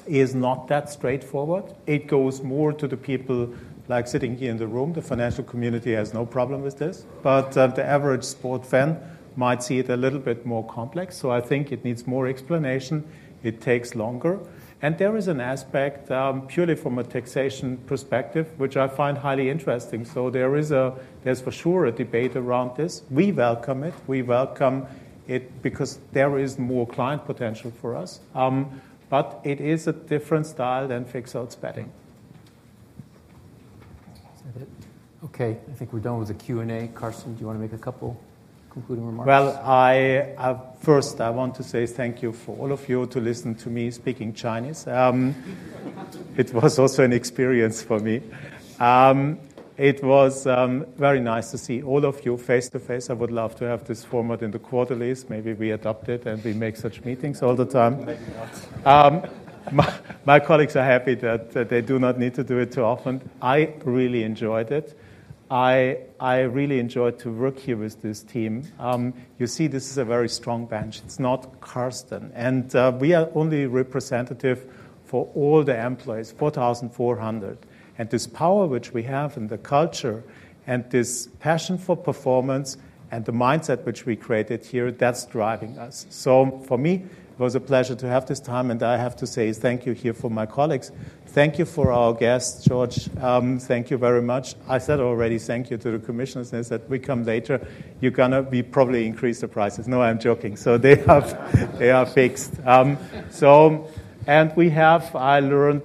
is not that straightforward. It goes more to the people like sitting here in the room. The financial community has no problem with this. But the average sports fan might see it a little bit more complex. I think it needs more explanation. It takes longer. There is an aspect purely from a taxation perspective, which I find highly interesting. There is for sure a debate around this. We welcome it. We welcome it because there is more client potential for us. It is a different style than fixed odds betting Okay. I think we're done with the Q&A. Carsten, do you want to make a couple concluding remarks? First, I want to say thank you for all of you to listen to me speaking Chinese. It was also an experience for me. It was very nice to see all of you face to face. I would love to have this format in the quarterlies. Maybe we adopt it and we make such meetings all the time. My colleagues are happy that they do not need to do it too often. I really enjoyed it. I really enjoyed to work here with this team. You see, this is a very strong bench. It's not Carsten. We are only representative for all the employees, 4,400. This power which we have and the culture and this passion for performance and the mindset which we created here, that's driving us. For me, it was a pleasure to have this time. I have to say thank you here for my colleagues. Thank you for our guests, George. Thank you very much. I said already thank you to the commissioners and said we come later. You're going to probably increase the prices. No, I'm joking. They are fixed. I learned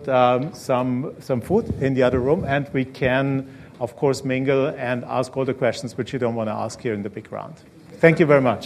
some food in the other room, and we can, of course, mingle and ask all the questions which you don't want to ask here in the big round. Thank you very much.